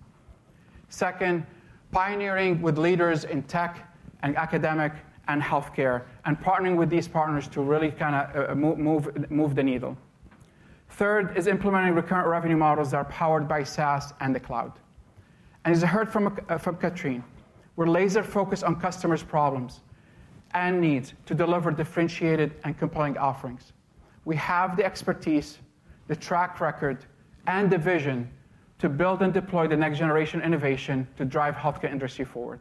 Second, pioneering with leaders in tech and academic and healthcare and partnering with these partners to really kind of move the needle. Third is implementing recurrent revenue models that are powered by SaaS and the cloud. And as I heard from Catherine, we're laser-focused on customers' problems and needs to deliver differentiated and compelling offerings. We have the expertise, the track record, and the vision to build and deploy the next generation innovation to drive healthcare industry forward.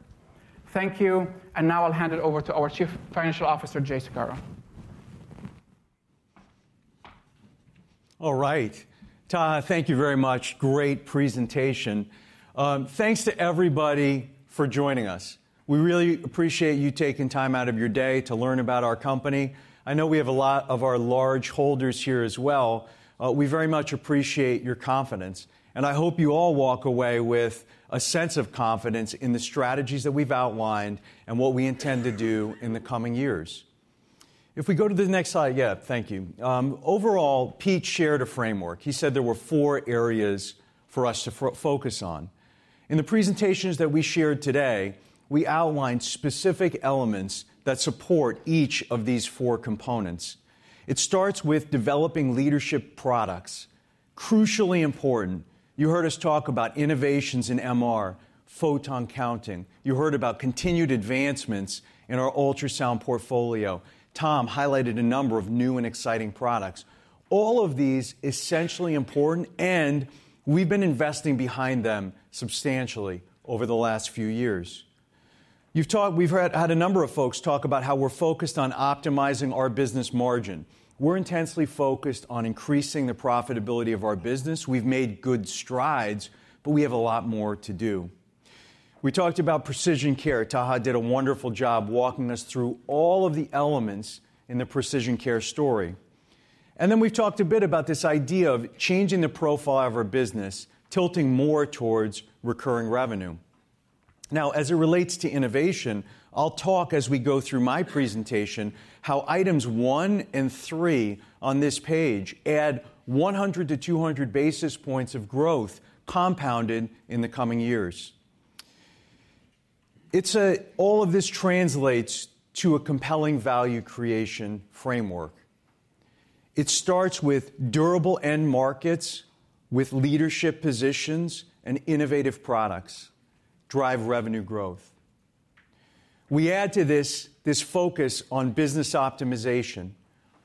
Thank you. Now I'll hand it over to our Chief Financial Officer, Jay Saccaro. All right. Thank you very much. Great presentation. Thanks to everybody for joining us. We really appreciate you taking time out of your day to learn about our company. I know we have a lot of our large holders here as well. We very much appreciate your confidence, and I hope you all walk away with a sense of confidence in the strategies that we've outlined and what we intend to do in the coming years. If we go to the next slide, yeah, thank you. Overall, Pete shared a framework. He said there were four areas for us to focus on. In the presentations that we shared today, we outlined specific elements that support each of these four components. It starts with developing leadership products. Crucially important, you heard us talk about innovations in MR, photon counting. You heard about continued advancements in our ultrasound portfolio. Tom highlighted a number of new and exciting products. All of these are essentially important, and we've been investing behind them substantially over the last few years. We've had a number of folks talk about how we're focused on optimizing our business margin. We're intensely focused on increasing the profitability of our business. We've made good strides, but we have a lot more to do. We talked about Precision Care. Taha did a wonderful job walking us through all of the elements in the Precision Care story, and then we've talked a bit about this idea of changing the profile of our business, tilting more towards recurring revenue. Now, as it relates to innovation, I'll talk as we go through my presentation how items one and three on this page add 100 to 200 basis points of growth compounded in the coming years. All of this translates to a compelling value creation framework. It starts with durable end markets with leadership positions and innovative products that drive revenue growth. We add to this this focus on business optimization.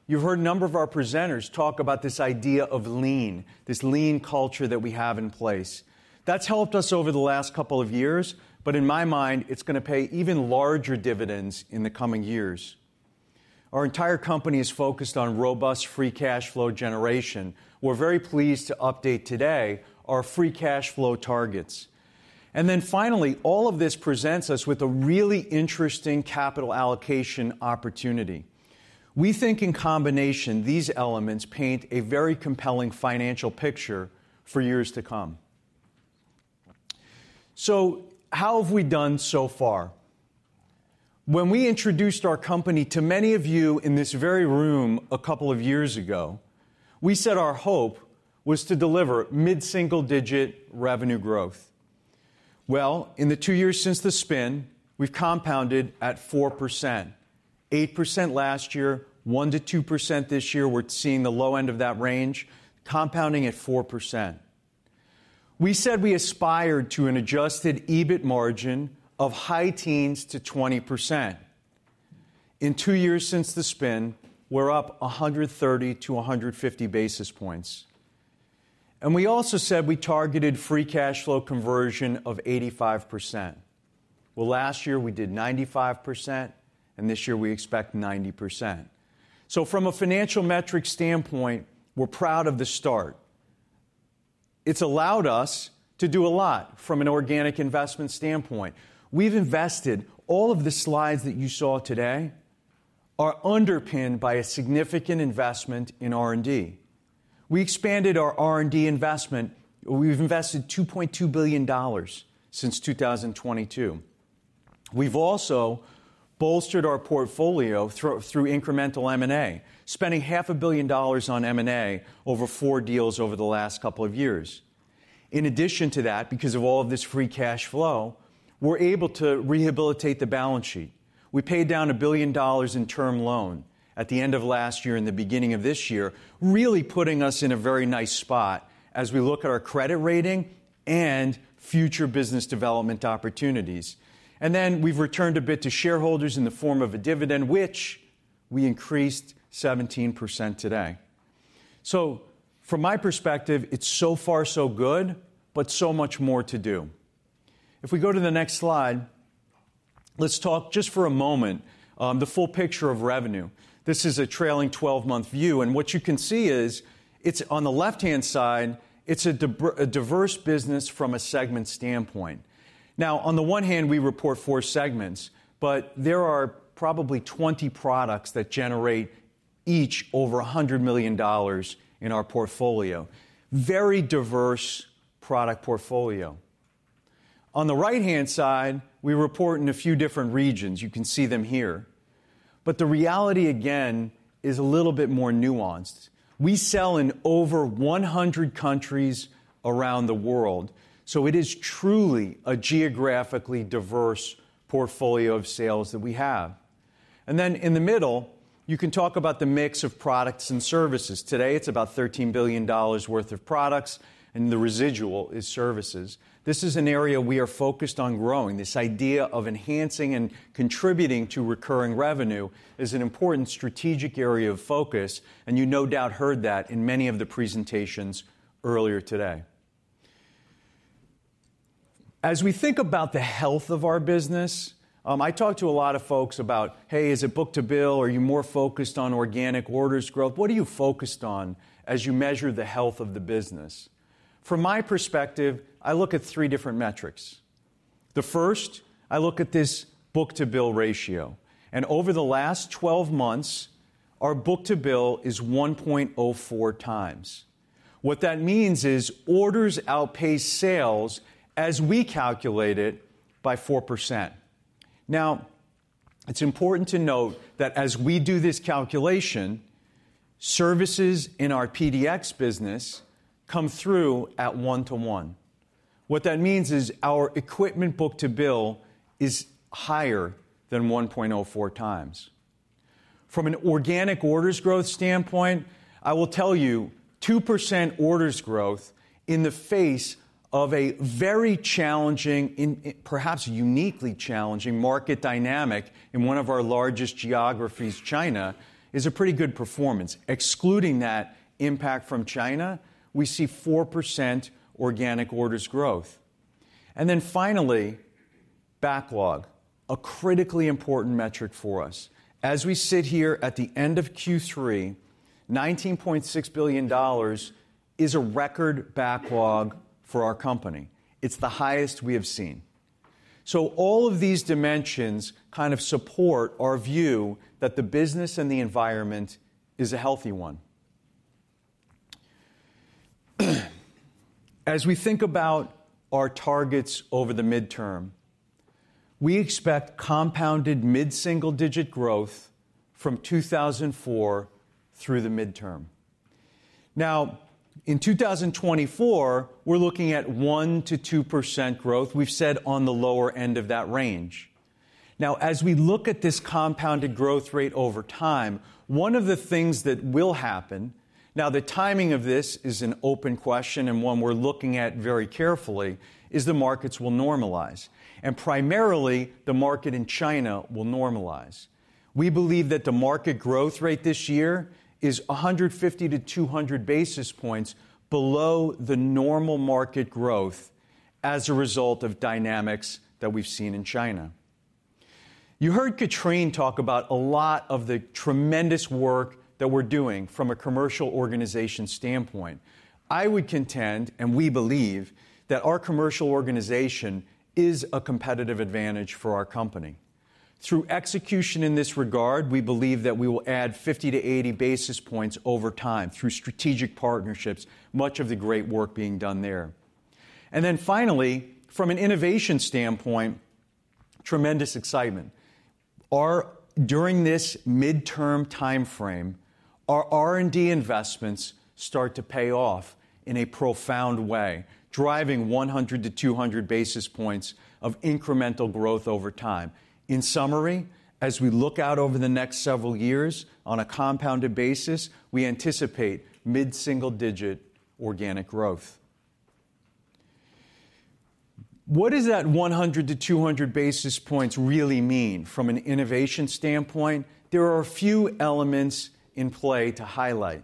You've heard a number of our presenters talk about this idea of lean, this lean culture that we have in place. That's helped us over the last couple of years. But in my mind, it's going to pay even larger dividends in the coming years. Our entire company is focused on robust free cash flow generation. We're very pleased to update today our free cash flow targets. And then finally, all of this presents us with a really interesting capital allocation opportunity. We think in combination, these elements paint a very compelling financial picture for years to come. So how have we done so far? When we introduced our company to many of you in this very room a couple of years ago, we said our hope was to deliver mid-single-digit revenue growth. Well, in the two years since the spin, we've compounded at 4%. 8% last year, 1% to 2% this year. We're seeing the low end of that range, compounding at 4%. We said we aspired to an adjusted EBIT margin of high teens to 20%. In two years since the spin, we're up 130-150 basis points. And we also said we targeted free cash flow conversion of 85%. Well, last year we did 95%. And this year we expect 90%. So from a financial metric standpoint, we're proud of the start. It's allowed us to do a lot from an organic investment standpoint. We've invested. All of the slides that you saw today are underpinned by a significant investment in R&D. We expanded our R&D investment. We've invested $2.2 billion since 2022. We've also bolstered our portfolio through incremental M&A, spending $500 million on M&A over four deals over the last couple of years. In addition to that, because of all of this free cash flow, we're able to rehabilitate the balance sheet. We paid down $1 billion in term loan at the end of last year and the beginning of this year, really putting us in a very nice spot as we look at our credit rating and future business development opportunities. And then we've returned a bit to shareholders in the form of a dividend, which we increased 17% today. So from my perspective, it's so far so good, but so much more to do. If we go to the next slide, let's talk just for a moment the full picture of revenue. This is a trailing 12-month view. And what you can see is on the left-hand side, it's a diverse business from a segment standpoint. Now, on the one hand, we report four segments, but there are probably 20 products that generate each over $100 million in our portfolio. Very diverse product portfolio. On the right-hand side, we report in a few different regions. You can see them here. But the reality, again, is a little bit more nuanced. We sell in over 100 countries around the world. So it is truly a geographically diverse portfolio of sales that we have. And then in the middle, you can talk about the mix of products and services. Today, it's about $13 billion worth of products. And the residual is services. This is an area we are focused on growing. This idea of enhancing and contributing to recurring revenue is an important strategic area of focus. And you no doubt heard that in many of the presentations earlier today. As we think about the health of our business, I talked to a lot of folks about, hey, is it book to bill? Are you more focused on organic orders growth? What are you focused on as you measure the health of the business? From my perspective, I look at three different metrics. The first, I look at this book to bill ratio. And over the last 12 months, our book to bill is 1.04 times. What that means is orders outpace sales as we calculate it by 4%. Now, it's important to note that as we do this calculation, services in our PDX business come through at one to one. What that means is our equipment book to bill is higher than 1.04 times. From an organic orders growth standpoint, I will tell you 2% orders growth in the face of a very challenging, perhaps uniquely challenging market dynamic in one of our largest geographies, China, is a pretty good performance. Excluding that impact from China, we see 4% organic orders growth. And then finally, backlog, a critically important metric for us. As we sit here at the end of Q3, $19.6 billion is a record backlog for our company. It's the highest we have seen. So all of these dimensions kind of support our view that the business and the environment is a healthy one. As we think about our targets over the midterm, we expect compounded mid-single-digit growth from 2024 through the midterm. Now, in 2024, we're looking at 1% to 2% growth. We've said on the lower end of that range. Now, as we look at this compounded growth rate over time, one of the things that will happen now, the timing of this is an open question and one we're looking at very carefully, is the markets will normalize. And primarily, the market in China will normalize. We believe that the market growth rate this year is 150-200 basis points below the normal market growth as a result of dynamics that we've seen in China. You heard Catherine talk about a lot of the tremendous work that we're doing from a commercial organization standpoint. I would contend, and we believe, that our commercial organization is a competitive advantage for our company. Through execution in this regard, we believe that we will add 50-80 basis points over time through strategic partnerships, much of the great work being done there. And then finally, from an innovation standpoint, tremendous excitement. During this midterm time frame, our R&D investments start to pay off in a profound way, driving 100-200 basis points of incremental growth over time. In summary, as we look out over the next several years on a compounded basis, we anticipate mid-single-digit organic growth. What does that 100-200 basis points really mean from an innovation standpoint? There are a few elements in play to highlight.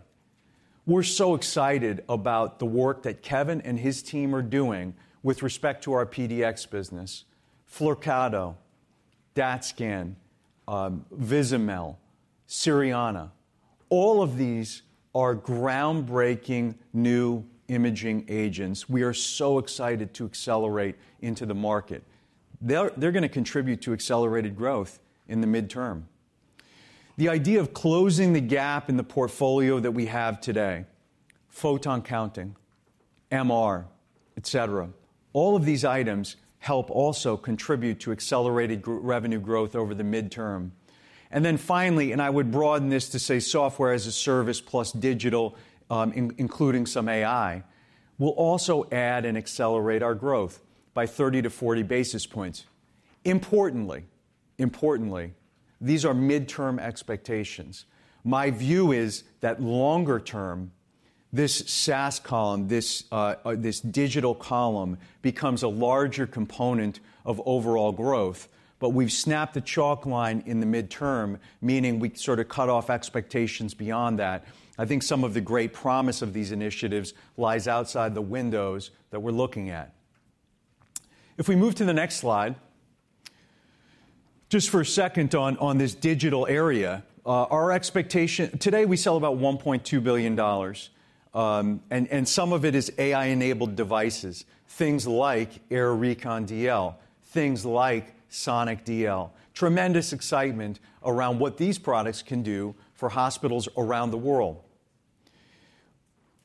We're so excited about the work that Kevin and his team are doing with respect to our PDX business: Flyrcado, DaTscan, Vizamyl, Cerianna. All of these are groundbreaking new imaging agents. We are so excited to accelerate into the market. They're going to contribute to accelerated growth in the midterm. The idea of closing the gap in the portfolio that we have today, photon counting, MR, et cetera, all of these items help also contribute to accelerated revenue growth over the midterm. Then finally, and I would broaden this to say software as a service plus digital, including some AI, will also add and accelerate our growth by 30-40 basis points. Importantly, these are midterm expectations. My view is that longer term, this SaaS column, this digital column becomes a larger component of overall growth. But we've snapped the chalk line in the midterm, meaning we sort of cut off expectations beyond that. I think some of the great promise of these initiatives lies outside the windows that we're looking at. If we move to the next slide, just for a second on this digital area, our expectation today, we sell about $1.2 billion. And some of it is AI-enabled devices, things like AIR Recon DL, things like Sonic DL. Tremendous excitement around what these products can do for hospitals around the world.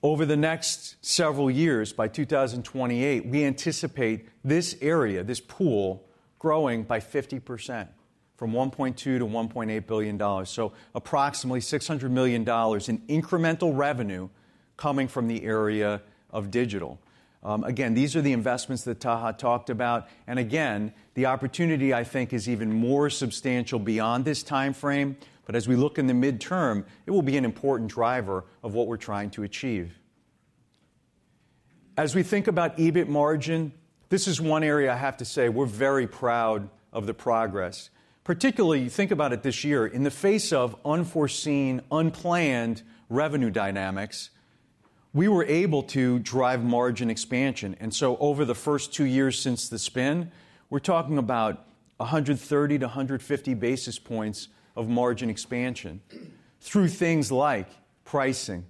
Over the next several years, by 2028, we anticipate this area, this pool, growing by 50% from $1.2 to 1.8 billion. So approximately $600 million in incremental revenue coming from the area of digital. Again, these are the investments that Taha talked about. And again, the opportunity, I think, is even more substantial beyond this time frame. But as we look in the midterm, it will be an important driver of what we're trying to achieve. As we think about EBIT margin, this is one area I have to say we're very proud of the progress. Particularly, you think about it this year, in the face of unforeseen, unplanned revenue dynamics, we were able to drive margin expansion, and so over the first two years since the spin, we're talking about 130-150 basis points of margin expansion through things like pricing,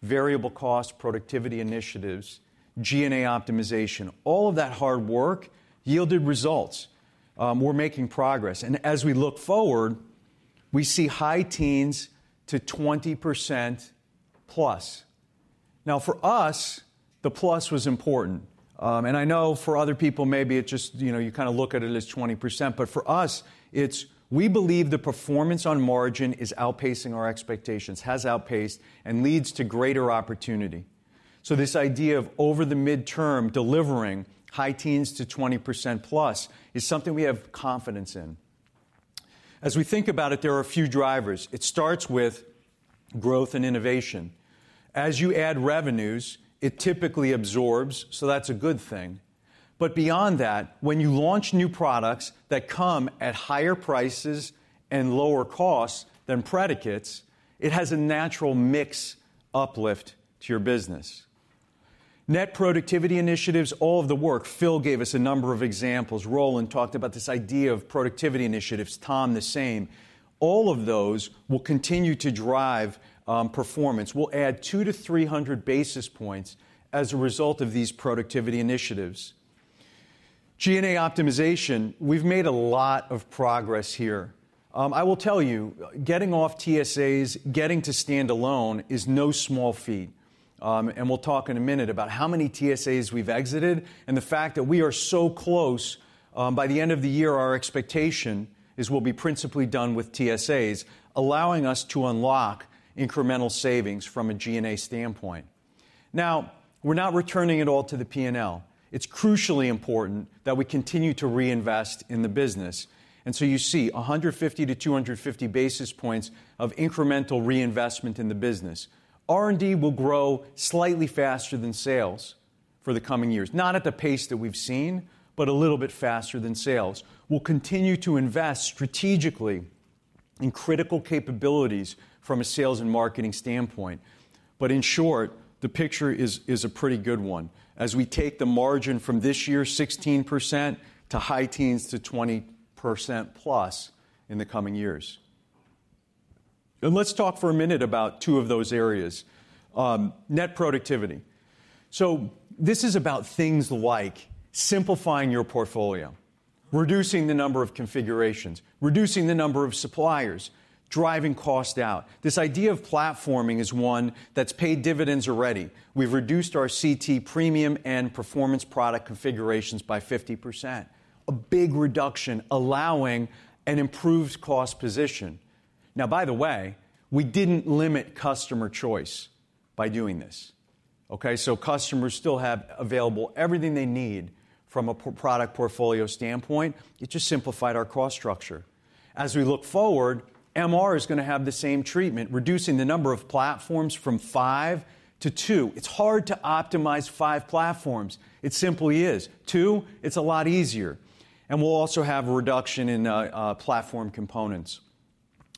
variable cost, productivity initiatives, G&A optimization. All of that hard work yielded results. We're making progress, and as we look forward, we see high teens to 20% plus. Now, for us, the plus was important, and I know for other people, maybe it just you kind of look at it as 20%, but for us, we believe the performance on margin is outpacing our expectations, has outpaced, and leads to greater opportunity, so this idea of over the midterm delivering high teens to 20% plus is something we have confidence in. As we think about it, there are a few drivers. It starts with growth and innovation. As you add revenues, it typically absorbs. So that's a good thing. But beyond that, when you launch new products that come at higher prices and lower costs than predicates, it has a natural mix uplift to your business. Net productivity initiatives, all of the work. Phil gave us a number of examples. Roland talked about this idea of productivity initiatives. Tom, the same. All of those will continue to drive performance. We'll add 200-300 basis points as a result of these productivity initiatives. G&A optimization, we've made a lot of progress here. I will tell you, getting off TSAs, getting to stand alone is no small feat, and we'll talk in a minute about how many TSAs we've exited and the fact that we are so close. By the end of the year, our expectation is we'll be principally done with TSAs, allowing us to unlock incremental savings from a G&A standpoint. Now, we're not returning at all to the P&L. It's crucially important that we continue to reinvest in the business. And so you see 150-250 basis points of incremental reinvestment in the business. R&D will grow slightly faster than sales for the coming years, not at the pace that we've seen, but a little bit faster than sales. We'll continue to invest strategically in critical capabilities from a sales and marketing standpoint. But in short, the picture is a pretty good one as we take the margin from this year, 16%, to high teens to 20% plus in the coming years. And let's talk for a minute about two of those areas: net productivity. So this is about things like simplifying your portfolio, reducing the number of configurations, reducing the number of suppliers, driving cost out. This idea of platforming is one that's paid dividends already. We've reduced our CT premium and performance product configurations by 50%. A big reduction allowing an improved cost position. Now, by the way, we didn't limit customer choice by doing this. So customers still have available everything they need from a product portfolio standpoint. It just simplified our cost structure. As we look forward, MR is going to have the same treatment, reducing the number of platforms from five to two. It's hard to optimize five platforms. It simply is. Two, it's a lot easier. And we'll also have a reduction in platform components.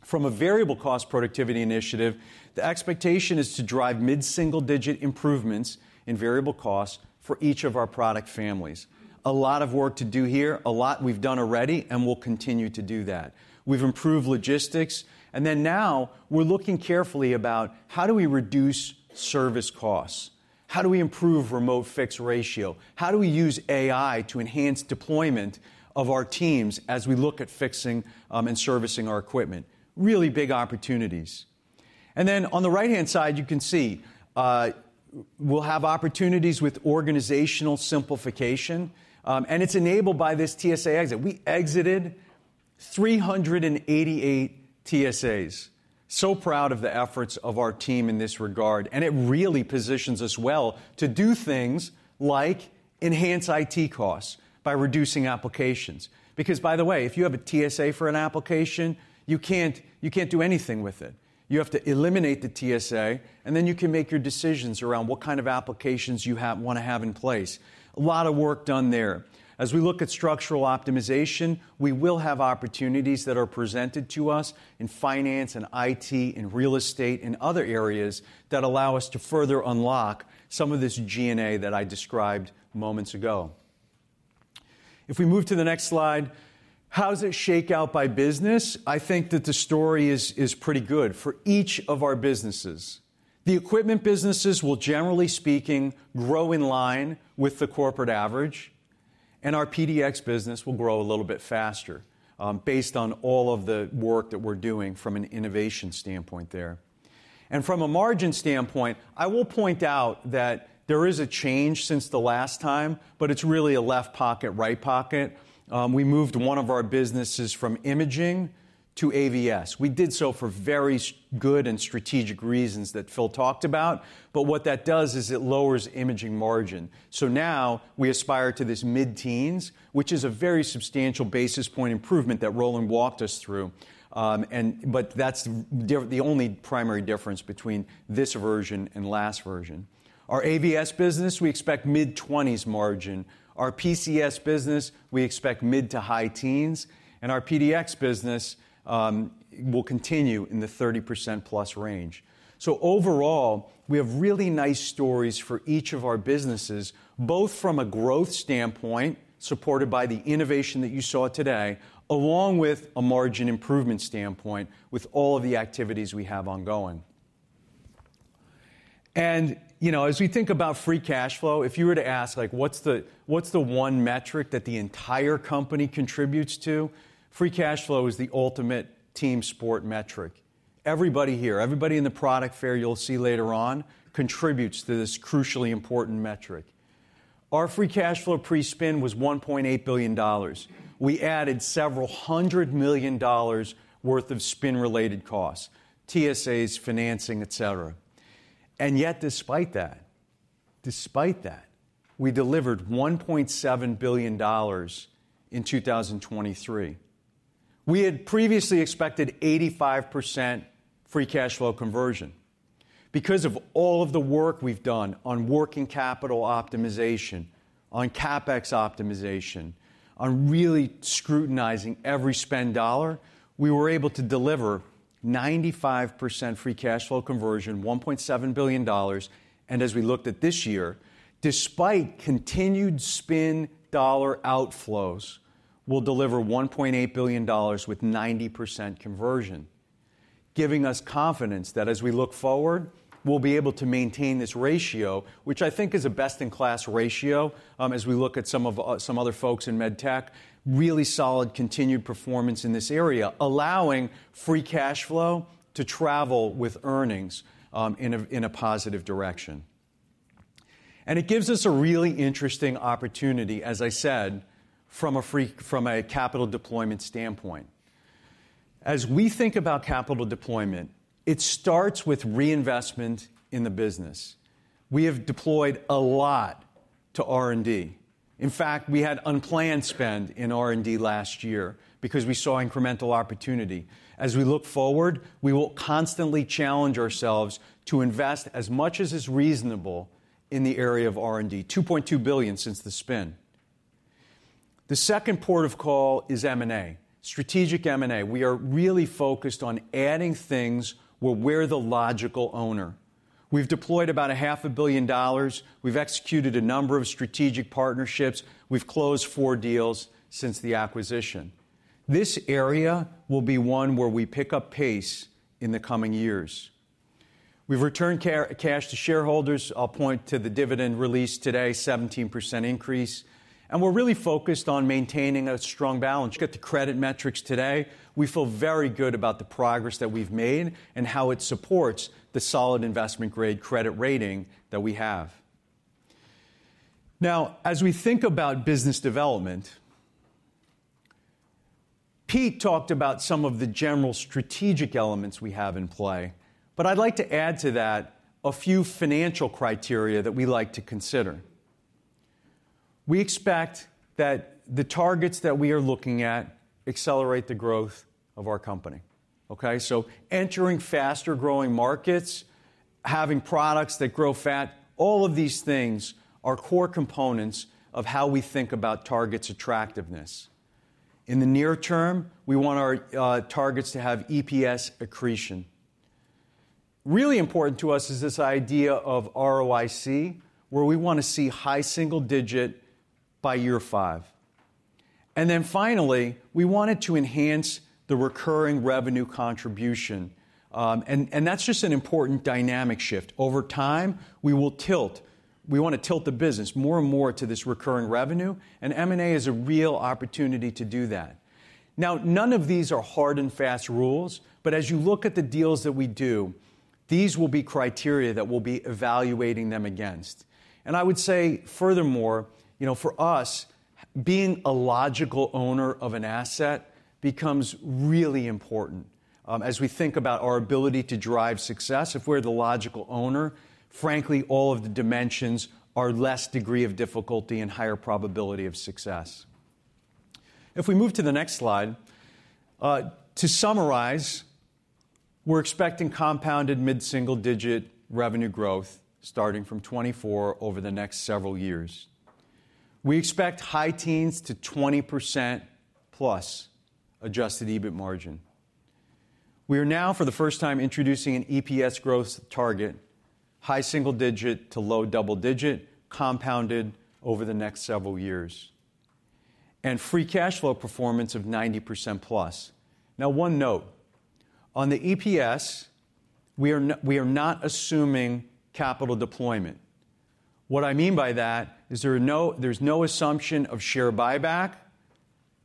From a variable cost productivity initiative, the expectation is to drive mid-single-digit improvements in variable costs for each of our product families. A lot of work to do here, a lot we've done already, and we'll continue to do that. We've improved logistics, and then now we're looking carefully about how do we reduce service costs? How do we improve remote-fix ratio? How do we use AI to enhance deployment of our teams as we look at fixing and servicing our equipment? Really big opportunities, and then on the right-hand side, you can see we'll have opportunities with organizational simplification. And it's enabled by this TSA exit. We exited 388 TSAs, so proud of the efforts of our team in this regard. And it really positions us well to do things like enhance IT costs by reducing applications. Because, by the way, if you have a TSA for an application, you can't do anything with it. You have to eliminate the TSA, and then you can make your decisions around what kind of applications you want to have in place. A lot of work done there. As we look at structural optimization, we will have opportunities that are presented to us in finance and IT and real estate and other areas that allow us to further unlock some of this G&A that I described moments ago. If we move to the next slide, how does it shake out by business? I think that the story is pretty good for each of our businesses. The equipment businesses will, generally speaking, grow in line with the corporate average. And our PDX business will grow a little bit faster based on all of the work that we're doing from an innovation standpoint there. And from a margin standpoint, I will point out that there is a change since the last time, but it's really a left pocket, right pocket. We moved one of our businesses from imaging to AVS. We did so for very good and strategic reasons that Phil talked about. But what that does is it lowers imaging margin. So now we aspire to this mid-teens, which is a very substantial basis point improvement that Roland walked us through. But that's the only primary difference between this version and last version. Our AVS business, we expect mid-20s margin. Our PCS business, we expect mid to high teens. And our PDX business will continue in the 30% plus range. So overall, we have really nice stories for each of our businesses, both from a growth standpoint supported by the innovation that you saw today, along with a margin improvement standpoint with all of the activities we have ongoing. And as we think about free cash flow, if you were to ask what's the one metric that the entire company contributes to, free cash flow is the ultimate team sport metric. Everybody here, everybody in the product fair you'll see later on contributes to this crucially important metric. Our free cash flow pre-spin was $1.8 billion. We added several hundred million dollars worth of spin-related costs, TSAs, financing, et cetera. And yet, despite that, we delivered $1.7 billion in 2023. We had previously expected 85% free cash flow conversion. Because of all of the work we've done on working capital optimization, on CapEx optimization, on really scrutinizing every spend dollar, we were able to deliver 95% free cash flow conversion, $1.7 billion. And as we looked at this year, despite continued spend dollar outflows, we'll deliver $1.8 billion with 90% conversion, giving us confidence that as we look forward, we'll be able to maintain this ratio, which I think is a best-in-class ratio as we look at some other folks in med tech, really solid continued performance in this area, allowing free cash flow to travel with earnings in a positive direction. And it gives us a really interesting opportunity, as I said, from a capital deployment standpoint. As we think about capital deployment, it starts with reinvestment in the business. We have deployed a lot to R&D. In fact, we had unplanned spend in R&D last year because we saw incremental opportunity. As we look forward, we will constantly challenge ourselves to invest as much as is reasonable in the area of R&D, $2.2 billion since the spin. The second port of call is M&A, strategic M&A. We are really focused on adding things where we're the logical owner. We've deployed about $500 million. We've executed a number of strategic partnerships. We've closed four deals since the acquisition. This area will be one where we pick up pace in the coming years. We've returned cash to shareholders. I'll point to the dividend released today, 17% increase. And we're really focused on maintaining a strong balance. Look at the credit metrics today. We feel very good about the progress that we've made and how it supports the solid investment-grade credit rating that we have. Now, as we think about business development, Pete talked about some of the general strategic elements we have in play. But I'd like to add to that a few financial criteria that we like to consider. We expect that the targets that we are looking at accelerate the growth of our company. So entering faster-growing markets, having products that grow fast, all of these things are core components of how we think about targets' attractiveness. In the near term, we want our targets to have EPS accretion. Really important to us is this idea of ROIC, where we want to see high single digit by year five. And then finally, we wanted to enhance the recurring revenue contribution. And that's just an important dynamic shift. Over time, we will tilt. We want to tilt the business more and more to this recurring revenue. M&A is a real opportunity to do that. Now, none of these are hard and fast rules. But as you look at the deals that we do, these will be criteria that we'll be evaluating them against. And I would say, furthermore, for us, being a logical owner of an asset becomes really important as we think about our ability to drive success. If we're the logical owner, frankly, all of the dimensions are less degree of difficulty and higher probability of success. If we move to the next slide, to summarize, we're expecting compounded mid-single digit revenue growth starting from 2024 over the next several years. We expect high teens to 20% plus adjusted EBIT margin. We are now, for the first time, introducing an EPS growth target, high single-digit to low double-digit, compounded over the next several years, and free cash flow performance of 90% plus. Now, one note. On the EPS, we are not assuming capital deployment. What I mean by that is there's no assumption of share buyback,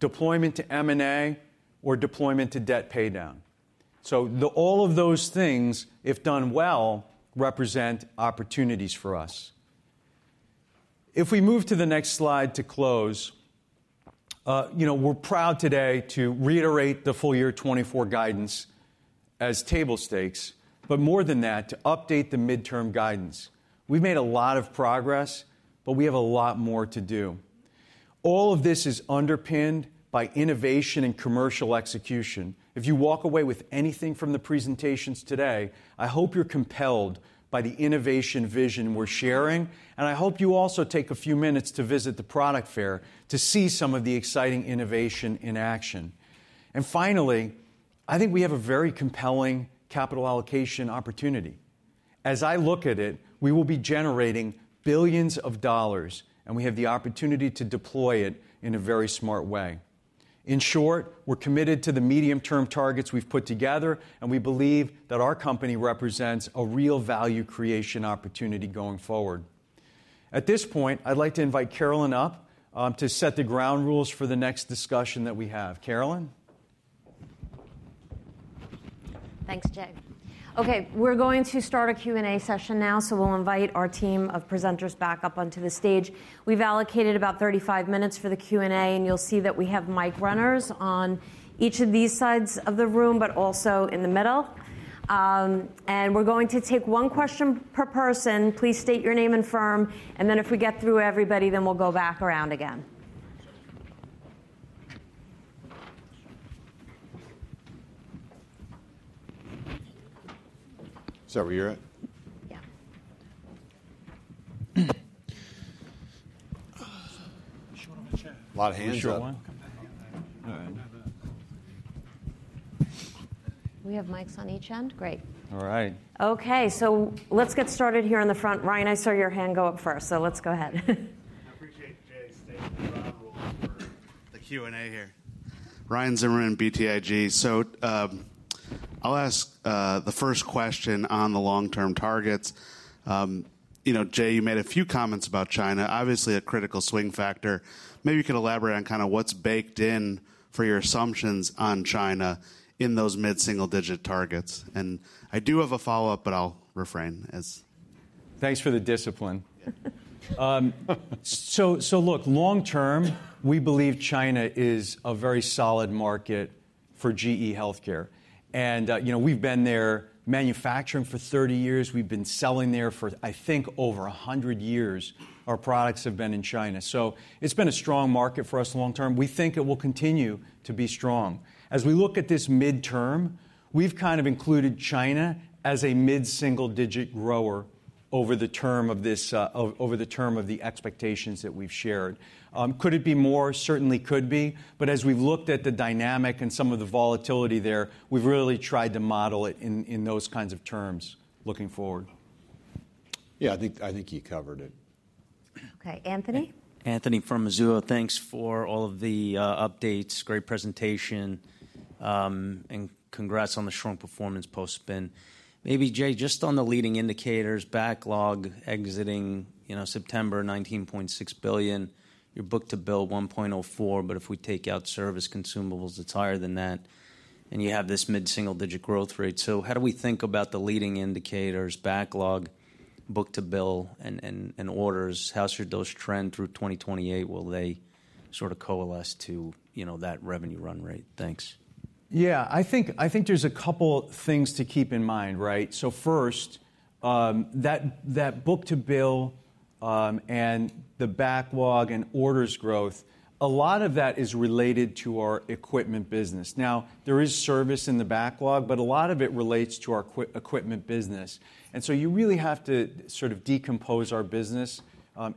deployment to M&A, or deployment to debt paydown. So all of those things, if done well, represent opportunities for us. If we move to the next slide to close, we're proud today to reiterate the full year 2024 guidance as table stakes, but more than that, to update the midterm guidance. We've made a lot of progress, but we have a lot more to do. All of this is underpinned by innovation and commercial execution. If you walk away with anything from the presentations today, I hope you're compelled by the innovation vision we're sharing. And I hope you also take a few minutes to visit the product fair to see some of the exciting innovation in action. And finally, I think we have a very compelling capital allocation opportunity. As I look at it, we will be generating billions of dollars, and we have the opportunity to deploy it in a very smart way. In short, we're committed to the medium-term targets we've put together, and we believe that our company represents a real value creation opportunity going forward. At this point, I'd like to invite Carolynne up to set the ground rules for the next discussion that we have. Carolynne? Thanks, Jay. Okay, we're going to start a Q&A session now, so we'll invite our team of presenters back up onto the stage. We've allocated about 35 minutes for the Q&A, and you'll see that we have mic runners on each of these sides of the room, but also in the middle, and we're going to take one question per person. Please state your name and firm, and then if we get through everybody, then we'll go back around again. Is that where you're at? Yeah. A lot of hands up. All right. We have mics on each end? Great. All right. Okay, so let's get started here in the front. Ryan, I saw your hand go up first. So let's go ahead. I appreciate Jay stating the ground rules. The Q&A here Ryan Zimmerman, BTIG. So I'll ask the first question on the long-term targets. Jay, you made a few comments about China, obviously a critical swing factor. Maybe you could elaborate on kind of what's baked in for your assumptions on China in those mid-single digit targets. And I do have a follow-up, but I'll refrain as. Thanks for the discipline. So look, long-term, we believe China is a very solid market for GE HealthCare. And we've been there manufacturing for 30 years. We've been selling there for, I think, over 100 years. Our products have been in China. So it's been a strong market for us long-term. We think it will continue to be strong. As we look at this midterm, we've kind of included China as a mid-single digit grower over the term of the expectations that we've shared. Could it be more? Certainly could be. But as we've looked at the dynamic and some of the volatility there, we've really tried to model it in those kinds of terms looking forward. Yeah, I think you covered it. Okay, Anthony? Anthony from Mizuho. Thanks for all of the updates. Great presentation. And congrats on the strong performance post-spin. Maybe Jay, just on the leading indicators, backlog exiting September, $19.6 billion. Your book to bill 1.04, but if we take out service consumables, it's higher than that. And you have this mid-single digit growth rate. So how do we think about the leading indicators, backlog, book to bill, and orders? How should those trend through 2028? Will they sort of coalesce to that revenue run rate? Thanks. Yeah, I think there's a couple of things to keep in mind, right? So first, that book to bill and the backlog and orders growth, a lot of that is related to our equipment business. Now, there is service in the backlog, but a lot of it relates to our equipment business. And so you really have to sort of decompose our business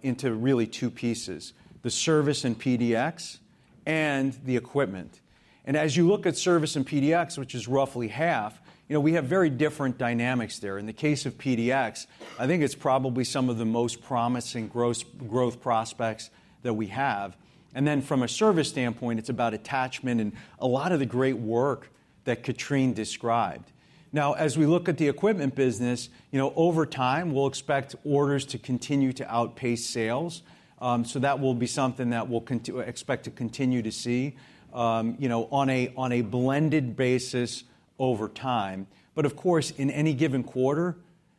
into really two pieces, the service and PDX and the equipment. And as you look at service and PDX, which is roughly half, we have very different dynamics there. In the case of PDX, I think it's probably some of the most promising growth prospects that we have. And then from a service standpoint, it's about attachment and a lot of the great work that Catherine described. Now, as we look at the equipment business, over time, we'll expect orders to continue to outpace sales. So that will be something that we'll expect to continue to see on a blended basis over time. But of course, in any given quarter,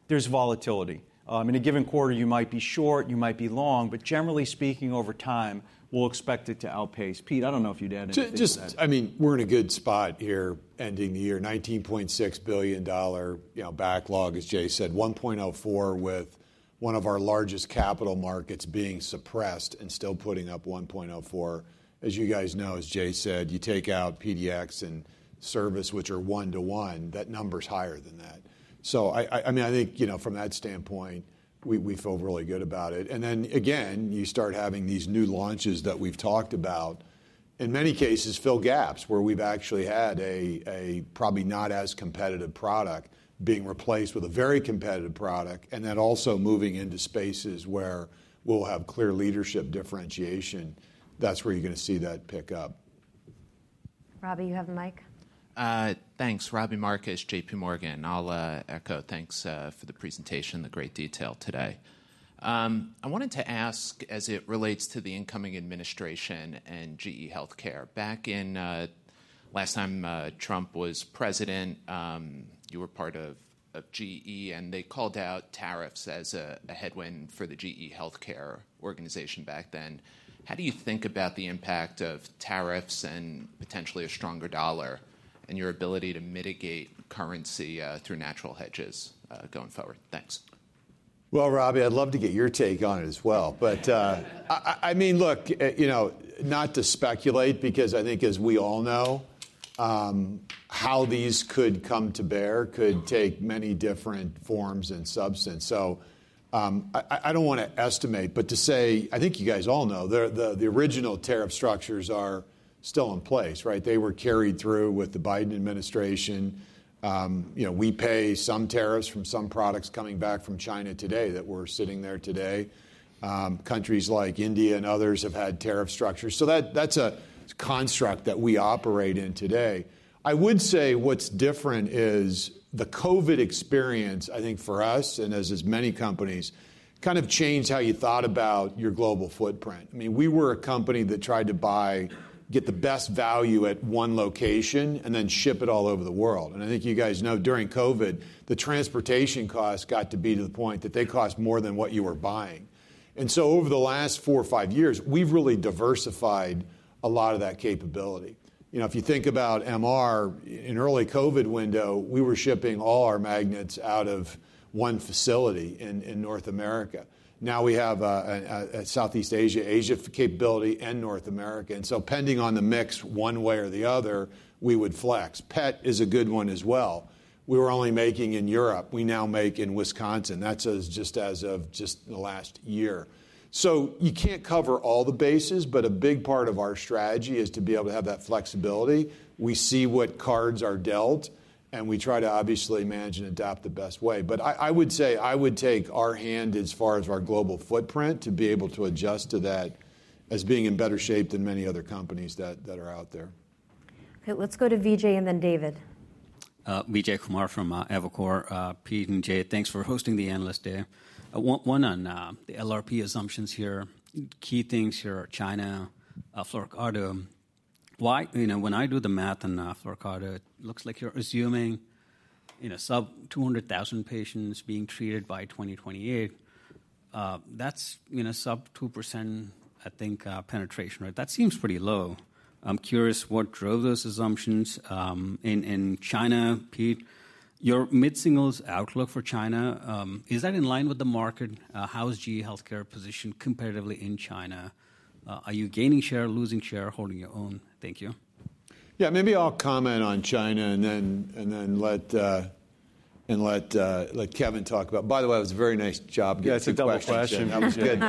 there's volatility. In a given quarter, you might be short, you might be long, but generally speaking, over time, we'll expect it to outpace. Pete, I don't know if you'd add anything to that. I mean, we're in a good spot here ending the year, $19.6 billion backlog, as Jay said, 1.04 with one of our largest capital markets being suppressed and still putting up 1.04. As you guys know, as Jay said, you take out PDX and service, which are one to one, that number's higher than that. So I mean, I think from that standpoint, we feel really good about it. And then again, you start having these new launches that we've talked about, in many cases, fill gaps where we've actually had a probably not as competitive product being replaced with a very competitive product. And then also moving into spaces where we'll have clear leadership differentiation. That's where you're going to see that pick up. Robbie, you have a mic. Thanks. Robbie Marcus, J.P. Morgan. I'll echo. Thanks for the presentation, the great detail today. I wanted to ask as it relates to the incoming administration and GE HealthCare. Back in last time Trump was president, you were part of GE, and they called out tariffs as a headwind for the GE HealthCare organization back then. How do you think about the impact of tariffs and potentially a stronger dollar and your ability to mitigate currency through natural hedges going forward? Thanks. Robbie, I'd love to get your take on it as well. I mean, look, not to speculate, because I think as we all know, how these could come to bear could take many different forms and substance. I don't want to estimate, but to say, I think you guys all know, the original tariff structures are still in place, right? They were carried through with the Biden administration. We pay some tariffs from some products coming back from China today that we're sitting there today. Countries like India and others have had tariff structures. That's a construct that we operate in today. I would say what's different is the COVID experience, I think for us and as many companies, kind of changed how you thought about your global footprint. I mean, we were a company that tried to get the best value at one location and then ship it all over the world. And I think you guys know during COVID, the transportation costs got to be to the point that they cost more than what you were buying. And so over the last four or five years, we've really diversified a lot of that capability. If you think about MR, in the early COVID window, we were shipping all our magnets out of one facility in North America. Now we have Southeast Asia, Asia capability, and North America. And so depending on the mix one way or the other, we would flex. PET is a good one as well. We were only making in Europe. We now make in Wisconsin. That's just as of the last year. You can't cover all the bases, but a big part of our strategy is to be able to have that flexibility. We see what cards are dealt, and we try to obviously manage and adapt the best way. But I would say I would take our hand as far as our global footprint to be able to adjust to that as being in better shape than many other companies that are out there. Okay, let's go to Vijay and then David. Vijay Kumar from Evercore. Pete and Jay, thanks for hosting the Analyst Day. One on the LRP assumptions here. Key things here are China, Flurpiridaz. When I do the math on Flurpiridaz, it looks like you're assuming sub 200,000 patients being treated by 2028. That's sub 2%, I think, penetration, right? That seems pretty low. I'm curious what drove those assumptions in China. Pete, your mid-singles outlook for China, is that in line with the market? How is GE HealthCare positioned comparatively in China? Are you gaining share, losing share, holding your own? Thank you. Yeah, maybe I'll comment on China and then let Kevin talk about it. By the way, it was a very nice job. Yeah, it's a double question. That was good,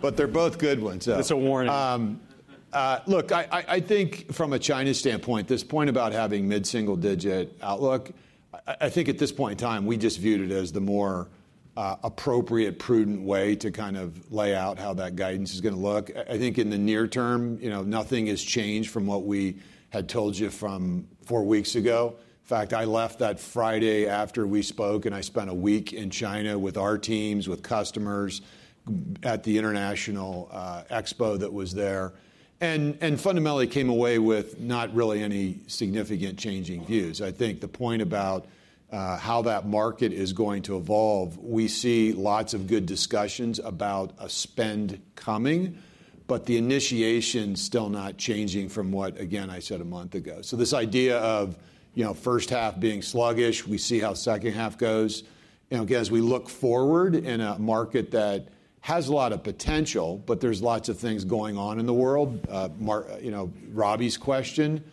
but they're both good ones. It's a warning. Look, I think from a China standpoint, this point about having mid-single digit outlook, I think at this point in time, we just viewed it as the more appropriate, prudent way to kind of lay out how that guidance is going to look. I think in the near term, nothing has changed from what we had told you from four weeks ago. In fact, I left that Friday after we spoke, and I spent a week in China with our teams, with customers at the international expo that was there, and fundamentally came away with not really any significant changing views. I think the point about how that market is going to evolve, we see lots of good discussions about a spend coming, but the initiation is still not changing from what, again, I said a month ago. So this idea of first half being sluggish, we see how second half goes. Again, as we look forward in a market that has a lot of potential, but there's lots of things going on in the world. Robbie's question,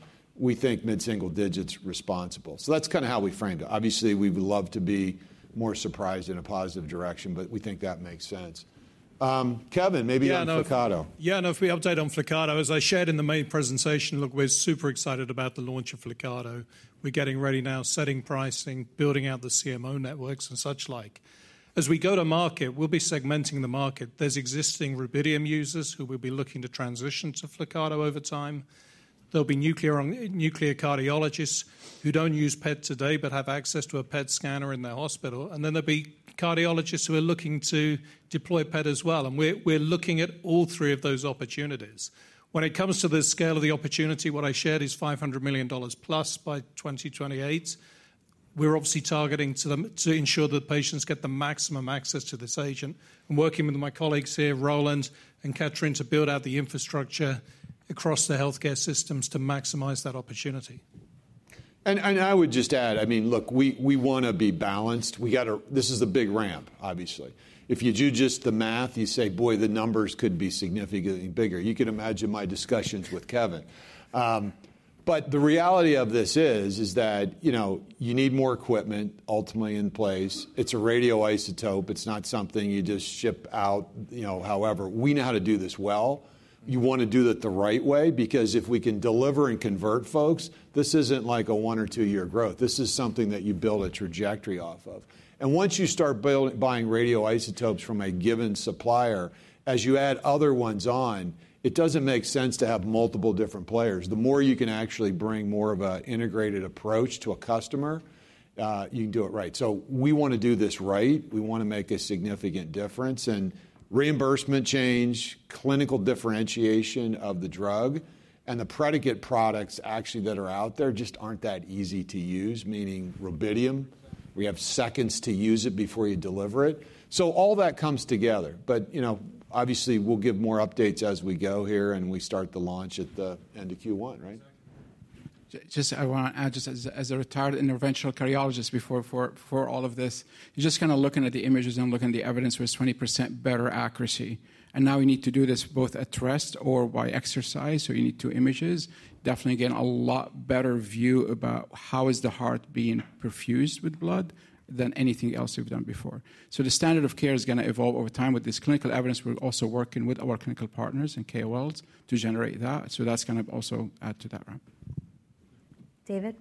we think mid-single digits is reasonable. So that's kind of how we framed it. Obviously, we would love to be more surprised in a positive direction, but we think that makes sense. Kevin, maybe on Flyrcado. Yeah, no, if we update on Flyrcado, as I shared in the main presentation, look, we're super excited about the launch of Flyrcado. We're getting ready now, setting pricing, building out the CMO networks and such like. As we go to market, we'll be segmenting the market. There's existing rubidium users who will be looking to transition to Flyrcado over time. There'll be nuclear cardiologists who don't use PET today but have access to a PET scanner in their hospital. And then there'll be cardiologists who are looking to deploy PET as well. And we're looking at all three of those opportunities. When it comes to the scale of the opportunity, what I shared is $500 million plus by 2028. We're obviously targeting to ensure that patients get the maximum access to this agent, and working with my colleagues here, Roland and Catherine, to build out the infrastructure across the healthcare systems to maximize that opportunity. And I would just add, I mean, look, we want to be balanced. This is a big ramp, obviously. If you do just the math, you say, boy, the numbers could be significantly bigger. You can imagine my discussions with Kevin. But the reality of this is that you need more equipment ultimately in place. It's a radioisotope. It's not something you just ship out however. We know how to do this well. You want to do it the right way because if we can deliver and convert folks, this isn't like a one or two-year growth. This is something that you build a trajectory off of. And once you start buying radioisotopes from a given supplier, as you add other ones on, it doesn't make sense to have multiple different players. The more you can actually bring more of an integrated approach to a customer, you can do it right, so we want to do this right. We want to make a significant difference in reimbursement change, clinical differentiation of the drug, and the predicate products actually that are out there just aren't that easy to use, meaning Rubidium. We have seconds to use it before you deliver it, so all that comes together, but obviously, we'll give more updates as we go here and we start the launch at the end of Q1, right? Just, I want to add, just as a retired interventional cardiologist, before all of this, you're just kind of looking at the images and looking at the evidence was 20% better accuracy. Now we need to do this both at rest or by exercise. So you need two images. Definitely gain a lot better view about how is the heart being perfused with blood than anything else we've done before. The standard of care is going to evolve over time with this clinical evidence. We're also working with our clinical partners and KOLs to generate that. That's going to also add to that ramp. David?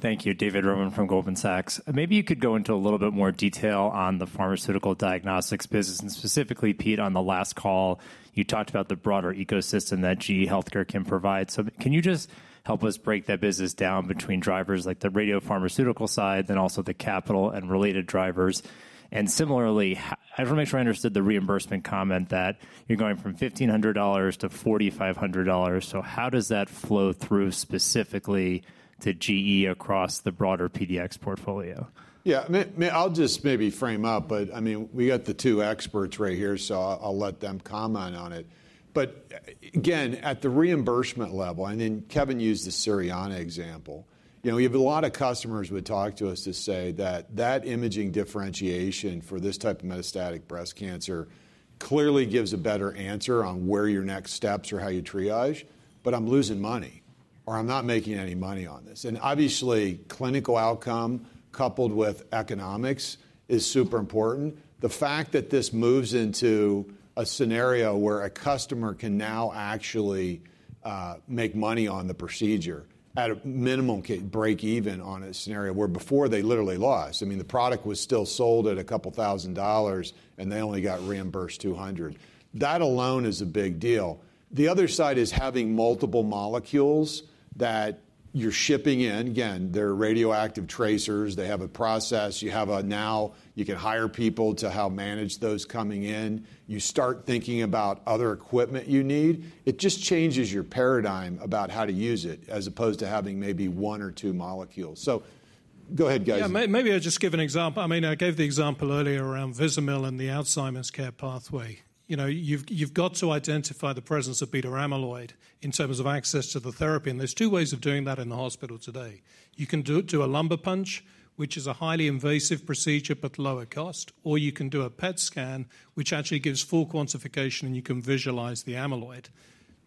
Thank you. David Roman from Goldman Sachs. Maybe you could go into a little bit more detail on the pharmaceutical diagnostics business. And specifically, Pete, on the last call, you talked about the broader ecosystem that GE HealthCare can provide. So can you just help us break that business down between drivers like the radiopharmaceutical side, then also the capital and related drivers? And similarly, I want to make sure I understood the reimbursement comment that you're going from $1,500 to 4,500. So how does that flow through specifically to GE across the broader PDX portfolio? Yeah, I'll just maybe frame up, but I mean, we got the two experts right here, so I'll let them comment on it. But again, at the reimbursement level, and then Kevin used the Cerianna example, you have a lot of customers who would talk to us to say that that imaging differentiation for this type of metastatic breast cancer clearly gives a better answer on where your next steps are or how you triage, but I'm losing money or I'm not making any money on this. And obviously, clinical outcome coupled with economics is super important. The fact that this moves into a scenario where a customer can now actually make money on the procedure at a minimum break-even on a scenario where before they literally lost. I mean, the product was still sold at a couple thousand dollars and they only got reimbursed $200. That alone is a big deal. The other side is having multiple molecules that you're shipping in. Again, they're radioactive tracers. They have a process. Now you can hire people to help manage those coming in. You start thinking about other equipment you need. It just changes your paradigm about how to use it as opposed to having maybe one or two molecules. So go ahead, guys. Yeah, maybe I'll just give an example. I mean, I gave the example earlier around Vizamyl and the Alzheimer's care pathway. You've got to identify the presence of beta-amyloid in terms of access to the therapy. And there's two ways of doing that in the hospital today. You can do a lumbar puncture, which is a highly invasive procedure but lower cost, or you can do a PET scan, which actually gives full quantification and you can visualize the amyloid.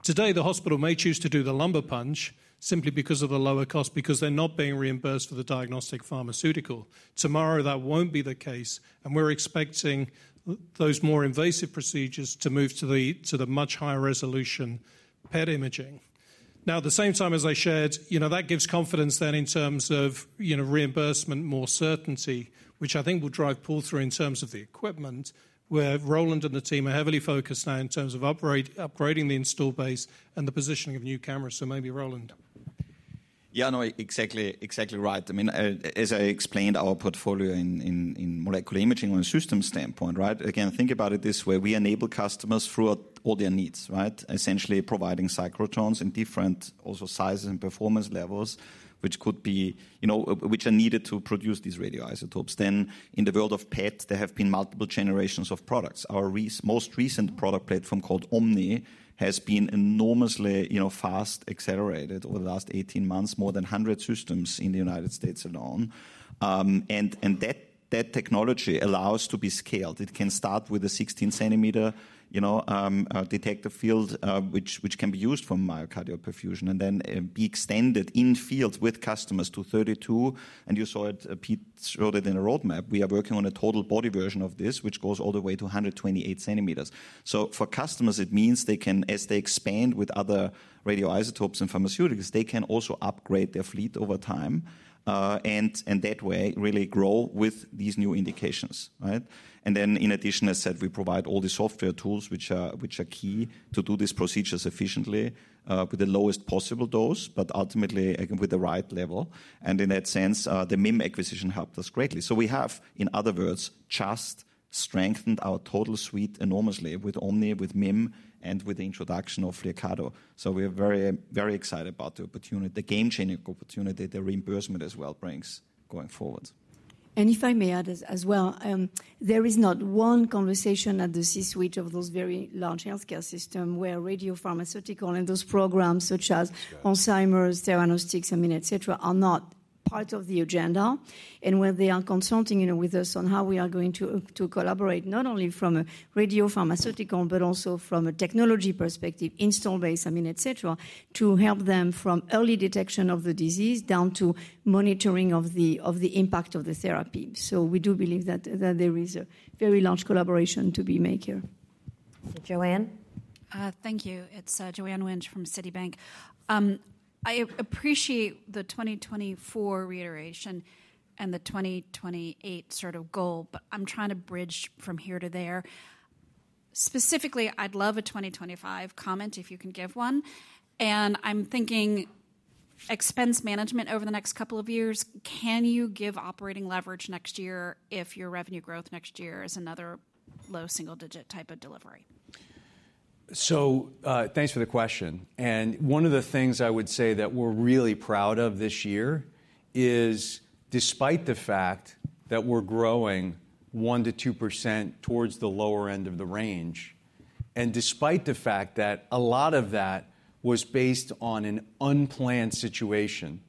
Today, the hospital may choose to do the lumbar puncture simply because of the lower cost because they're not being reimbursed for the diagnostic pharmaceutical. Tomorrow, that won't be the case. And we're expecting those more invasive procedures to move to the much higher resolution PET imaging. Now, at the same time as I shared, that gives confidence then in terms of reimbursement, more certainty, which I think will drive pull-through in terms of the equipment where Roland and the team are heavily focused now in terms of upgrading the installed base and the positioning of new cameras. So maybe Roland. Yeah, no, exactly right. I mean, as I explained, our portfolio in molecular imaging on a system standpoint, right? Again, think about it this way. We enable customers through all their needs, right? Essentially providing cyclotrons in different axial sizes and performance levels, which are needed to produce these radioisotopes. Then in the world of PET, there have been multiple generations of products. Our most recent product platform called Omni has been enormously fast accelerated over the last 18 months, more than 100 systems in the United States alone. And that technology allows to be scaled. It can start with a 16-centimeter detector field, which can be used for myocardial perfusion, and then be extended in fields with customers to 32. And you saw it, Pete showed it in a roadmap. We are working on a total body version of this, which goes all the way to 128 centimeters. So for customers, it means they can, as they expand with other radioisotopes and pharmaceuticals, they can also upgrade their fleet over time and that way really grow with these new indications, right? And then in addition, as I said, we provide all the software tools which are key to do these procedures efficiently with the lowest possible dose, but ultimately with the right level. And in that sense, the MIM acquisition helped us greatly. So we have, in other words, just strengthened our total suite enormously with Omni, with MIM, and with the introduction of Flyrcado. So we are very excited about the opportunity, the game-changing opportunity the reimbursement as well brings going forward. If I may add as well, there is not one conversation at the C-suite of those very large healthcare systems where radiopharmaceutical and those programs such as Alzheimer's, Theranostics, I mean, et cetera, are not part of the agenda. When they are consulting with us on how we are going to collaborate, not only from a radiopharmaceutical, but also from a technology perspective, installed base, I mean, et cetera, to help them from early detection of the disease down to monitoring of the impact of the therapy. We do believe that there is a very large collaboration to be made here. Joanne? Thank you. It's Joanne Wuensch from Citibank. I appreciate the 2024 reiteration and the 2028 sort of goal, but I'm trying to bridge from here to there. Specifically, I'd love a 2025 comment if you can give one. And I'm thinking expense management over the next couple of years, can you give operating leverage next year if your revenue growth next year is another low single-digit type of delivery? So thanks for the question. And one of the things I would say that we're really proud of this year is despite the fact that we're growing 1%-2% towards the lower end of the range, and despite the fact that a lot of that was based on an unplanned situation,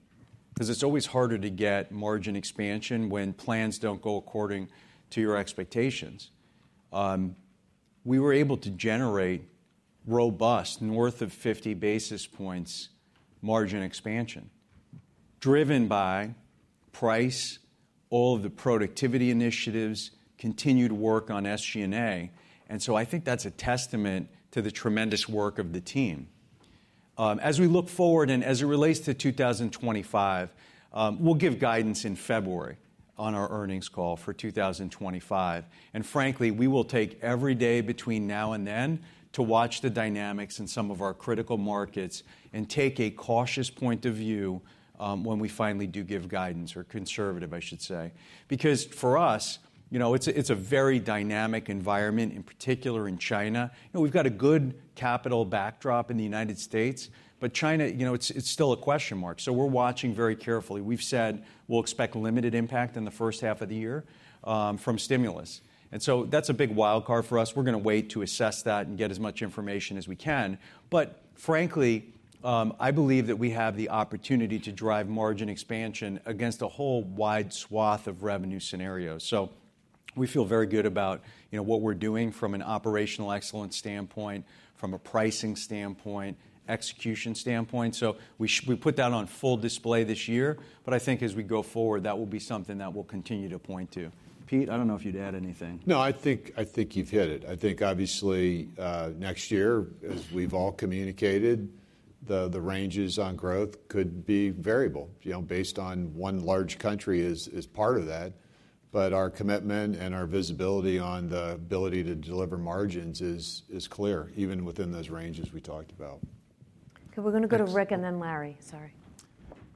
because it's always harder to get margin expansion when plans don't go according to your expectations, we were able to generate robust north of 50 basis points margin expansion driven by price, all of the productivity initiatives, continued work on SG&A. And so I think that's a testament to the tremendous work of the team. As we look forward and as it relates to 2025, we'll give guidance in February on our earnings call for 2025. And frankly, we will take every day between now and then to watch the dynamics in some of our critical markets and take a cautious point of view when we finally do give guidance or conservative, I should say, because for us, it's a very dynamic environment, in particular in China. We've got a good capital backdrop in the United States, but China, it's still a question mark. So we're watching very carefully. We've said we'll expect limited impact in the first half of the year from stimulus. And so that's a big wildcard for us. We're going to wait to assess that and get as much information as we can. But frankly, I believe that we have the opportunity to drive margin expansion against a whole wide swath of revenue scenarios. So we feel very good about what we're doing from an operational excellence standpoint, from a pricing standpoint, execution standpoint. So we put that on full display this year. But I think as we go forward, that will be something that we'll continue to point to. Pete, I don't know if you'd add anything. No, I think you've hit it. I think obviously next year, as we've all communicated, the ranges on growth could be variable based on one large country as part of that. But our commitment and our visibility on the ability to deliver margins is clear, even within those ranges we talked about. Okay, we're going to go to Rick and then Larry. Sorry.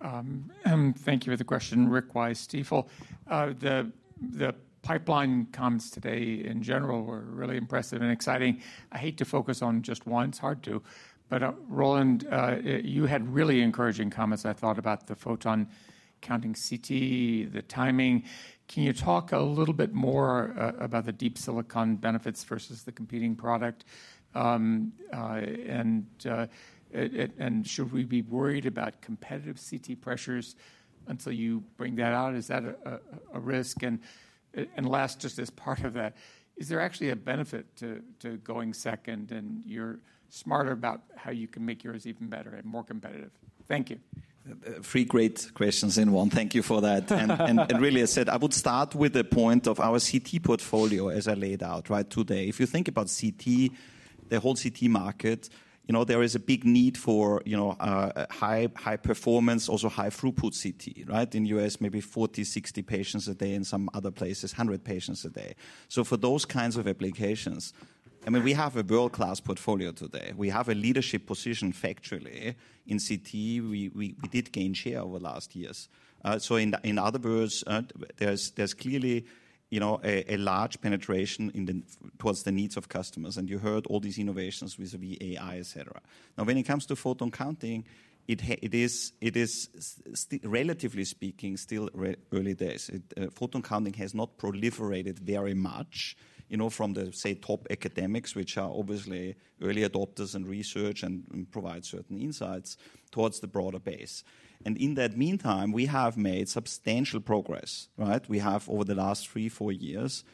Thank you for the question. Rick, Stifel, The pipeline comments today in general were really impressive and exciting. I hate to focus on just one. It's hard to. But Roland, you had really encouraging comments. I thought about the photon counting CT, the timing. Can you talk a little bit more about the Deep Silicon benefits versus the competing product? And should we be worried about competitive CT pressures until you bring that out? Is that a risk? And last, just as part of that, is there actually a benefit to going second and you're smarter about how you can make yours even better and more competitive? Thank you. Three great questions in one. Thank you for that. And really, as I said, I would start with the point of our CT portfolio, as I laid out today. If you think about CT, the whole CT market, there is a big need for high performance, also high throughput CT in the U.S., maybe 40 to 60 patients a day and some other places, 100 patients a day. So for those kinds of applications, I mean, we have a world-class portfolio today. We have a leadership position factually in CT. We did gain share over the last years. So in other words, there's clearly a large penetration towards the needs of customers. And you heard all these innovations with AI, et cetera. Now, when it comes to photon counting, it is, relatively speaking, still early days. Photon counting has not proliferated very much from the, say, top academics, which are obviously early adopters and research and provide certain insights towards the broader base, and in that meantime, we have made substantial progress. We have over the last three, four years,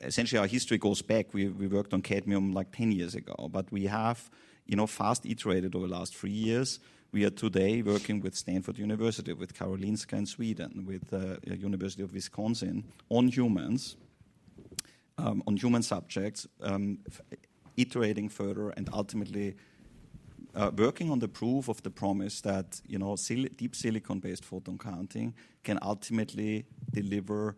essentially our history goes back. We worked on cadmium like 10 years ago, but we have fast iterated over the last three years. We are today working with Stanford University, with Karolinska in Sweden, with the University of Wisconsin on humans, on human subjects, iterating further and ultimately working on the proof of the promise that deep silicon-based photon counting can ultimately deliver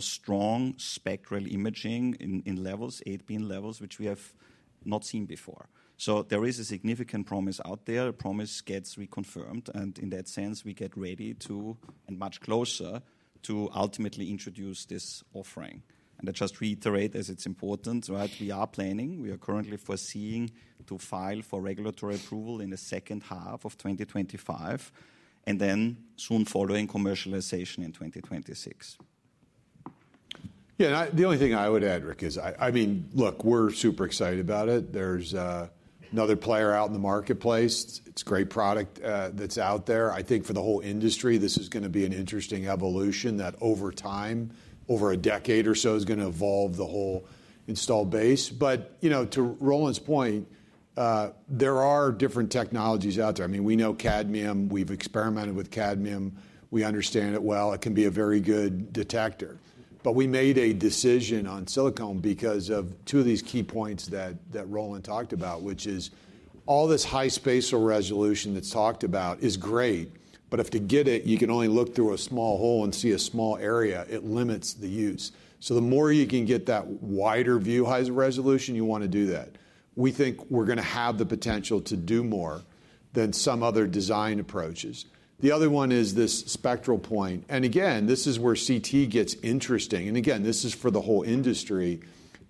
strong spectral imaging in levels, 8-beam levels, which we have not seen before. So there is a significant promise out there, the promise gets reconfirmed, and in that sense, we get ready to and much closer to ultimately introduce this offering. I just reiterate as it's important, we are planning. We are currently foreseeing to file for regulatory approval in the second half of 2025 and then soon following commercialization in 2026. Yeah, the only thing I would add, Rick, is I mean, look, we're super excited about it. There's another player out in the marketplace. It's a great product that's out there. I think for the whole industry, this is going to be an interesting evolution that over time, over a decade or so, is going to evolve the whole install base. But to Roland's point, there are different technologies out there. I mean, we know cadmium. We've experimented with cadmium. We understand it well. It can be a very good detector. But we made a decision on silicon because of two of these key points that Roland talked about, which is all this high spatial resolution that's talked about is great, but if to get it, you can only look through a small hole and see a small area, it limits the use. So the more you can get that wider view, higher resolution, you want to do that. We think we're going to have the potential to do more than some other design approaches. The other one is this spectral point. And again, this is where CT gets interesting. And again, this is for the whole industry,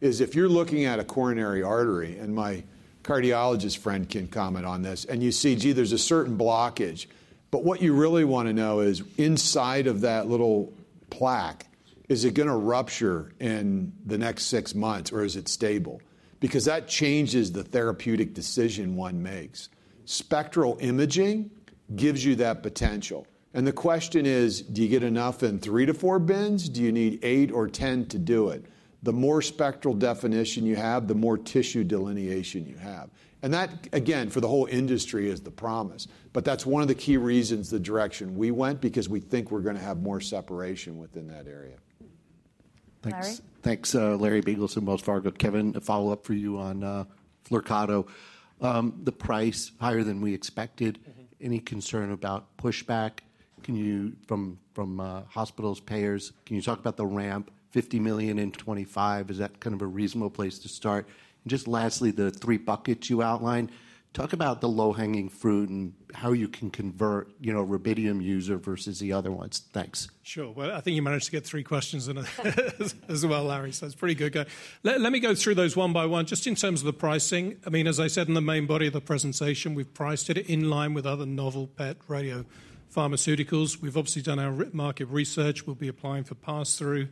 is if you're looking at a coronary artery and my cardiologist friend can comment on this, and you see, gee, there's a certain blockage. But what you really want to know is inside of that little plaque, is it going to rupture in the next six months or is it stable? Because that changes the therapeutic decision one makes. Spectral imaging gives you that potential. And the question is, do you get enough in three to four bins? Do you need eight or 10 to do it? The more spectral definition you have, the more tissue delineation you have. And that, again, for the whole industry is the promise. But that's one of the key reasons the direction we went because we think we're going to have more separation within that area. Larry? Thanks, Larry Biegelsen from Wells Fargo. Kevin, a follow-up for you on Flyrcado. The price, higher than we expected. Any concern about pushback from hospitals, payers? Can you talk about the ramp, $50 million in 2025? Is that kind of a reasonable place to start? And just lastly, the three buckets you outlined, talk about the low-hanging fruit and how you can convert rubidium users versus the other ones. Thanks. Sure, well, I think you managed to get three questions as well, Larry. So that's pretty good. Let me go through those one by one just in terms of the pricing. I mean, as I said in the main body of the presentation, we've priced it in line with other novel PET radiopharmaceuticals. We've obviously done our market research. We'll be applying for pass-through.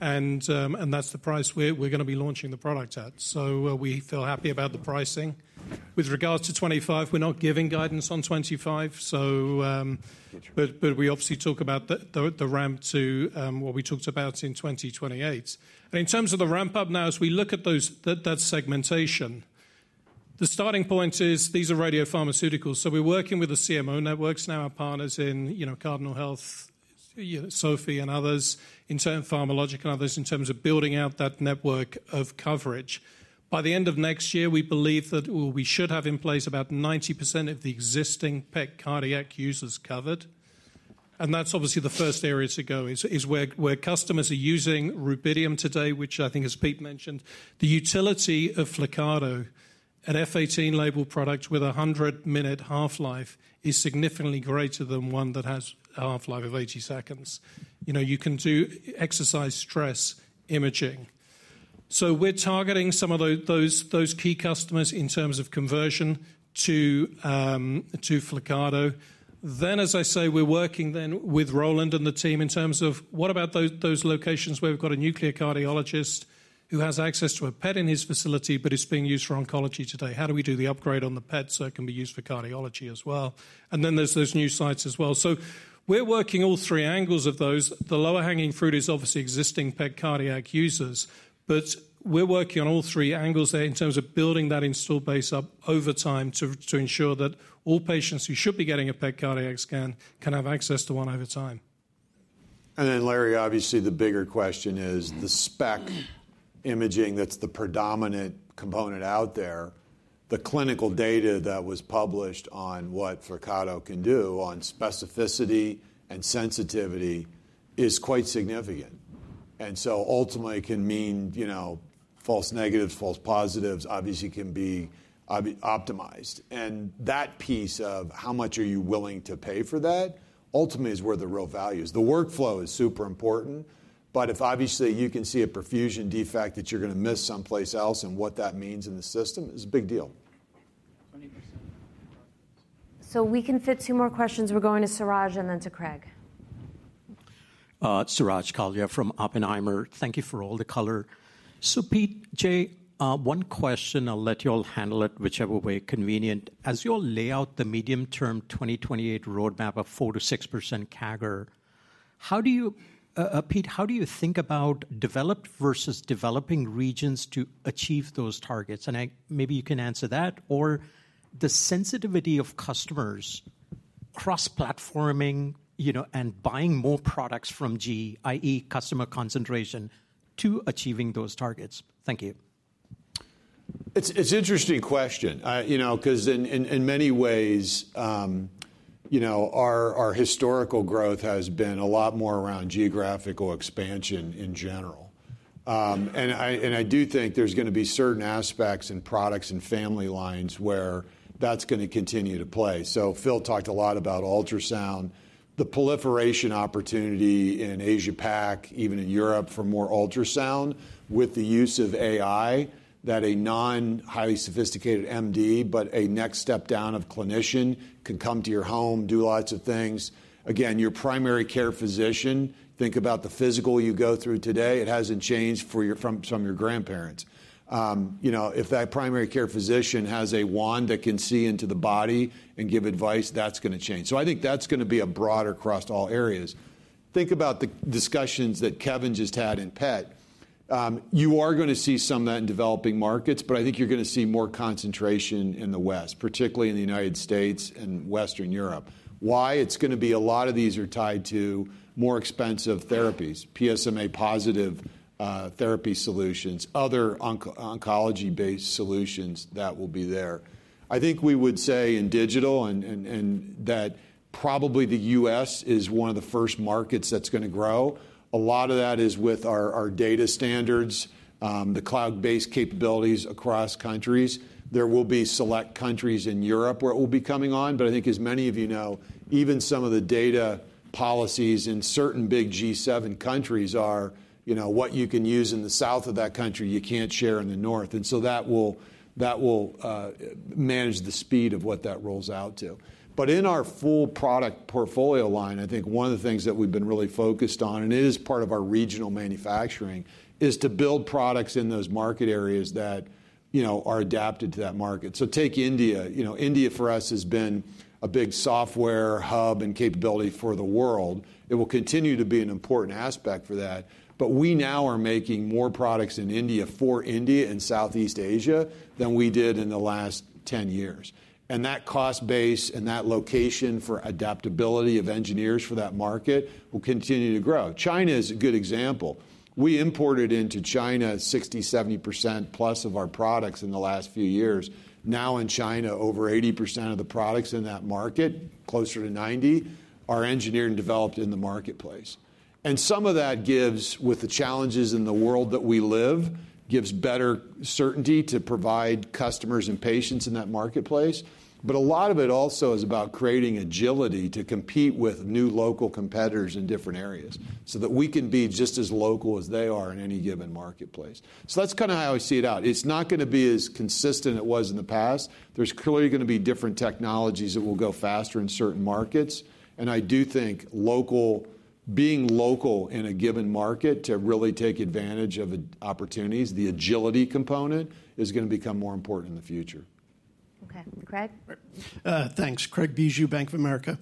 And that's the price we're going to be launching the product at. So we feel happy about the pricing. With regards to 2025, we're not giving guidance on 2025. But we obviously talk about the ramp to what we talked about in 2028. And in terms of the ramp up now, as we look at that segmentation, the starting point is these are radiopharmaceuticals. We're working with the CMO networks, now our partners in Cardinal Health, SOFIE and others, Pharmalogic and others in terms of building out that network of coverage. By the end of next year, we believe that we should have in place about 90% of the existing PET cardiac users covered. That's obviously the first area to go, where customers are using rubidium today, which I think, as Pete mentioned, the utility of Flyrcado, an F-18 labeled product with a 100-minute half-life, is significantly greater than one that has a half-life of 80 seconds. You can do exercise stress imaging. We're targeting some of those key customers in terms of conversion to Flyrcado. As I say, we're working then with Roland and the team in terms of what about those locations where we've got a nuclear cardiologist who has access to a PET in his facility, but it's being used for oncology today? How do we do the upgrade on the PET so it can be used for cardiology as well? And then there's those new sites as well. So we're working all three angles of those. The low-hanging fruit is obviously existing PET cardiac users, but we're working on all three angles there in terms of building that installed base up over time to ensure that all patients who should be getting a PET cardiac scan can have access to one over time. And then Larry, obviously the bigger question is the SPECT imaging that's the predominant component out there. The clinical data that was published on what Flyrcado can do on specificity and sensitivity is quite significant. And so ultimately can mean false negatives, false positives, obviously can be optimized. And that piece of how much are you willing to pay for that ultimately is where the real value is. The workflow is super important, but if obviously you can see a perfusion defect that you're going to miss someplace else and what that means in the system is a big deal. So we can fit two more questions. We're going to Suraj and then to Craig. Suraj Kalia from Oppenheimer. Thank you for all the color. So Pete, Jay, one question. I'll let you all handle it whichever way convenient. As you all lay out the medium-term 2028 roadmap of 4% to 6% CAGR, how do you, Pete, how do you think about developed versus developing regions to achieve those targets? And maybe you can answer that or the sensitivity of customers cross-platforming and buying more products from G, i.e., customer concentration to achieving those targets. Thank you. It's an interesting question because in many ways, our historical growth has been a lot more around geographical expansion in general, and I do think there's going to be certain aspects in products and family lines where that's going to continue to play, so Phil talked a lot about ultrasound, the proliferation opportunity in Asia-Pac, even in Europe for more ultrasound with the use of AI, that a non-highly sophisticated MD, but a next step down of clinician can come to your home, do lots of things. Again, your primary care physician, think about the physical you go through today. It hasn't changed from your grandparents. If that primary care physician has a wand that can see into the body and give advice, that's going to change. So I think that's going to be a broader across all areas. Think about the discussions that Kevin just had in PET. You are going to see some of that in developing markets, but I think you're going to see more concentration in the West, particularly in the United States and Western Europe. Why? It's going to be a lot of these are tied to more expensive therapies, PSMA positive therapy solutions, other oncology-based solutions that will be there. I think we would say in digital and that probably the U.S. is one of the first markets that's going to grow. A lot of that is with our data standards, the cloud-based capabilities across countries. There will be select countries in Europe where it will be coming on. But I think as many of you know, even some of the data policies in certain big G7 countries are what you can use in the south of that country, you can't share in the north. And so that will manage the speed of what that rolls out to. But in our full product portfolio line, I think one of the things that we've been really focused on, and it is part of our regional manufacturing, is to build products in those market areas that are adapted to that market. So take India. India for us has been a big software hub and capability for the world. It will continue to be an important aspect for that. But we now are making more products in India for India in Southeast Asia than we did in the last 10 years. And that cost base and that location for adaptability of engineers for that market will continue to grow. China is a good example. We imported into China 60% to 70% plus of our products in the last few years. Now in China, over 80% of the products in that market, closer to 90%, are engineered and developed in the marketplace, and some of that, with the challenges in the world that we live, gives better certainty to provide customers and patients in that marketplace, but a lot of it. Also is about creating agility to compete with new local competitors in different areas so that we can be just as local as they are in any given marketplace, so that's kind of how I see it out. It's not going to be as consistent it was in the past. There's clearly going to be different technologies that will go faster in certain markets, and I do think being local in a given market to really take advantage of opportunities, the agility component is going to become more important in the future. Okay. Craig? Thanks. Craig Bijou, Bank of America.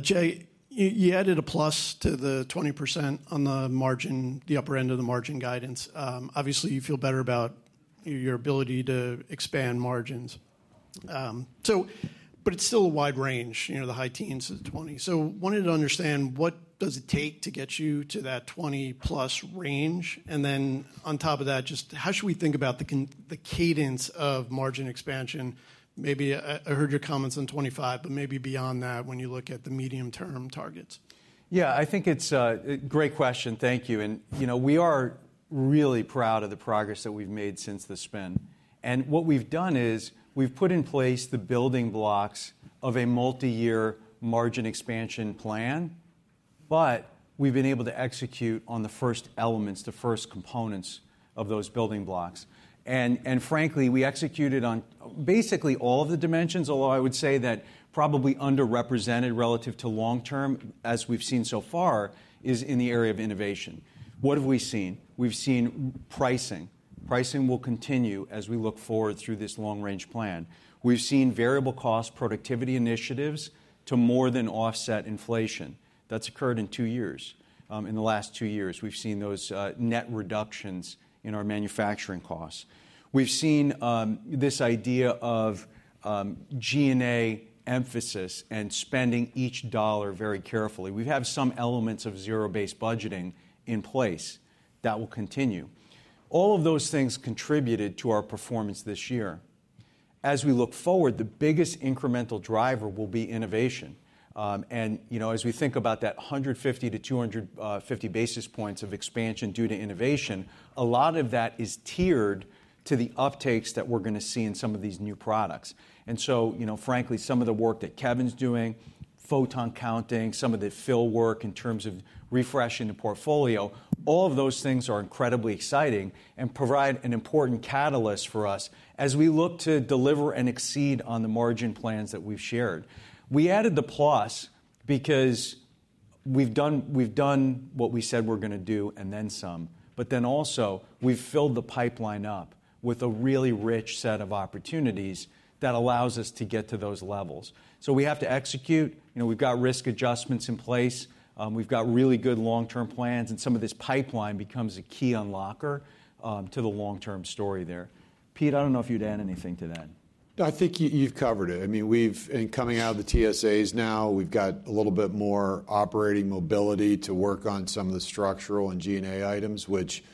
Jay, you added a plus to the 20% on the margin, the upper end of the margin guidance. Obviously, you feel better about your ability to expand margins. But it's still a wide range, the high teens to 20%. So I wanted to understand what does it take to get you to that 20-plus range? And then on top of that, just how should we think about the cadence of margin expansion? Maybe I heard your comments on 2025, but maybe beyond that when you look at the medium-term targets. Yeah, I think it's a great question. Thank you. And we are really proud of the progress that we've made since the spin. And what we've done is we've put in place the building blocks of a multi-year margin expansion plan, but we've been able to execute on the first elements, the first components of those building blocks. And frankly, we executed on basically all of the dimensions, although I would say that probably underrepresented relative to long-term as we've seen so far is in the area of innovation. What have we seen? We've seen pricing. Pricing will continue as we look forward through this long-range plan. We've seen variable cost productivity initiatives to more than offset inflation. That's occurred in two years. In the last two years, we've seen those net reductions in our manufacturing costs. We've seen this idea of G&A emphasis and spending each dollar very carefully. We have some elements of zero-based budgeting in place that will continue. All of those things contributed to our performance this year. As we look forward, the biggest incremental driver will be innovation. And as we think about that 150-250 basis points of expansion due to innovation, a lot of that is tiered to the uptakes that we're going to see in some of these new products. And so frankly, some of the work that Kevin's doing, photon counting, some of the fill work in terms of refreshing the portfolio, all of those things are incredibly exciting and provide an important catalyst for us as we look to deliver and exceed on the margin plans that we've shared. We added the plus because we've done what we said we're going to do and then some. But then also we've filled the pipeline up with a really rich set of opportunities that allows us to get to those levels. So we have to execute. We've got risk adjustments in place. We've got really good long-term plans. And some of this pipeline becomes a key unlocker to the long-term story there. Pete, I don't know if you'd add anything to that. I think you've covered it. I mean, we've been coming out of the TSAs now. We've got a little bit more operating mobility to work on some of the structural and G&A items, which,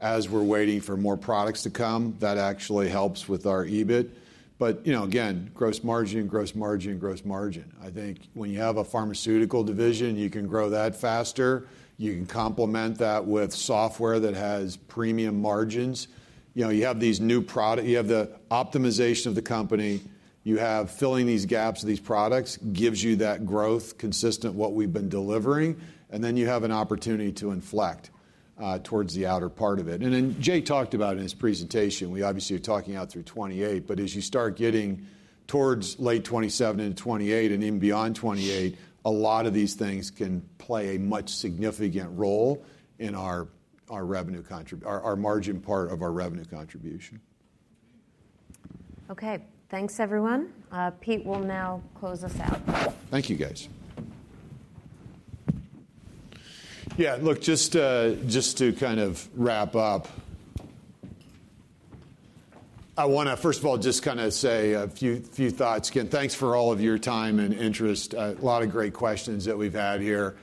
as we're waiting for more products to come, that actually helps with our EBIT. But again, gross margin, gross margin, gross margin. I think when you have a pharmaceutical division, you can grow that faster. You can complement that with software that has premium margins. You have these new products. You have the optimization of the company. You have filling these gaps of these products gives you that growth consistent with what we've been delivering. And then you have an opportunity to inflect towards the outer part of it. And then Jay talked about in his presentation, we obviously are talking out through 2028, but as you start getting towards late 2027 and 2028 and even beyond 2028, a lot of these things can play a much significant role in our margin part of our revenue contribution. Okay. Thanks, everyone. Pete will now close us out. Thank you, guys. Yeah, look, just to kind of wrap up, I want to first of all just kind of say a few thoughts. Again, thanks for all of your time and interest. A lot of great questions that we've had here.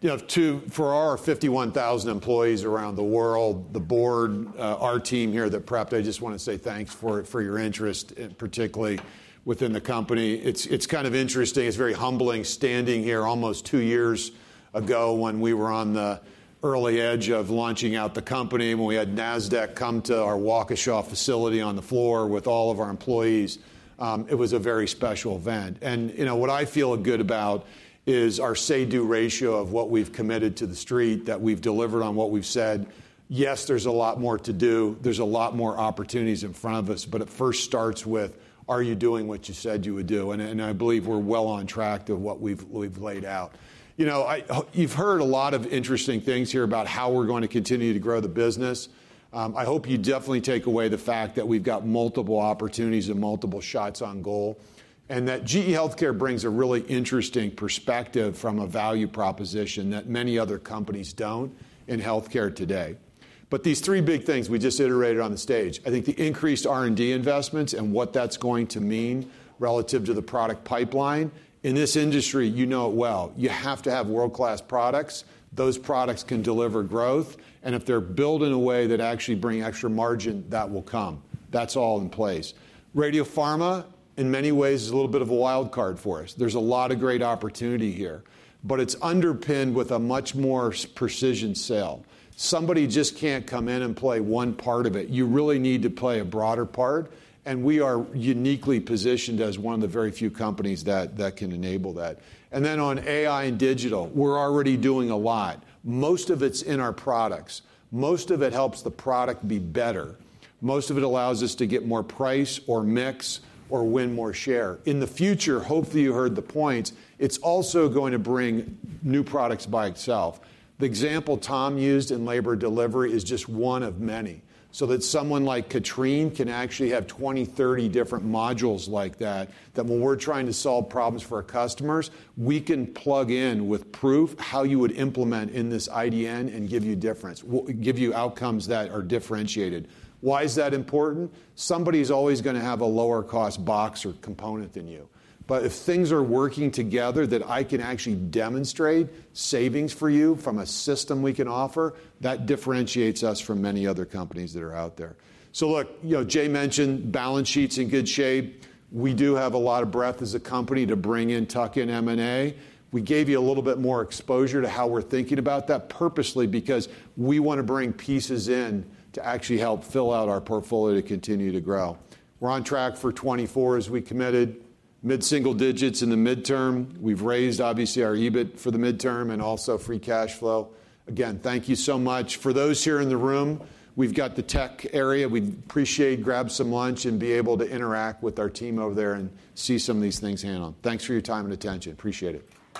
For our 51,000 employees around the world, the board, our team here that prepped, I just want to say thanks for your interest, particularly within the company. It's kind of interesting. It's very humbling standing here almost two years ago when we were on the early edge of launching out the company, when we had Nasdaq come to our Waukesha facility on the floor with all of our employees. It was a very special event, and what I feel good about is our say-do ratio of what we've committed to the street that we've delivered on what we've said. Yes, there's a lot more to do. There's a lot more opportunities in front of us, but it first starts with, are you doing what you said you would do, and I believe we're well on track to what we've laid out. You've heard a lot of interesting things here about how we're going to continue to grow the business. I hope you definitely take away the fact that we've got multiple opportunities and multiple shots on goal and that GE HealthCare brings a really interesting perspective from a value proposition that many other companies don't in healthcare today, but these three big things we just iterated on the stage. I think the increased R&D investments and what that's going to mean relative to the product pipeline. In this industry, you know it well. You have to have world-class products. Those products can deliver growth. And if they're built in a way that actually brings extra margin, that will come. That's all in place. Radiopharma, in many ways, is a little bit of a wild card for us. There's a lot of great opportunity here, but it's underpinned with a much more precision sale. Somebody just can't come in and play one part of it. You really need to play a broader part. And we are uniquely positioned as one of the very few companies that can enable that. And then on AI and digital, we're already doing a lot. Most of it's in our products. Most of it helps the product be better. Most of it allows us to get more price or mix or win more share. In the future, hopefully you heard the points, it's also going to bring new products by itself. The example Tom used in labor delivery is just one of many so that someone like Katrine can actually have 20 to 30 different modules like that that when we're trying to solve problems for our customers, we can plug in with proof how you would implement in this IDN and give you difference, give you outcomes that are differentiated. Why is that important? Somebody is always going to have a lower cost box or component than you. But if things are working together that I can actually demonstrate savings for you from a system we can offer, that differentiates us from many other companies that are out there. So look, Jay mentioned balance sheets in good shape. We do have a lot of breadth as a company to bring in tuck-in M&A. We gave you a little bit more exposure to how we're thinking about that purposely because we want to bring pieces in to actually help fill out our portfolio to continue to grow. We're on track for 2024 as we committed mid-single digits in the midterm. We've raised, obviously, our EBIT for the midterm and also free cash flow. Again, thank you so much. For those here in the room, we've got the tech area. We appreciate grabbing some lunch and being able to interact with our team over there and see some of these things handled. Thanks for your time and attention. Appreciate it.